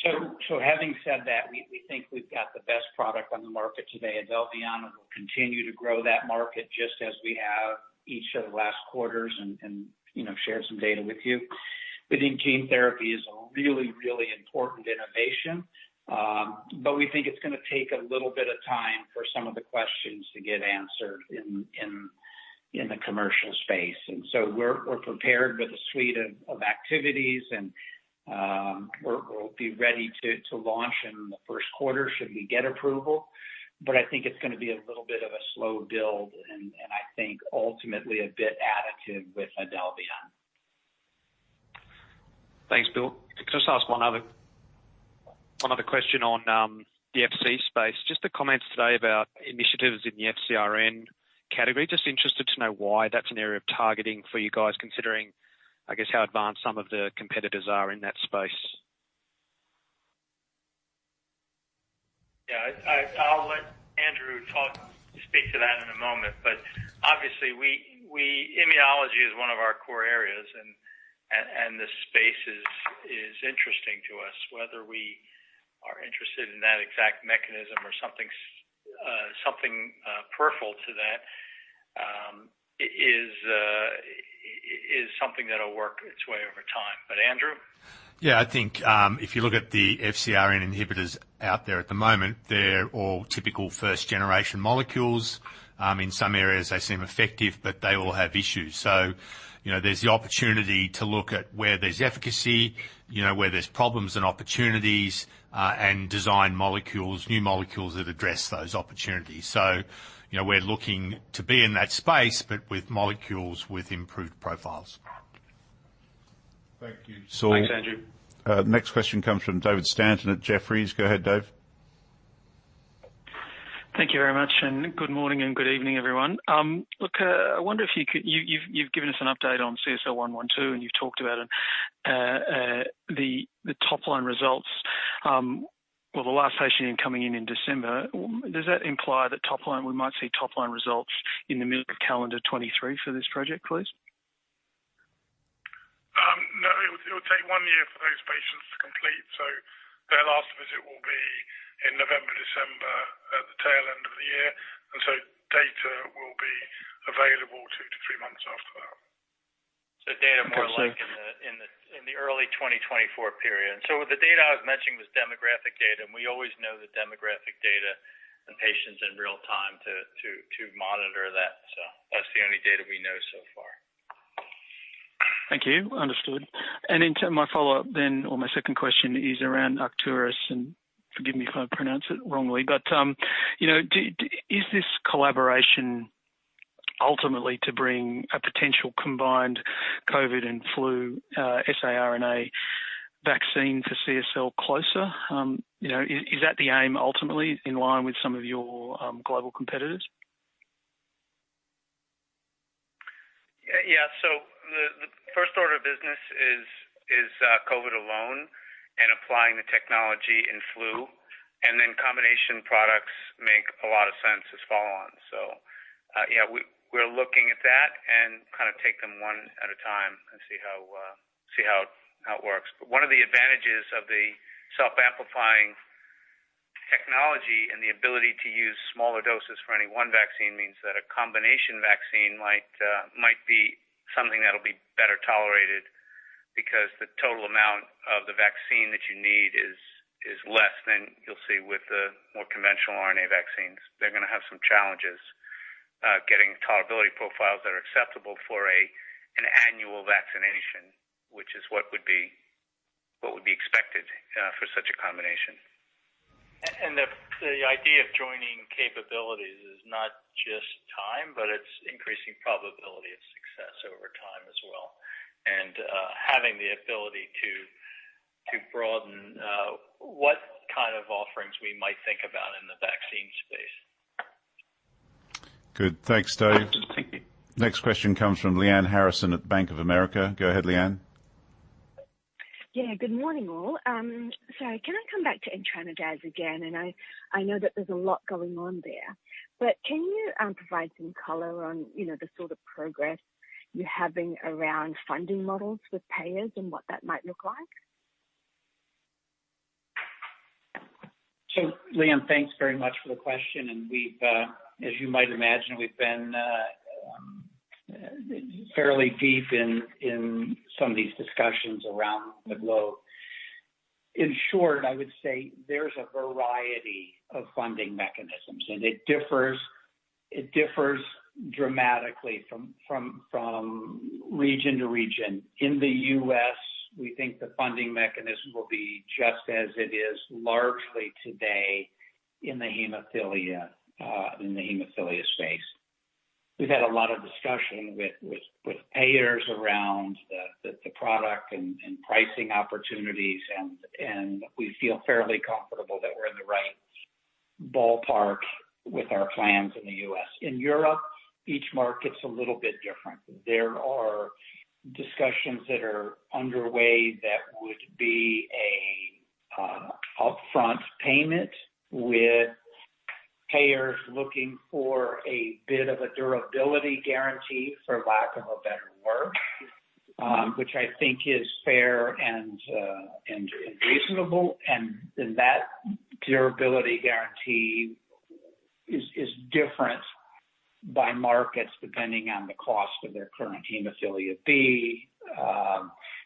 Having said that, we think we've got the best product on the market today, Idelvion, and we'll continue to grow that market just as we have each of the last quarters and, you know, share some data with you. We think gene therapy is a really, really important innovation, but we think it's gonna take a little bit of time for some of the questions to get answered in the commercial space. We're prepared with a suite of activities and we'll be ready to launch in the first quarter should we get approval. I think it's gonna be a little bit of a slow build and I think ultimately a bit additive with Idelvion. Thanks, Bill. Can I just ask one other question on the Fc space? Just the comments today about initiatives in the FcRn category. Just interested to know why that's an area of targeting for you guys, considering, I guess, how advanced some of the competitors are in that space. Yeah. I'll let Andrew speak to that in a moment. Obviously, Immunology is one of our core areas and the space is interesting to us, whether we are interested in that exact mechanism or something peripheral to that. It is something that'll work its way over time. Andrew? Yeah, I think, if you look at the FcRn inhibitors out there at the moment, they're all typical first generation molecules. In some areas they seem effective, but they all have issues. You know, there's the opportunity to look at where there's efficacy, you know, where there's problems and opportunities, and design molecules, new molecules that address those opportunities. You know, we're looking to be in that space, but with molecules with improved profiles. Thank you. Thanks, Andrew. Next question comes from David Stanton at Jefferies. Go ahead, Dave. Thank you very much, and good morning and good evening, everyone. I wonder if you could. You've given us an update on CSL112, and you've talked about the top line results or the last patient coming in in December. Does that imply that we might see top line results in the middle of calendar 2023 for this project, please? No, it would take one year for those patients to complete, so their last visit will be in November, December, the tail end of the year. Data will be available two to three months after that. So data- Yes, sir. More like in the early 2024 period. The data I was mentioning was demographic data, and we always know the demographic data and patients in real time to monitor that. That's the only data we know so far. Thank you. Understood. Into my follow-up then, or my second question is around Arcturus, and forgive me if I pronounce it wrongly, but you know, is this collaboration ultimately to bring a potential combined COVID and flu saRNA vaccine for CSL closer? You know, is that the aim ultimately in line with some of your global competitors? The first order of business is COVID alone and applying the technology in flu, and then combination products make a lot of sense as follow on. We're looking at that and kinda take them one at a time and see how it works. But one of the advantages of the self-amplifying technology and the ability to use smaller doses for any one vaccine means that a combination vaccine might be something that'll be better tolerated because the total amount of the vaccine that you need is less than you'll see with the more conventional RNA vaccines. They're gonna have some challenges getting tolerability profiles that are acceptable for an annual vaccination, which is what would be expected for such a combination. The idea of joining capabilities is not just time, but it's increasing probability of success over time as well. Having the ability to broaden what kind of offerings we might think about in the vaccine space. Good. Thanks, Dave. Thank you. Next question comes from Lyanne Harrison at Bank of America. Go ahead, Lyanne. Yeah, good morning, all. Can I come back to etranacogene dezaparvovec again? I know that there's a lot going on there, but can you provide some color on, you know, the sort of progress you're having around funding models with payers and what that might look like? Lyanne, thanks very much for the question. As you might imagine, we've been fairly deep in some of these discussions around the globe. In short, I would say there's a variety of funding mechanisms, and it differs dramatically from region to region. In the U.S., we think the funding mechanism will be just as it is largely today in the hemophilia space. We've had a lot of discussion with payers around the product and pricing opportunities, and we feel fairly comfortable that we're in the right ballpark with our plans in the U.S. In Europe, each market's a little bit different. There are discussions that are underway that would be an upfront payment with payers looking for a bit of a durability guarantee, for lack of a better word, which I think is fair and reasonable. Then that durability guarantee is different by markets depending on the cost of their current hemophilia B,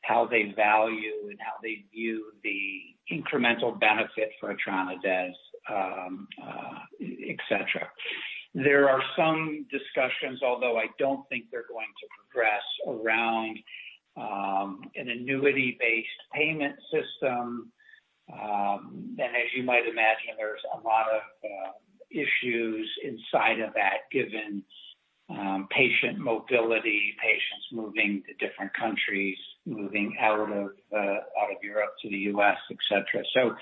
how they value and how they view the incremental benefit for etranacogene dezaparvovec, et cetera. There are some discussions, although I don't think they're going to progress around an annuity-based payment system. And as you might imagine, there's a lot of issues inside of that given patient mobility, patients moving to different countries, moving out of Europe to the U.S., et cetera.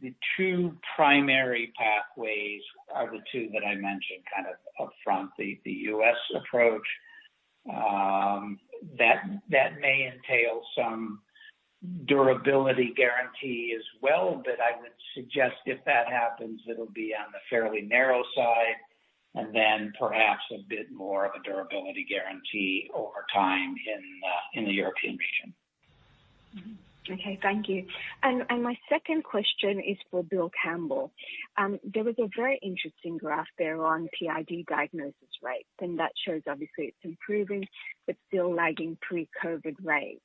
The two primary pathways are the two that I mentioned kind of upfront. The U.S. Approach that may entail some durability guarantee as well, but I would suggest if that happens, it'll be on the fairly narrow side and then perhaps a bit more of a durability guarantee over time in the European region. Okay, thank you. My second question is for Bill Campbell. There was a very interesting graph there on PID diagnosis rates, and that shows obviously it's improving but still lagging pre-COVID rates.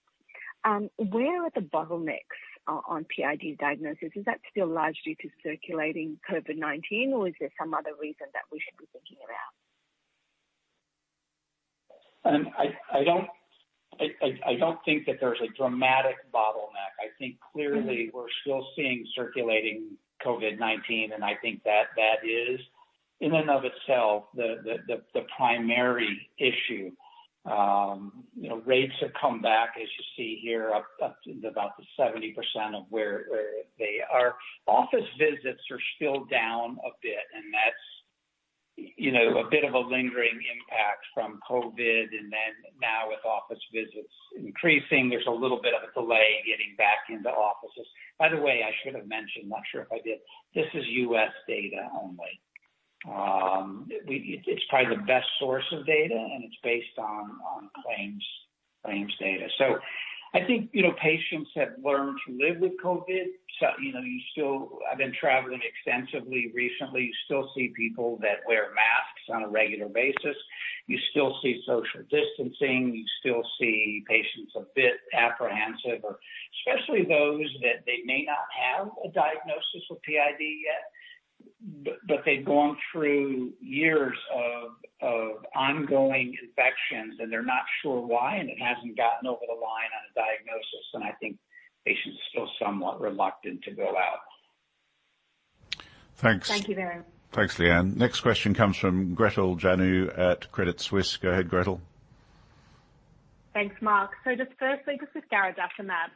Where are the bottlenecks on PID diagnosis? Is that still largely due to circulating COVID-19, or is there some other reason that we should be thinking about? I don't think that there's a dramatic bottleneck. I think clearly we're still seeing circulating COVID-19, and I think that that is, in and of itself, the primary issue. You know, rates have come back, as you see here, up to about the 70% of where they are. Office visits are still down a bit, and that's, you know, a bit of a lingering impact from COVID. Now with office visits increasing, there's a little bit of a delay in getting back into offices. By the way, I should have mentioned, not sure if I did, this is U.S. data only. It's probably the best source of data, and it's based on claims data. I think, you know, patients have learned to live with COVID. You know, you still... I've been traveling extensively recently. You still see people that wear masks on a regular basis. You still see social distancing. You still see patients a bit apprehensive, or especially those that they may not have a diagnosis with PID yet, but they've gone through years of ongoing infections, and they're not sure why, and it hasn't gotten over the line on a diagnosis. I think patients are still somewhat reluctant to go out. Thanks. Thank you very much. Thanks, Lyanne. Next question comes from Gretel Janu at Credit Suisse. Go ahead, Gretel. Thanks, Mark. Just firstly, just with garadacimab.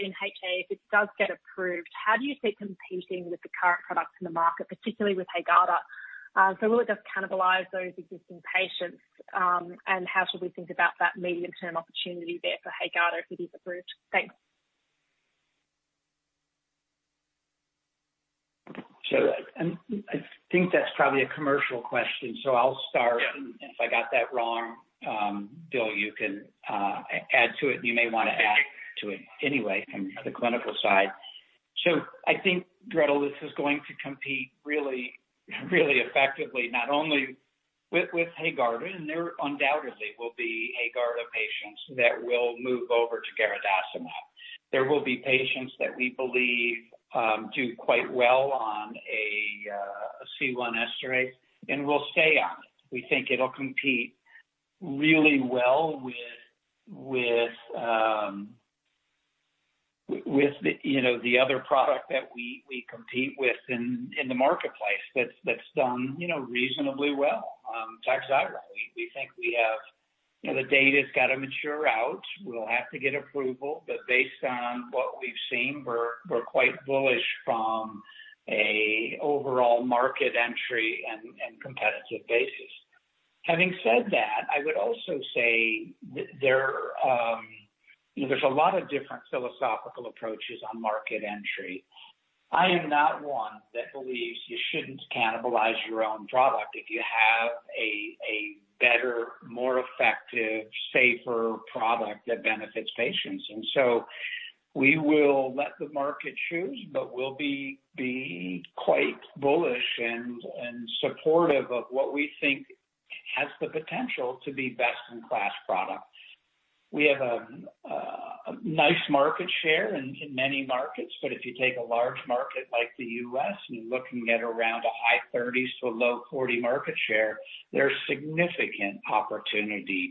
In HA, if it does get approved, how do you see it competing with the current products in the market, particularly with Haegarda? Will it just cannibalize those existing patients, and how should we think about that medium-term opportunity there for Haegarda if it is approved? Thanks. I think that's probably a commercial question, so I'll start. If I got that wrong, Bill, you can add to it. You may wanna add to it anyway from the clinical side. I think, Gretel, this is going to compete really, really effectively, not only with Haegarda, and there undoubtedly will be Haegarda patients that will move over to garadacimab. There will be patients that we believe do quite well on a C1 esterase inhibitor and will stay on it. We think it'll compete really well with, you know, the other product that we compete with in the marketplace that's done, you know, reasonably well, Takhzyro. We think we have. You know, the data's gotta mature out. We'll have to get approval, but based on what we've seen, we're quite bullish from an overall market entry and competitive basis. Having said that, I would also say there are a lot of different philosophical approaches on market entry. I am not one that believes you shouldn't cannibalize your own product if you have a better, more effective, safer product that benefits patients. We will let the market choose, but we'll be quite bullish and supportive of what we think has the potential to be best-in-class products. We have a nice market share in many markets, but if you take a large market like the U.S. and you're looking at around a high 30s% to a low 40s% market share, there's significant opportunity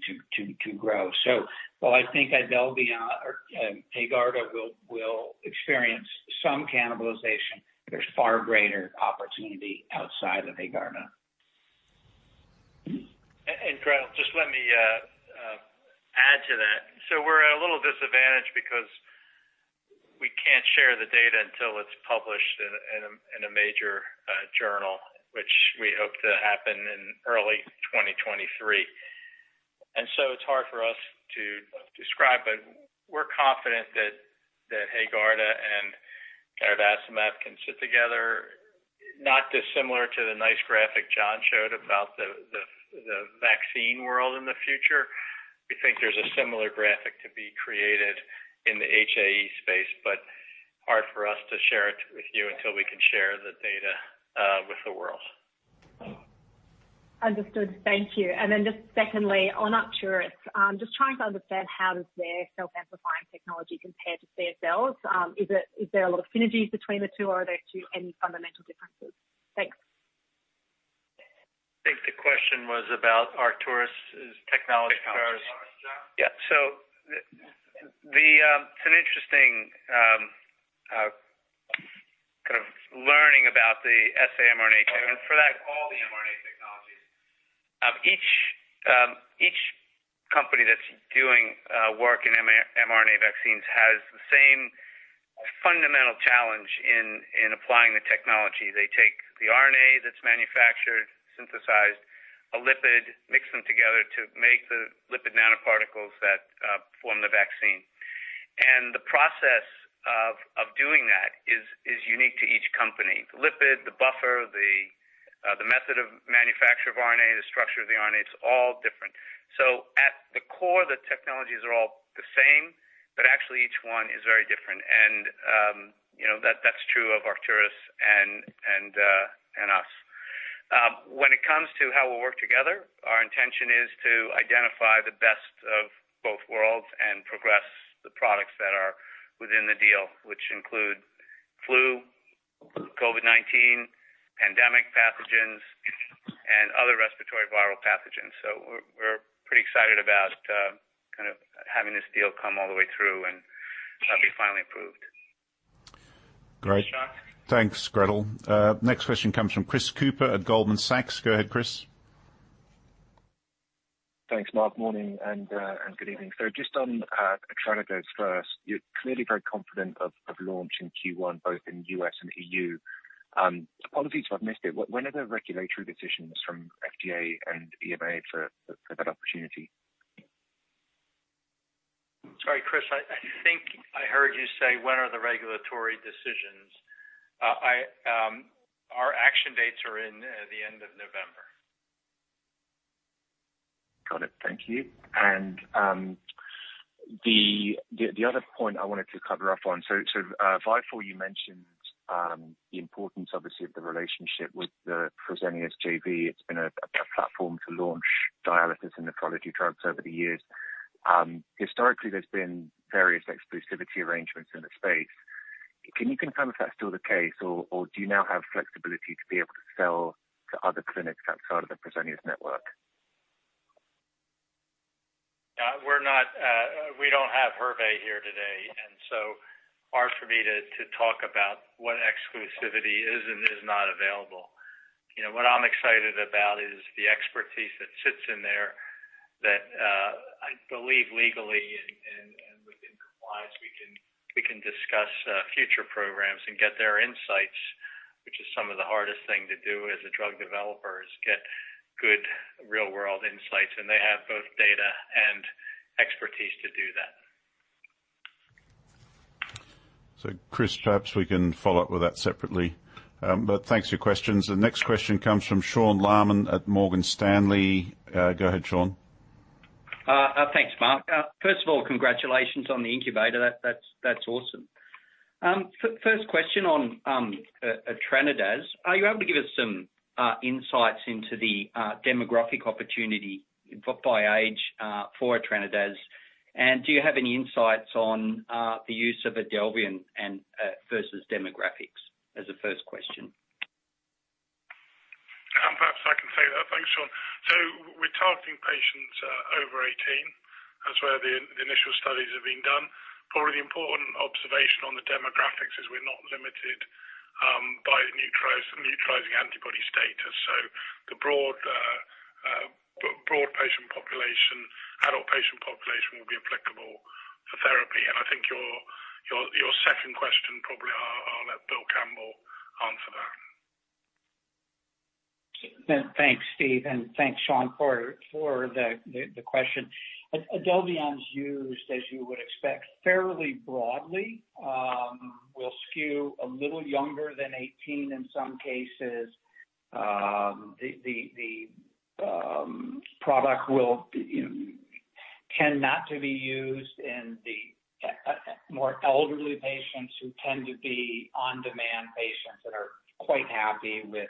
to grow. While I think Idelvion and Haegarda will experience some cannibalization, there's far greater opportunity outside of Haegarda. Gretel, just let me add to that. We're at a little disadvantage because we can't share the data until it's published in a major journal, which we hope to happen in early 2023. It's hard for us to describe, but we're confident that Haegarda and garadacimab can sit together, not dissimilar to the nice graphic John showed about the vaccine world in the future. We think there's a similar graphic to be created in the HAE space, but hard for us to share it with you until we can share the data with the world. Understood. Thank you. Just secondly, on Arcturus, just trying to understand how does their self-amplifying technology compare to CSL's? Is there a lot of synergies between the two, or are there too many fundamental differences? Thanks. I think the question was about Arcturus Therapeutics' technology. It's an interesting kind of learning about the saRNA technology. For that, all the mRNA technologies. Each company that's doing work in mRNA vaccines has the same fundamental challenge in applying the technology. They take the RNA that's manufactured, synthesized, a lipid, mix them together to make the lipid nanoparticles that form the vaccine. The process of doing that is unique to each company. The lipid, the buffer, the method of manufacture of RNA, the structure of the RNA, it's all different. At the core, the technologies are all the same, but actually each one is very different. You know, that's true of Arcturus and us. When it comes to how we'll work together, our intention is to identify the best of both worlds and progress the products that are within the deal, which include flu, COVID-19, pandemic pathogens, and other respiratory viral pathogens. We're pretty excited about kind of having this deal come all the way through and have it finally approved. Great. Thanks, Gretel. Next question comes from Chris Cooper at Goldman Sachs. Go ahead, Chris. Thanks, Mark. Morning and good evening. Just on EXTRADOS first, you're clearly very confident of launch in Q1, both in U.S. and E.U. Apologies if I've missed it. When are the regulatory decisions from FDA and EMA for that opportunity? Sorry, Chris, I think I heard you say, when are the regulatory decisions? Our action dates are in the end of November. Got it. Thank you. The other point I wanted to cover up on, Vifor, you mentioned the importance obviously of the relationship with the Fresenius JV. It's been a platform to launch dialysis and nephrology drugs over the years. Historically, there's been various exclusivity arrangements in the space. Can you confirm if that's still the case or do you now have flexibility to be able to sell to other clinics outside of the Fresenius network? We're not, we don't have Hervé here today, and it's so hard for me to talk about what exclusivity is and is not available. You know, what I'm excited about is the expertise that sits in there that I believe legally and within compliance, we can discuss future programs and get their insights, which is some of the hardest thing to do as a drug developer, is get good real world insights, and they have both data and expertise to do that. Chris, perhaps we can follow up with that separately. But thanks for your questions. The next question comes from Sean Laaman at Morgan Stanley. Go ahead, Sean. Thanks, Mark. First of all, congratulations on the incubator. That's awesome. First question on TRINIDAD. Are you able to give us some insights into the demographic opportunity by age for TRINIDAD? And do you have any insights on the use of Idelvion and versus demographics? As a first question. Perhaps I can take that. Thanks, Sean. We're targeting patients over 18. That's where the initial studies are being done. Probably the important observation on the demographics is we're not limited by neutralizing antibody status. The broad patient population, adult patient population will be applicable for therapy. I think your second question, probably I'll let Bill Campbell answer that. Thanks, Steve, and thanks, Sean, for the question. Idelvion's used, as you would expect, fairly broadly, will skew a little younger than 18 in some cases. The product will, you know, cannot be used in the more elderly patients who tend to be on-demand patients that are quite happy with,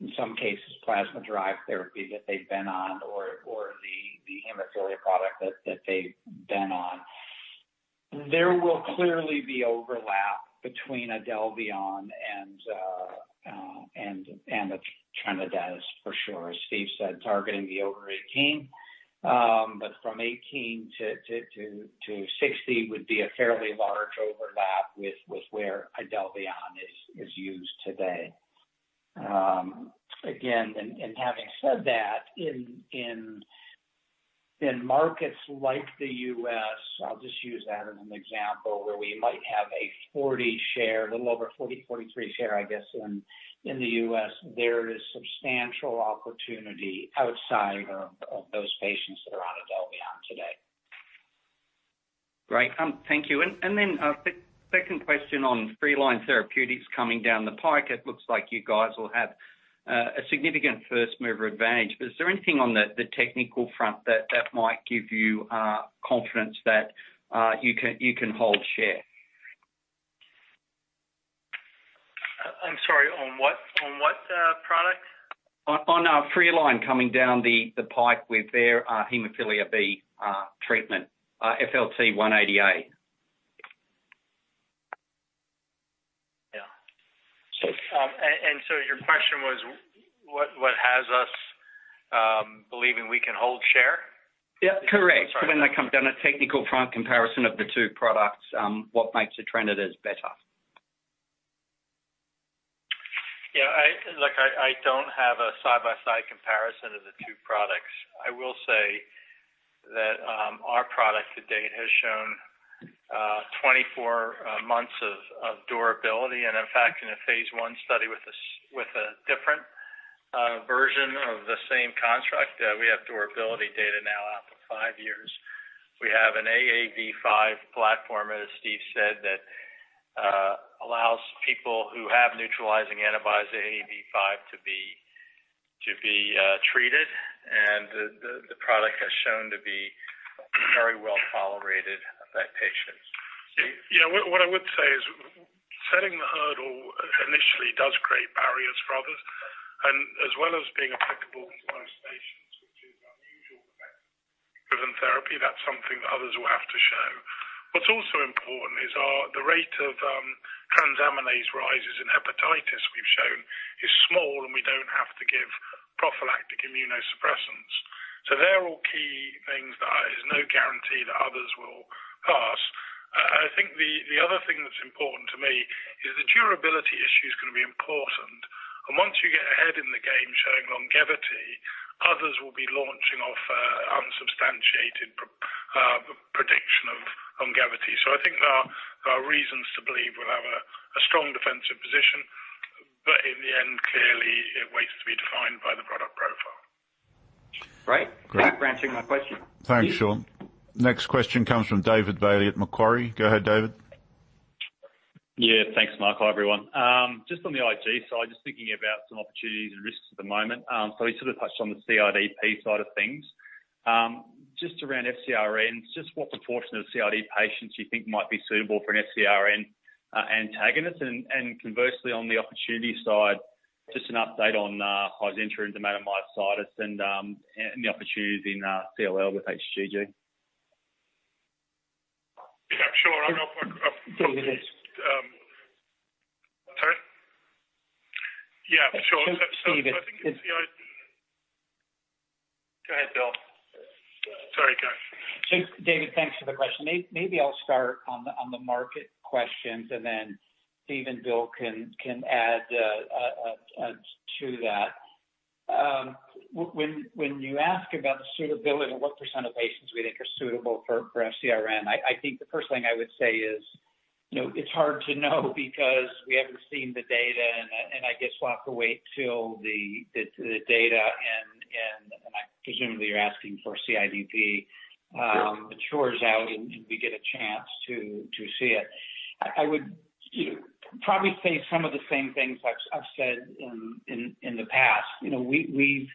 in some cases, plasma-derived therapy that they've been on or the hemophilia product that they've been on. There will clearly be overlap between Idelvion and etranacogene dezaparvovec for sure, as Steve said, targeting the over 18. From 18 to 60 would be a fairly large overlap with where Idelvion is used today. Having said that, in markets like the U.S., I'll just use that as an example where we might have a 40% share, a little over 40, 43% share, I guess, in the U.S., there is substantial opportunity outside of those patients that are on Idelvion today. Great. Thank you. Second question on Freeline Therapeutics coming down the pike, it looks like you guys will have a significant first mover advantage. Is there anything on the technical front that might give you confidence that you can hold share? I'm sorry, on what product? On Freeline coming down the pike with their hemophilia B treatment, FLT180a. Your question was what has us believing we can hold share? Yeah, correct. I'm sorry. When it comes down to technical front comparison of the two products, what makes TRINIDAD better? Yeah, Look, I don't have a side-by-side comparison of the two products. I will say that our product to date has shown 24 months of durability. In fact, in a phase one study with a different version of the same construct, we have durability data now out to 5 years. We have an AAV5 platform, as Steve said, that allows people who have neutralizing antibody AAV5 to be treated. The product has shown to be very well tolerated by patients. Yeah. What I would say is setting the hurdle initially does create barriers for others and as well as being applicable in most patients, which is unusual effect-driven therapy. That's something that others will have to show. What's also important is the rate of transaminase rises in hepatic we've shown is small, and we don't have to give prophylactic immunosuppressants. So they're all key things that is no guarantee that others will pass. I think the other thing that's important to me is the durability issue is gonna be important. Once you get ahead in the game showing longevity, others will be launching off unsubstantiated prediction of longevity. So I think there are reasons to believe we'll have a strong defensive position, but in the end, clearly it waits to be defined by the product profile. Right. Great. Thanks for answering my question. Thanks, Sean. Next question comes from David Bailey at Macquarie. Go ahead, David. Yeah, thanks, Mark. Hi, everyone. Just on the IG side, just thinking about some opportunities and risks at the moment. We sort of touched on the CIDP side of things. Just around FcRns, just what proportion of CIDP patients do you think might be suitable for an FcRn antagonist? Conversely, on the opportunity side, just an update on Hizentra and neuromyelitis optica and the opportunities in CLL with hypogammaglobulinemia. Yeah, sure. I'm sorry. Yeah, sure. Go ahead, Bill. Sorry, go ahead. David, thanks for the question. Maybe I'll start on the market questions, and then Steve and Bill can add to that. When you ask about the suitability and what % of patients we think are suitable for FcRn, I think the first thing I would say is, you know, it's hard to know because we haven't seen the data, and I guess we'll have to wait till the data, and I presumably you're asking for CIDP. Sure. matures out and we get a chance to see it. I would, you know, probably say some of the same things I've said in the past. You know, we've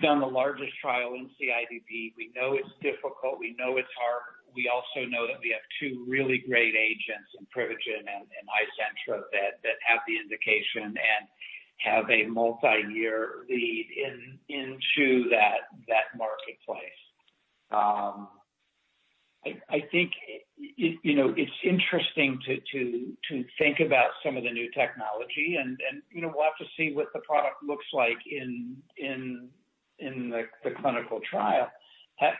done the largest trial in CIDP. We know it's difficult. We know it's hard. We also know that we have two really great agents in Privigen and Hizentra that have the indication and have a multi-year lead into that marketplace. I think it, you know, it's interesting to think about some of the new technology and, you know, we'll have to see what the product looks like in the clinical trial.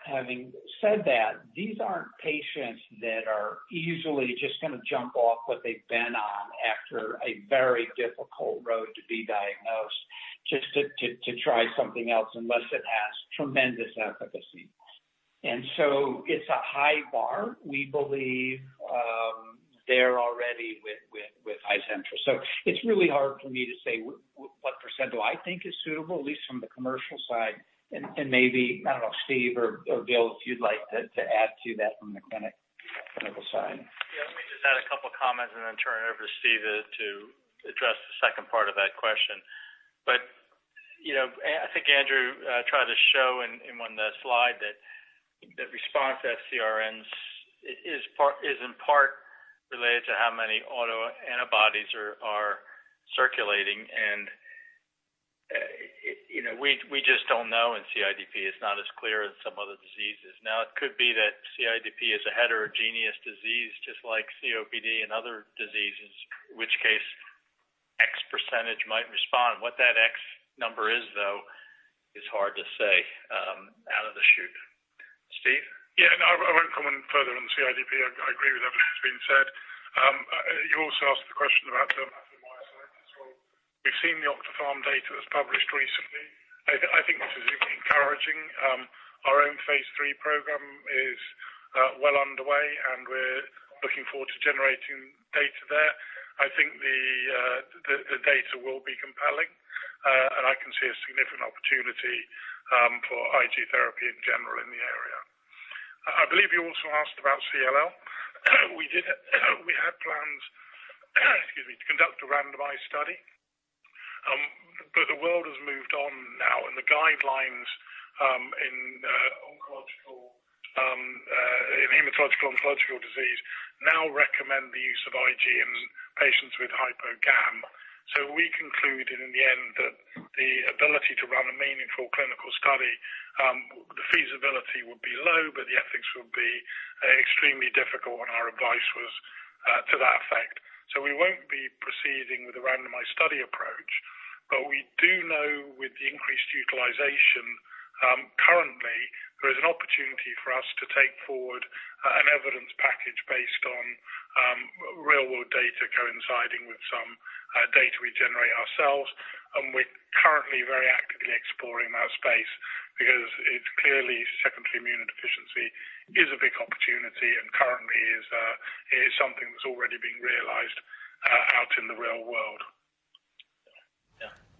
Having said that, these aren't patients that are easily just gonna jump off what they've been on after a very difficult road to be diagnosed, just to try something else unless it has tremendous efficacy. It's a high bar. We believe they're already with Hizentra. It's really hard for me to say what percentile I think is suitable, at least from the commercial side. Maybe, I don't know, Steve or Bill, if you'd like to add to that from the clinical side. Yeah. Let me just add a couple comments and then turn it over to Steve to address the second part of that question. You know, I think Andrew tried to show in one of the slides that the response to FcRNs is in part related to how many autoantibodies are circulating. You know, we just don't know in CIDP. It's not as clear as some other diseases. It could be that CIDP is a heterogeneous disease just like COPD and other diseases, in which case X percentage might respond. What that X number is, though, is hard to say out of the chute. Steve? Yeah. No, I won't comment further on CIDP. I agree with everything that's been said. You also asked the question about. We've seen the Octapharma data that was published recently. I think this is encouraging. Our own phase 3 program is well underway, and we're looking forward to generating data there. I think the data will be compelling, and I can see a significant opportunity for IG therapy in general in the area. I believe you also asked about CLL. We had plans, excuse me, to conduct a randomized study. The world has moved on now, and the guidelines in hematological oncology now recommend the use of IG in patients with hypogammaglobulinemia. We concluded in the end that the ability to run a meaningful clinical study, the feasibility would be low, but the ethics would be extremely difficult, and our advice was to that effect. We won't be proceeding with a randomized study approach, but we do know with the increased utilization, currently, there is an opportunity for us to take forward an evidence package based on real world data coinciding with some data we generate ourselves. We're currently very actively exploring that space because it's clearly secondary immunodeficiency is a big opportunity and currently is something that's already being realized out in the real world.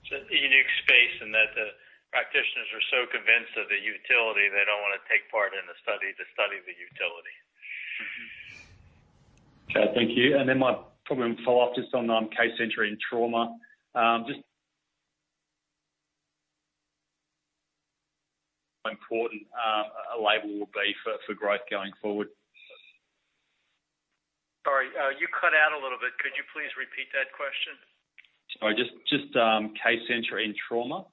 The practitioners are so convinced of the utility, they don't want to take part in the study to study the utility. Okay, thank you. My final follow-up just on Kcentra in trauma. Just important, a label will be for growth going forward. Sorry, you cut out a little bit. Could you please repeat that question? Sorry, just Kcentra in trauma.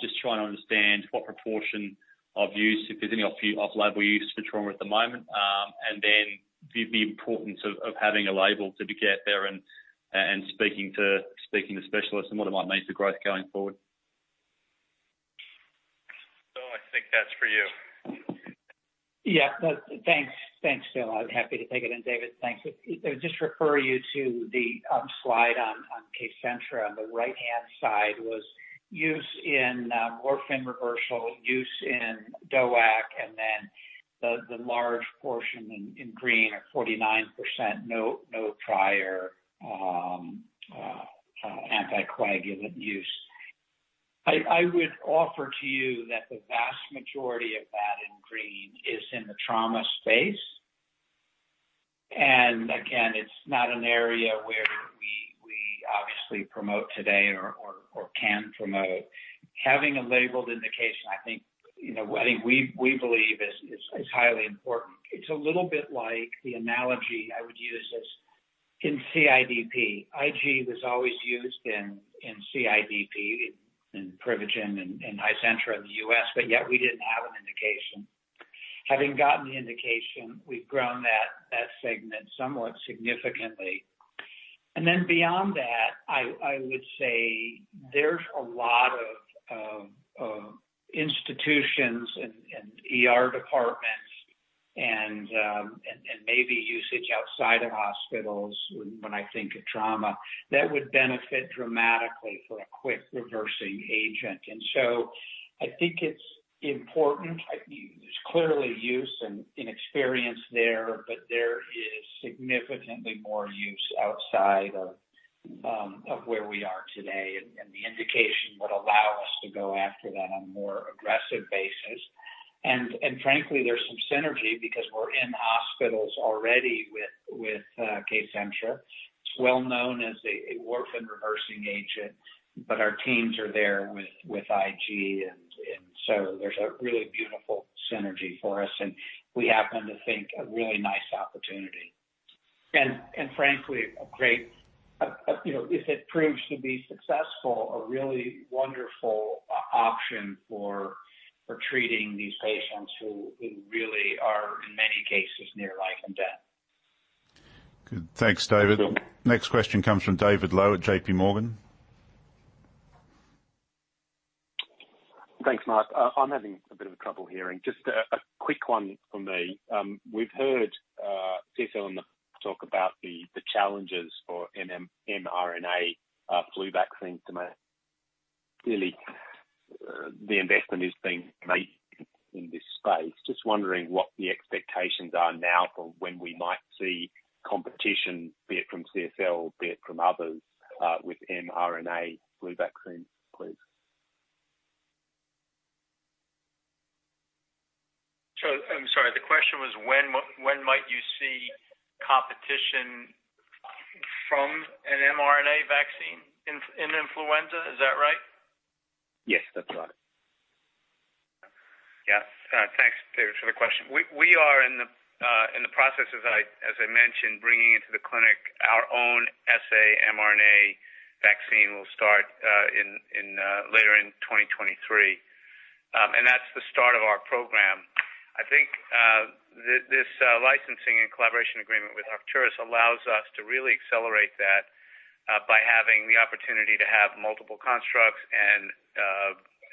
Just trying to understand what proportion of use, if there's any off-label use for trauma at the moment, and then the importance of having a label to get there and speaking to specialists and what it might mean for growth going forward. Bill, I think that's for you. Yeah. Thanks. Thanks, Phil. I'm happy to take it. David, thanks. I'll just refer you to the slide on Kcentra. On the right-hand side was use in warfarin reversal, use in DOAC, and then the large portion in green at 49%, no prior anticoagulant use. I would offer to you that the vast majority of that in green is in the trauma space. Again, it's not an area where we obviously promote today or can promote. Having a labeled indication, I think, you know, I think we believe is highly important. It's a little bit like the analogy I would use is in CIDP. IG was always used in CIDP, in Privigen and in Hizentra in the U.S., but yet we didn't have an indication. Having gotten the indication, we've grown that segment somewhat significantly. Then beyond that, I would say there's a lot of institutions and ER departments and maybe usage outside of hospitals when I think of trauma that would benefit dramatically for a quick reversing agent. I think it's important. I think there's clearly use and experience there, but there is significantly more use outside of where we are today. The indication would allow us to go after that on a more aggressive basis. Frankly, there's some synergy because we're in hospitals already with Kcentra. It's well known as a warfarin reversing agent, but our teams are there with IG and there's a really beautiful synergy for us, and we happen to think a really nice opportunity. Frankly, a great, you know, if it proves to be successful, a really wonderful option for treating these patients who really are, in many cases, near life and death. Good. Thanks, David. Next question comes from David Low at J.P. Morgan. Thanks, Mark. I'm having a bit of trouble hearing. Just a quick one from me. We've heard CSL and the talk about the challenges for mRNA flu vaccines to make. Clearly, the investment is being made in this space. Just wondering what the expectations are now for when we might see competition, be it from CSL, be it from others, with mRNA flu vaccines, please. I'm sorry, the question was when you might see competition from an mRNA vaccine in influenza? Is that right? Yes, that's right. Yeah. Thanks, David, for the question. We are in the process, as I mentioned, bringing into the clinic our own saRNA vaccine will start later in 2023. That's the start of our program. I think this licensing and collaboration agreement with Arcturus allows us to really accelerate that by having the opportunity to have multiple constructs and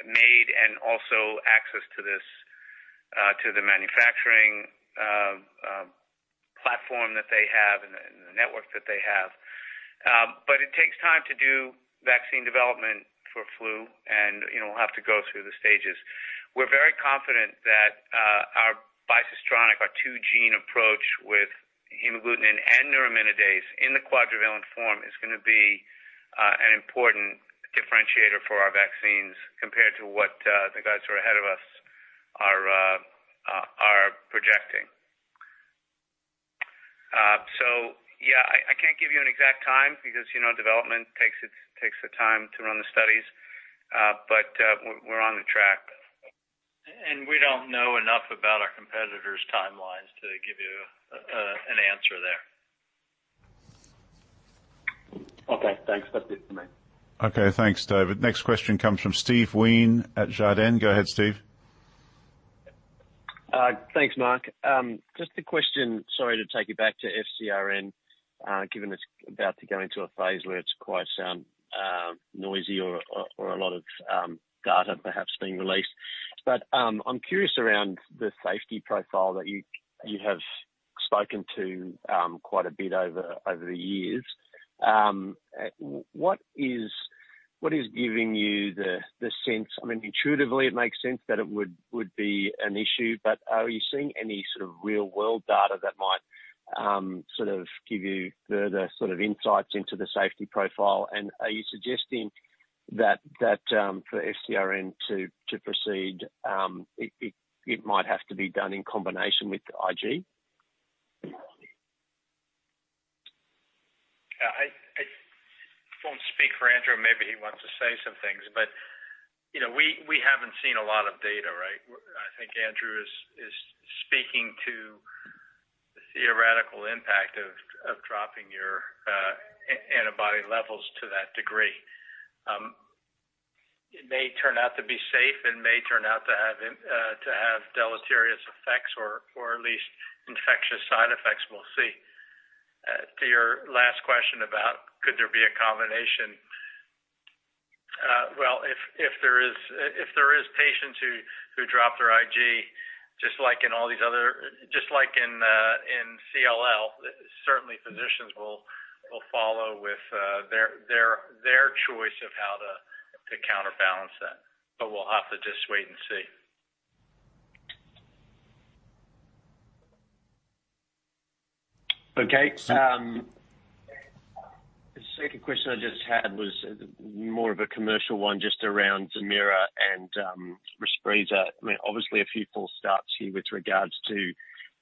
made and also access to the manufacturing platform that they have and the network that they have. It takes time to do vaccine development for flu and, you know, we'll have to go through the stages. We're very confident that our bicistronic, our two-gene approach with hemagglutinin and neuraminidase in the quadrivalent form is gonna be an important differentiator for our vaccines compared to what the guys who are ahead of us are projecting. Yeah, I can't give you an exact time because, you know, development takes the time to run the studies, but we're on the track. We don't know enough about our competitors' timelines to give you an answer there. Okay, thanks. That's it for me. Okay, thanks, David. Next question comes from Steven Wheen at Jarden. Go ahead, Steve. Thanks, Mark. Just a question, sorry to take you back to FcRn, given it's about to go into a phase where it's quite a noisy or a lot of data perhaps being released. I'm curious around the safety profile that you have spoken to quite a bit over the years. What is giving you the sense, I mean, intuitively it makes sense that it would be an issue, but are you seeing any sort of real world data that might sort of give you further sort of insights into the safety profile. Are you suggesting that for FcRn to proceed, it might have to be done in combination with IG? I don't speak for Andrew. Maybe he wants to say some things, but, you know, we haven't seen a lot of data, right? I think Andrew is speaking to the theoretical impact of dropping your antibody levels to that degree. It may turn out to be safe and may turn out to have deleterious effects, or at least infectious side effects. We'll see. To your last question about could there be a combination? Well, if there is patients who drop their IG, just like in CLL, certainly physicians will follow with their choice of how to counterbalance that. We'll have to just wait and see. Okay. The second question I just had was more of a commercial one, just around Zemaira/Respreeza. I mean, obviously a few false starts here with regards to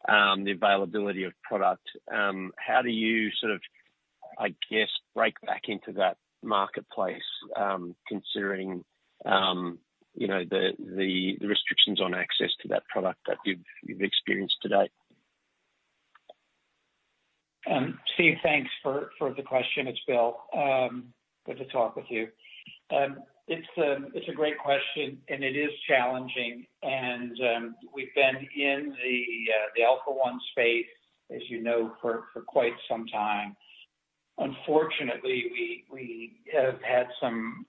the availability of product. How do you sort of, I guess, break back into that marketplace, considering you know the restrictions on access to that product that you've experienced to date? Steve, thanks for the question. It's Bill. Good to talk with you. It's a great question, and it is challenging. We've been in the alpha-1 space, as you know, for quite some time. Unfortunately, we have had some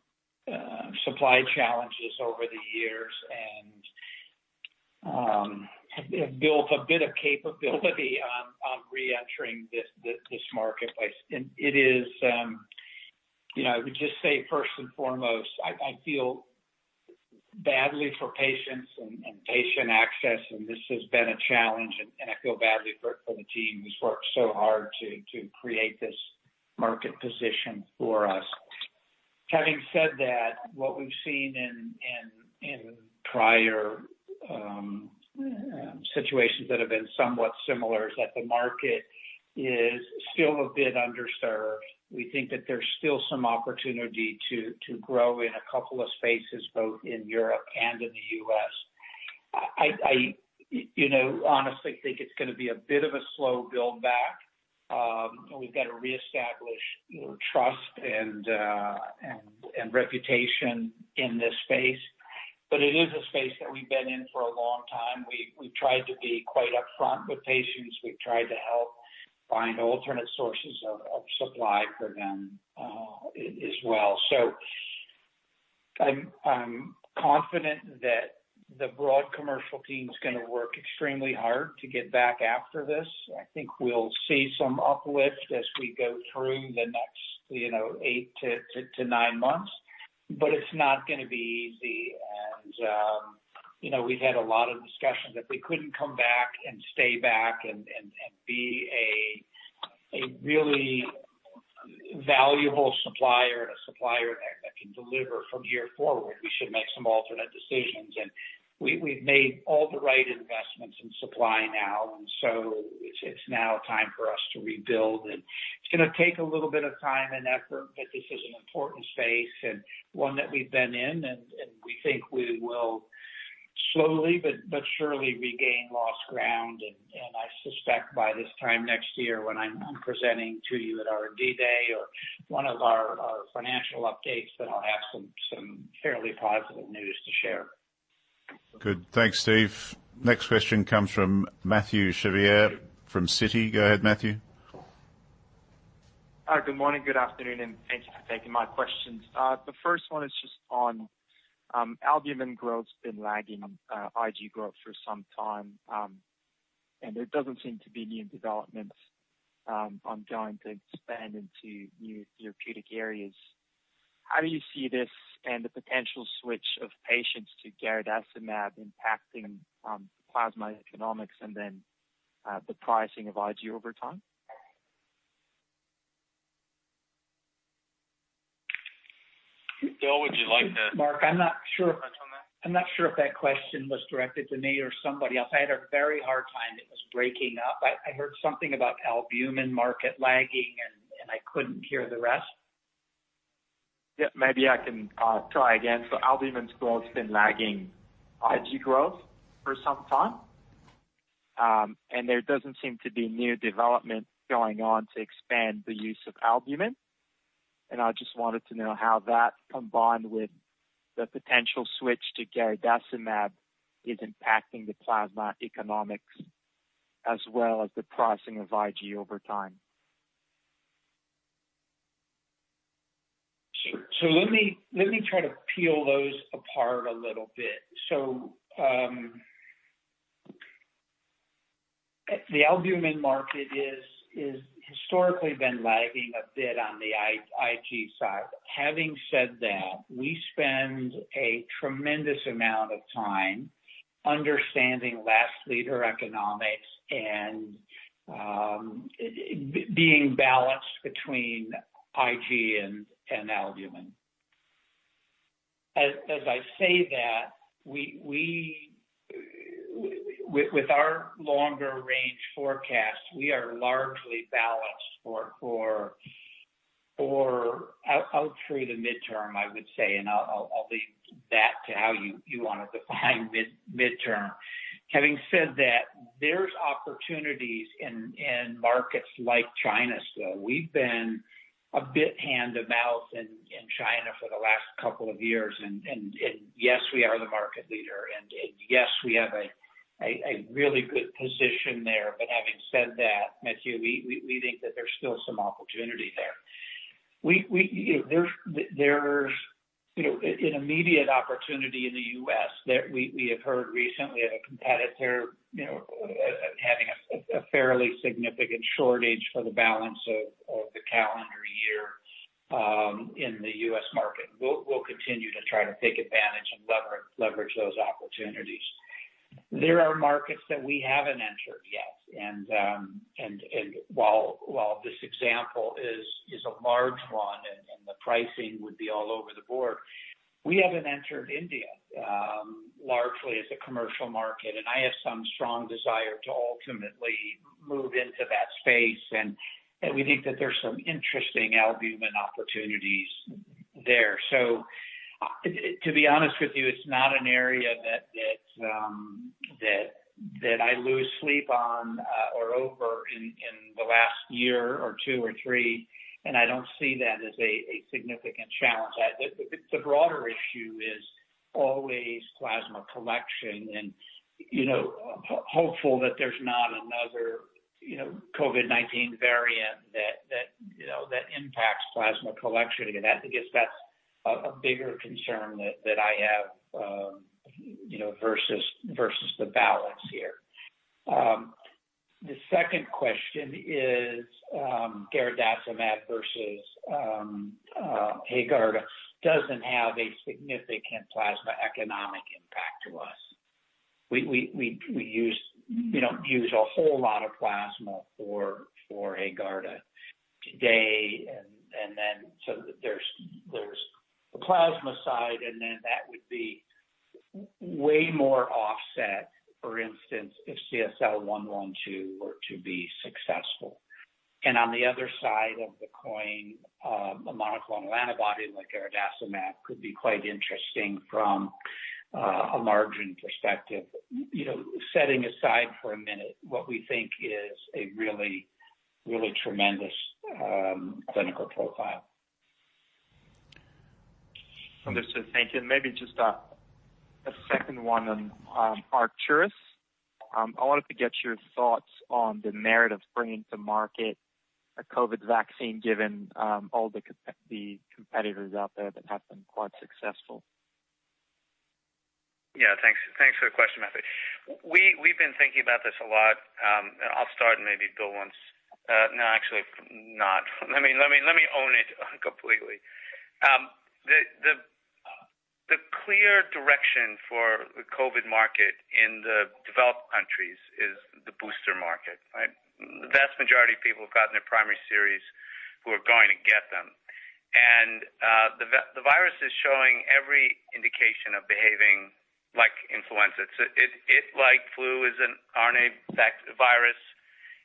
supply challenges over the years, and have built a bit of capability on reentering this marketplace. It is. You know, I would just say first and foremost, I feel badly for patients and patient access, and this has been a challenge and I feel badly for the team who's worked so hard to create this market position for us. Having said that, what we've seen in prior situations that have been somewhat similar is that the market is still a bit underserved. We think that there's still some opportunity to grow in a couple of spaces, both in Europe and in the US. I, you know, honestly think it's gonna be a bit of a slow build back. We've got to reestablish, you know, trust and reputation in this space. But it is a space that we've been in for a long time. We've tried to be quite upfront with patients. We've tried to help find alternate sources of supply for them, as well. So I'm confident that the broad commercial team is gonna work extremely hard to get back after this. I think we'll see some uplift as we go through the next, you know, eight to nine months. But it's not gonna be easy. You know, we've had a lot of discussions. If we couldn't come back and stay back and be a really valuable supplier and a supplier that can deliver from here forward, we should make some alternative decisions. We’ve made all the right investments in supply now, and so it's now time for us to rebuild. It's gonna take a little bit of time and effort, but this is an important space and one that we've been in, and we think we will slowly but surely regain lost ground. I suspect by this time next year when I'm presenting to you at our R&D Day or one of our financial updates, that I'll have some fairly positive news to share. Good. Thanks, Steve. Next question comes from Mathieu Chevrier from Citi. Go ahead, Mathieu. Hi. Good morning, good afternoon, and thank you for taking my questions. The first one is just on albumin growth's been lagging IG growth for some time, and there doesn't seem to be new developments ongoing to expand into new therapeutic areas. How do you see this and the potential switch of patients to garadacimab impacting plasma economics and then the pricing of IG over time? Bill, would you like to? Mark, I'm not sure if that question was directed to me or somebody else. I had a very hard time. It was breaking up. I heard something about albumin market lagging, and I couldn't hear the rest. Yeah, maybe I can try again. Albumin growth's been lagging IG growth for some time, and there doesn't seem to be new development going on to expand the use of albumin. I just wanted to know how that combined with the potential switch to garadacimab is impacting the plasma economics as well as the pricing of IG over time. Sure. Let me try to peel those apart a little bit. The albumin market is historically been lagging a bit on the IG side. Having said that, we spend a tremendous amount of time understanding market leader economics and being balanced between IG and albumin. As I say that, with our longer range forecast, we are largely balanced for out through the midterm, I would say, and I'll leave that to how you wanna define midterm. Having said that, there's opportunities in markets like China still. We've been a bit hand to mouth in China for the last couple of years. Yes, we are the market leader and yes, we have a really good position there. Having said that, Mathieu, we think that there's still some opportunity there. There's, you know, an immediate opportunity in the U.S. that we have heard recently a competitor, you know, having a fairly significant shortage for the balance of the calendar year in the U.S. market. We'll continue to try to take advantage and leverage those opportunities. There are markets that we haven't entered yet. While this example is a large one and the pricing would be all over the board, we haven't entered India largely as a commercial market, and I have some strong desire to ultimately move into that space. We think that there's some interesting albumin opportunities there. To be honest with you, it's not an area that I lose sleep on or over in the last year or 2 or 3, and I don't see that as a significant challenge. The broader issue is always plasma collection and, you know, hopeful that there's not another, you know, COVID-19 variant that impacts plasma collection. Again, I think that's a bigger concern that I have, you know, versus the balance here. The second question is, garadacimab versus Haegarda doesn't have a significant plasma economic impact to us. We use, you know, a whole lot of plasma for Haegarda today. There's the plasma side, and then that would be way more offset, for instance, if CSL112 were to be successful. On the other side of the coin, a monoclonal antibody like garadacimab could be quite interesting from a margin perspective, you know, setting aside for a minute what we think is a really tremendous clinical profile. Understood. Thank you. Maybe just a second one on Arcturus. I wanted to get your thoughts on the narrative bringing to market a COVID vaccine, given all the competitors out there that have been quite successful. Yeah, thanks. Thanks for the question, Mathieu. We've been thinking about this a lot. I'll start and maybe Bill wants. Actually not. Let me own it completely. The clear direction for the COVID market in the developed countries is the booster market, right? The vast majority of people have gotten their primary series who are going to get them. The virus is showing every indication of behaving like influenza. It, like flu, is an RNA virus,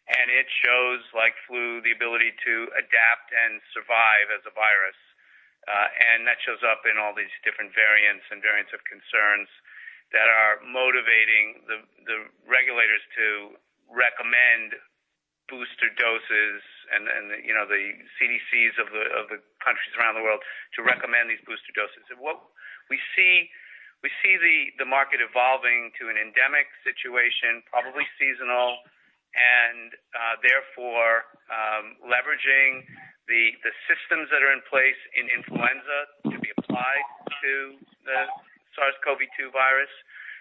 and it shows, like flu, the ability to adapt and survive as a virus. That shows up in all these different variants and variants of concern that are motivating the regulators to recommend booster doses and, you know, the CDCs of the countries around the world to recommend these booster doses. What we see, the market evolving to an endemic situation, probably seasonal, and therefore, leveraging the systems that are in place in influenza to be applied to the SARS-CoV-2 virus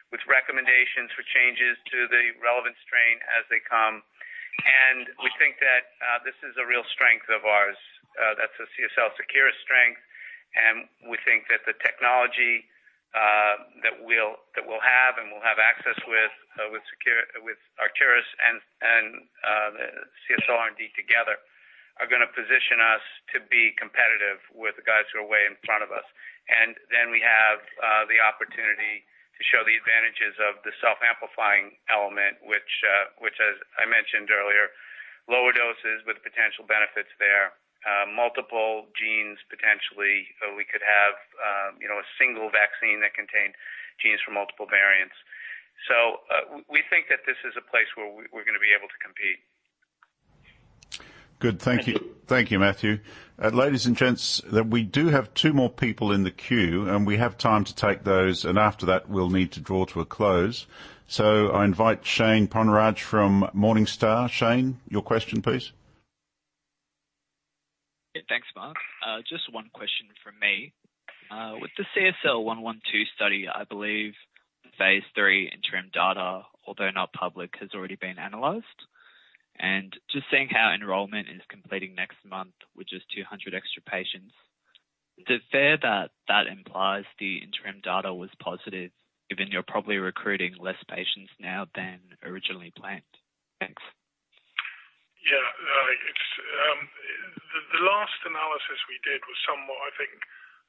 with recommendations for changes to the relevant strain as they come. We think that this is a real strength of ours. That's a CSL Seqirus strength. We think that the technology that we'll have and we'll have access with Seqirus and Arcturus and the CSL R&D together are gonna position us to be competitive with the guys who are way in front of us. We have the opportunity to show the advantages of the self-amplifying element, which, as I mentioned earlier, lower doses with potential benefits there, multiple genes potentially. We could have, you know, a single vaccine that contained genes from multiple variants. We think that this is a place where we're gonna be able to compete. Good. Thank you. Thank you, Mathieu. Ladies and gents, we do have two more people in the queue, and we have time to take those. After that, we'll need to draw to a close. I invite Shane Ponraj from Morningstar. Shane, your question, please. Yeah. Thanks, Mark. Just one question from me. With the CSL112 study, I believe phase 3 interim data, although not public, has already been analyzed. Just seeing how enrollment is completing next month, which is 200 extra patients, is it fair that that implies the interim data was positive given you're probably recruiting less patients now than originally planned? Thanks. Yeah. No, it's the last analysis we did was somewhat, I think,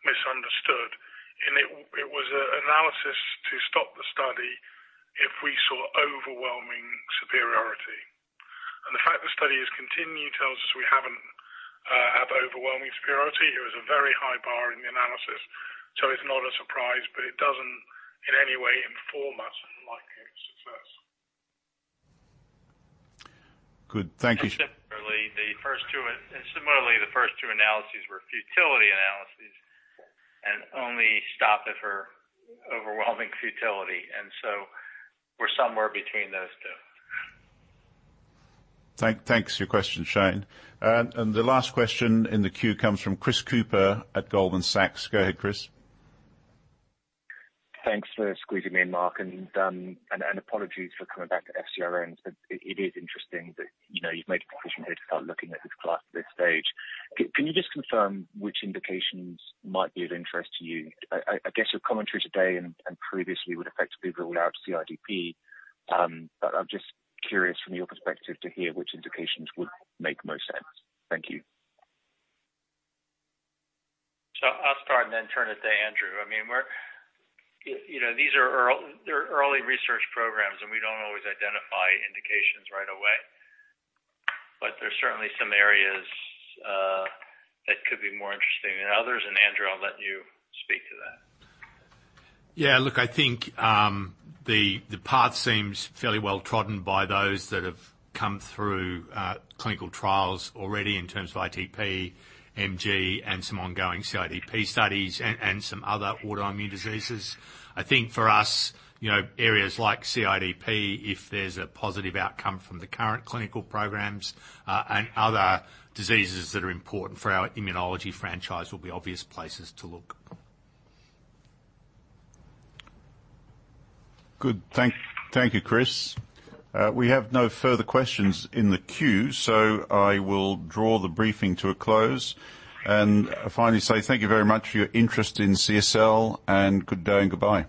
misunderstood. It was an analysis to stop the study if we saw overwhelming superiority. The fact the study has continued tells us we haven't had overwhelming superiority. It was a very high bar in the analysis, so it's not a surprise. It doesn't in any way inform us on the likely success. Good. Thank you. Similarly, the first two analyses were futility analyses, and only stopped it for overwhelming futility. So we're somewhere between those two. Thanks for your question, Shane. The last question in the queue comes from Chris Cooper at Goldman Sachs. Go ahead, Chris. Thanks for squeezing me in, Mark. Apologies for coming back to FcRn, but it is interesting that, you know, you've made a decision here to start looking at this class at this stage. Can you just confirm which indications might be of interest to you? I guess your commentary today and previously would effectively rule out CIDP. But I'm just curious from your perspective to hear which indications would make most sense. Thank you. I'll start and then turn it to Andrew. I mean, you know, these are early research programs, and we don't always identify indications right away. There's certainly some areas that could be more interesting than others. Andrew, I'll let you speak to that. Yeah. Look, I think the path seems fairly well trodden by those that have come through clinical trials already in terms of ITP, MG, and some ongoing CIDP studies and some other autoimmune diseases. I think for us, you know, areas like CIDP, if there's a positive outcome from the current clinical programs and other diseases that are important for our immunology franchise, will be obvious places to look. Good. Thank you, Chris. We have no further questions in the queue, so I will draw the briefing to a close. Finally say thank you very much for your interest in CSL, and good day and goodbye.